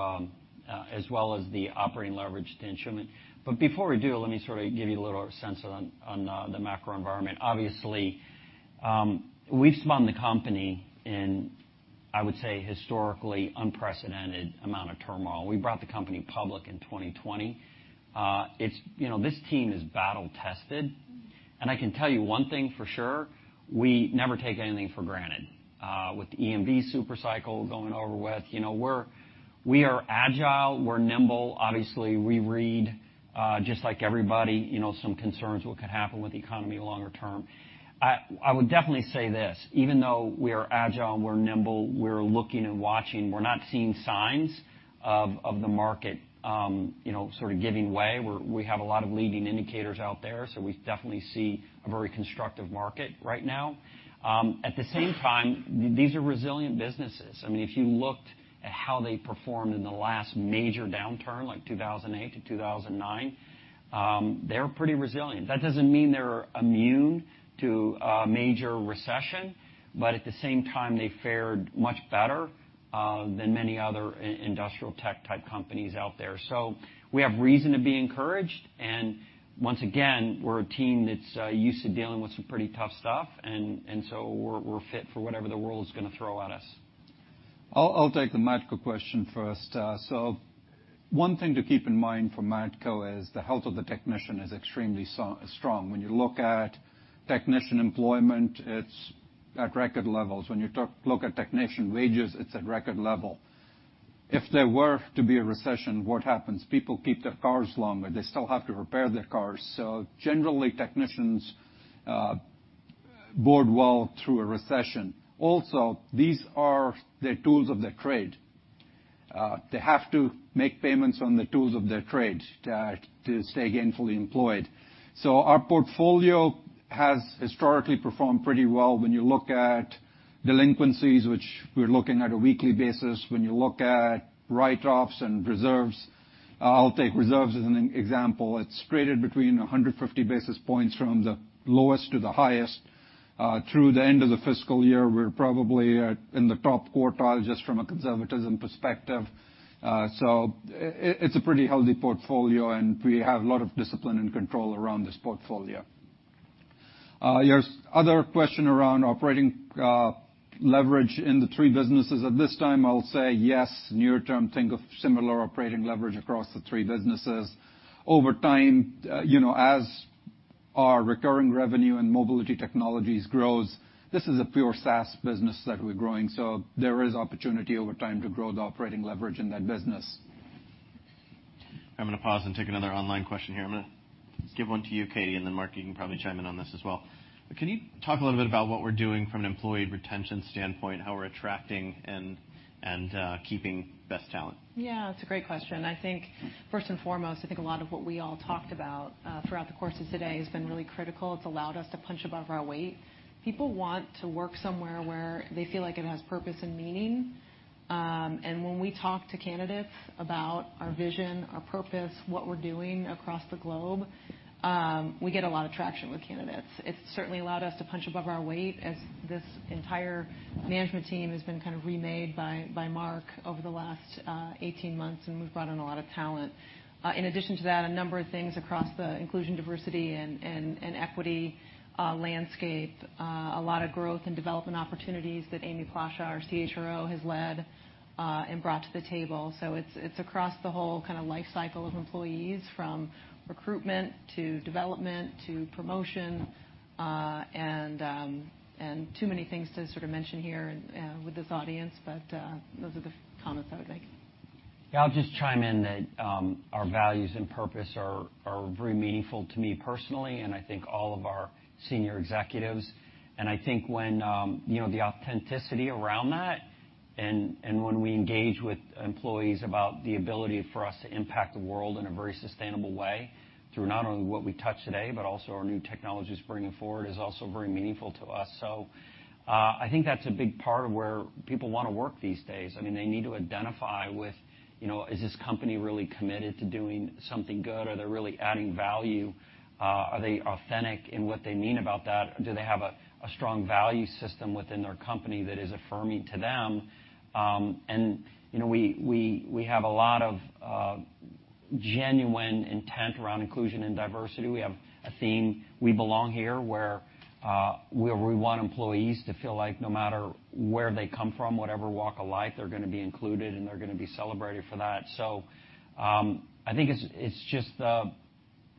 [SPEAKER 3] Anshuman. Before we do, let me sort of give you a little sense on the macro environment. Obviously, we've spun the company in, I would say, historically unprecedented amount of turmoil. We brought the company public in 2020. You know, this team is battle tested, and I can tell you one thing for sure, we never take anything for granted. With the EMV super cycle going over with, you know, we are agile, we're nimble. Obviously, we read, just like everybody, you know, some concerns what could happen with the economy longer term. I would definitely say this, even though we are agile and we're nimble, we're looking and watching, we're not seeing signs of the market, you know, sort of giving way. We have a lot of leading indicators out there. We definitely see a very constructive market right now. At the same time, these are resilient businesses. I mean, if you looked at how they performed in the last major downturn, like 2008-2009, they're pretty resilient. That doesn't mean they're immune to a major recession. At the same time, they fared much better than many other industrial tech type companies out there. We have reason to be encouraged. Once again, we're a team that's used to dealing with some pretty tough stuff. We're fit for whatever the world is going to throw at us.
[SPEAKER 17] I'll take the Matco question first. One thing to keep in mind for Matco is the health of the technician is extremely strong. When you look at technician employment, it's at record levels. When you look at technician wages, it's at record level. If there were to be a recession, what happens? People keep their cars longer. They still have to repair their cars. Generally, technicians board well through a recession. Also, these are the tools of their trade. They have to make payments on the tools of their trade to stay gainfully employed. Our portfolio has historically performed pretty well when you look at delinquencies, which we're looking at a weekly basis. When you look at write-offs and reserves, I'll take reserves as an example. It's graded between 150 basis points from the lowest to the highest. Through the end of the fiscal year, we're probably at in the top quartile just from a conservatism perspective. It's a pretty healthy portfolio, and we have a lot of discipline and control around this portfolio. Your other question around operating, leverage in the three businesses. At this time, I'll say yes. Near term, think of similar operating leverage across the three businesses. Over time, you know, as our recurring revenue and mobility technologies grows, this is a pure SaaS business that we're growing. There is opportunity over time to grow the operating leverage in that business.
[SPEAKER 3] I'm gonna pause and take another online question here. I'm gonna give one to you, Katie, then Mark, you can probably chime in on this as well. Can you talk a little bit about what we're doing from an employee retention standpoint, how we're attracting and keeping best talent?
[SPEAKER 16] It's a great question. I think first and foremost, I think a lot of what we all talked about throughout the course of today has been really critical. It's allowed us to punch above our weight. People want to work somewhere where they feel like it has purpose and meaning. When we talk to candidates about our vision, our purpose, what we're doing across the globe, we get a lot of traction with candidates. It's certainly allowed us to punch above our weight as this entire management team has been kind of remade by Mark over the last 18 months, and we've brought in a lot of talent. In addition to that, a number of things across the inclusion, diversity, and equity landscape, a lot of growth and development opportunities that Amy Placha, our CHRO, has led and brought to the table. It's across the whole kinda life cycle of employees, from recruitment to development to promotion, and too many things to sort of mention here with this audience. Those are the comments I would make.
[SPEAKER 3] Yeah, I'll just chime in that our values and purpose are very meaningful to me personally, and I think all of our senior executives. I think when, you know, the authenticity around that and when we engage with employees about the ability for us to impact the world in a very sustainable way through not only what we touch today, but also our new technologies bringing forward, is also very meaningful to us. I think that's a big part of where people wanna work these days. I mean, they need to identify with, you know, is this company really committed to doing something good? Are they really adding value? Are they authentic in what they mean about that? Do they have a strong value system within their company that is affirming to them? You know, we have a lot of genuine intent around inclusion and diversity. We have a theme, we belong here, where we want employees to feel like no matter where they come from, whatever walk of life, they're gonna be included, and they're gonna be celebrated for that. I think it's just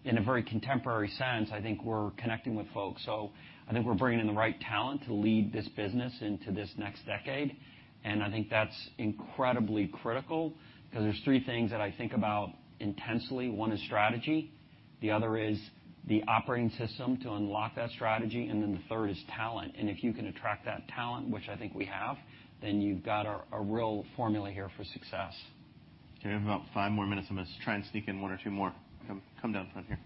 [SPEAKER 3] in a very contemporary sense, I think we're connecting with folks. I think we're bringing in the right talent to lead this business into this next decade. I think that's incredibly critical 'cause there's three things that I think about intensely. One is strategy, the other is the operating system to unlock that strategy, and then the third is talent. If you can attract that talent, which I think we have, then you've got a real formula here for success. Okay. We have about five more minutes. I'm gonna try and sneak in one or two more. Come down front here.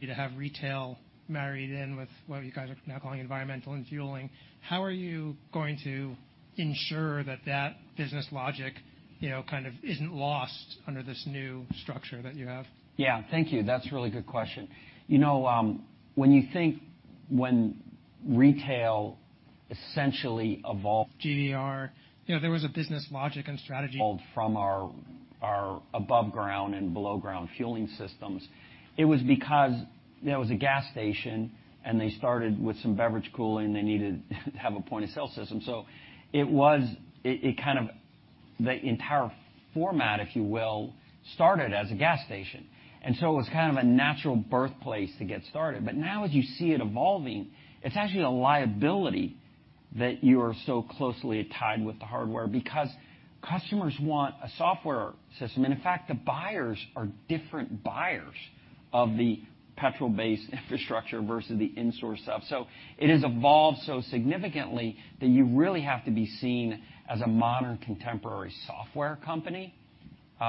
[SPEAKER 19] You'd have retail married in with what you guys are now calling Environmental and Fueling. How are you going to ensure that that business logic, you know, kind of isn't lost under this new structure that you have?
[SPEAKER 3] Yeah. Thank you. That's a really good question. You know, essentially evolved GVR. You know, there was a business logic and strategy from our above ground and below ground fueling systems. It was because there was a gas station, and they started with some beverage cooling. They needed to have a point-of-sale system. It kind of the entire format, if you will, started as a gas station. It was kind of a natural birthplace to get started. Now as you see it evolving, it's actually a liability that you are so closely tied with the hardware because customers want a software system. In fact, the buyers are different buyers of the petrol-based infrastructure versus the in-source stuff. It has evolved so significantly that you really have to be seen as a modern contemporary software company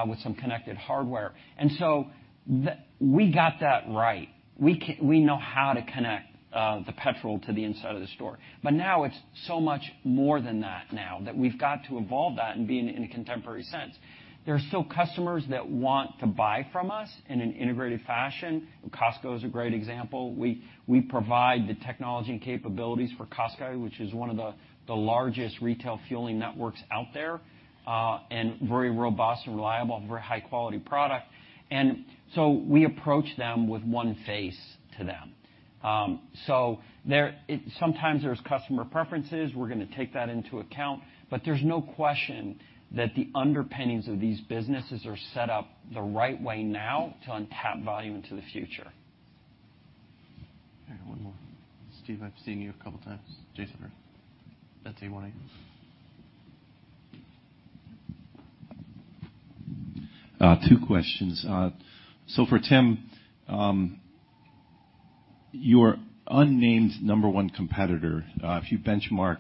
[SPEAKER 3] with some connected hardware. We got that right. We know how to connect the petrol to the inside of the store. Now it's so much more than that now that we've got to evolve that and be in a contemporary sense. There are still customers that want to buy from us in an integrated fashion. Costco is a great example. We provide the technology and capabilities for Costco, which is one of the largest retail fueling networks out there and very robust and reliable, very high quality product. We approach them with one face to them. Sometimes there's customer preferences. We're gonna take that into account. There's no question that the underpinnings of these businesses are set up the right way now to untap volume into the future.
[SPEAKER 1] All right, one more. Steve, I've seen you a couple times. Jason, that's you wanting.
[SPEAKER 13] Two questions. So for Tim, your unnamed number one competitor, if you benchmark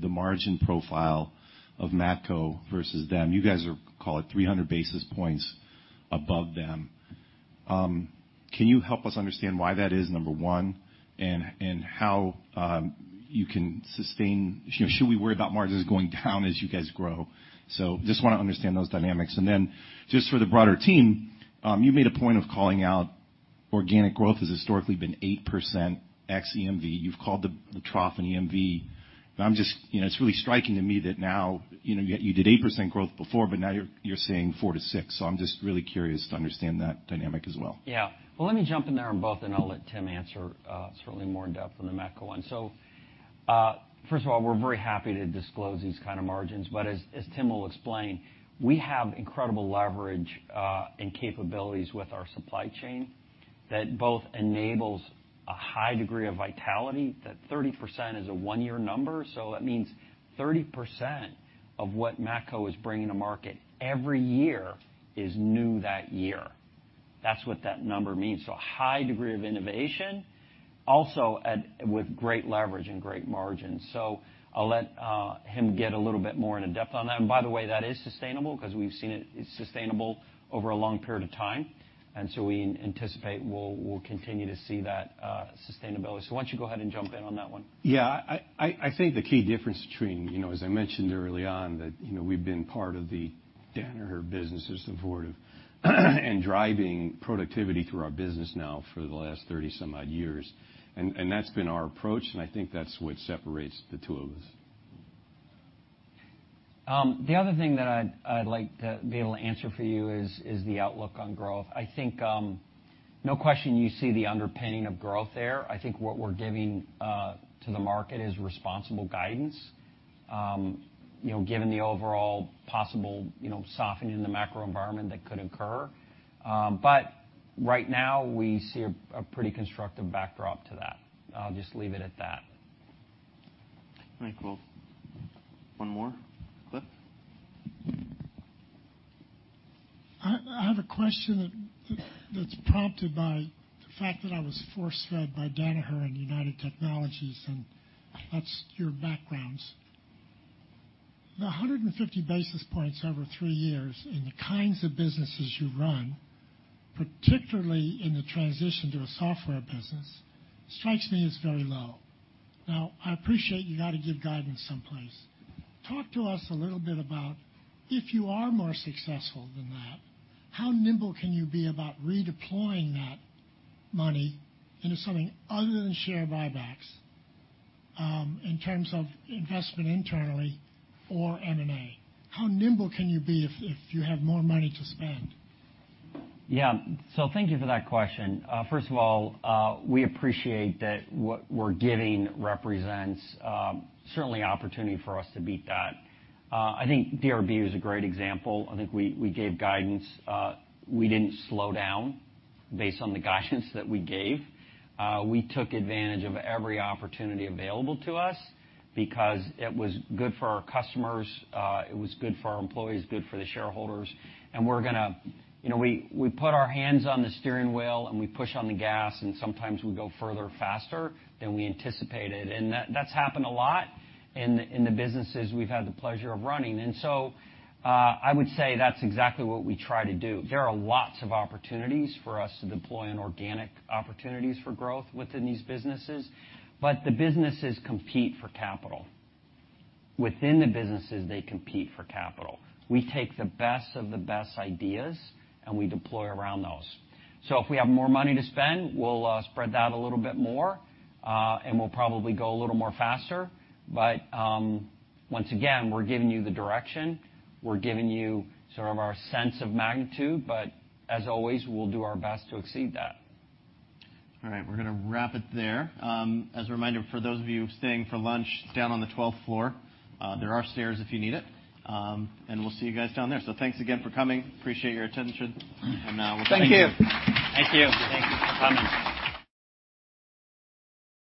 [SPEAKER 13] the margin profile of Matco versus them, you guys are, call it 300 basis points above them. Can you help us understand why that is, number one, and how you can sustain? Should we worry about margins going down as you guys grow? Just wanna understand those dynamics. Then just for the broader team, you made a point of calling out organic growth has historically been 8% ex EMV. You've called the trough an EMV. I'm just, you know, it's really striking to me that now, you know, you did 8% growth before, but now you're saying 4% to 6%. I'm just really curious to understand that dynamic as well.
[SPEAKER 3] Yeah. Well, let me jump in there on both, and I'll let Tim answer, certainly more in-depth on the Matco one. First of all, we're very happy to disclose these kind of margins. But as Tim will explain, we have incredible leverage and capabilities with our supply chain that both enables a high degree of vitality, that 30% is a 1-year number. That means 30% of what Matco is bringing to market every year is new that year. That's what that number means. A high degree of innovation also with great leverage and great margins. I'll let him get a little bit more into depth on that. By the way, that is sustainable because we've seen it. It's sustainable over a long period of time. We anticipate we'll continue to see that sustainability. Why don't you go ahead and jump in on that one? Yeah. I think the key difference between, you know, as I mentioned early on, that, you know, we've been part of the Danaher businesses supportive and driving productivity through our business now for the last 30 some odd years. That's been our approach, and I think that's what separates the two of us. The other thing that I'd like to be able to answer for you is the outlook on growth. I think no question you see the underpinning of growth there. I think what we're giving to the market is responsible guidance, you know, given the overall possible, you know, softening in the macro environment that could occur. Right now we see a pretty constructive backdrop to that. I'll just leave it at that.
[SPEAKER 1] All right, cool. One more. Cliff.
[SPEAKER 9] I have a question that's prompted by the fact that I was force-fed by Danaher and United Technologies, and that's your backgrounds. The 150 basis points over three years in the kinds of businesses you run, particularly in the transition to a software business, strikes me as very low. I appreciate you gotta give guidance someplace. Talk to us a little bit about if you are more successful than that, how nimble can you be about redeploying that money into something other than share buybacks, in terms of investment internally or M&A? How nimble can you be if you have more money to spend?
[SPEAKER 3] Thank you for that question. First of all, we appreciate that what we're giving represents certainly opportunity for us to beat that. I think DRB is a great example. I think we gave guidance. We didn't slow down based on the guidance that we gave. We took advantage of every opportunity available to us because it was good for our customers, it was good for our employees, good for the shareholders. We're gonna, you know, we put our hands on the steering wheel, and we push on the gas, and sometimes we go further faster than we anticipated. That's happened a lot in the businesses we've had the pleasure of running. I would say that's exactly what we try to do. There are lots of opportunities for us to deploy in organic opportunities for growth within these businesses, but the businesses compete for capital. Within the businesses, they compete for capital. We take the best of the best ideas, and we deploy around those. If we have more money to spend, we'll spread that a little bit more, and we'll probably go a little more faster. Once again, we're giving you the direction, we're giving you sort of our sense of magnitude, but as always, we'll do our best to exceed that. All right, we're gonna wrap it there. As a reminder for those of you staying for lunch, it's down on the twelfth floor. There are stairs if you need it. We'll see you guys down there. Thanks again for coming. Appreciate your attention, and, we'll thank you. Thank you. Thank you. Thank you for coming.
[SPEAKER 1] Thank you.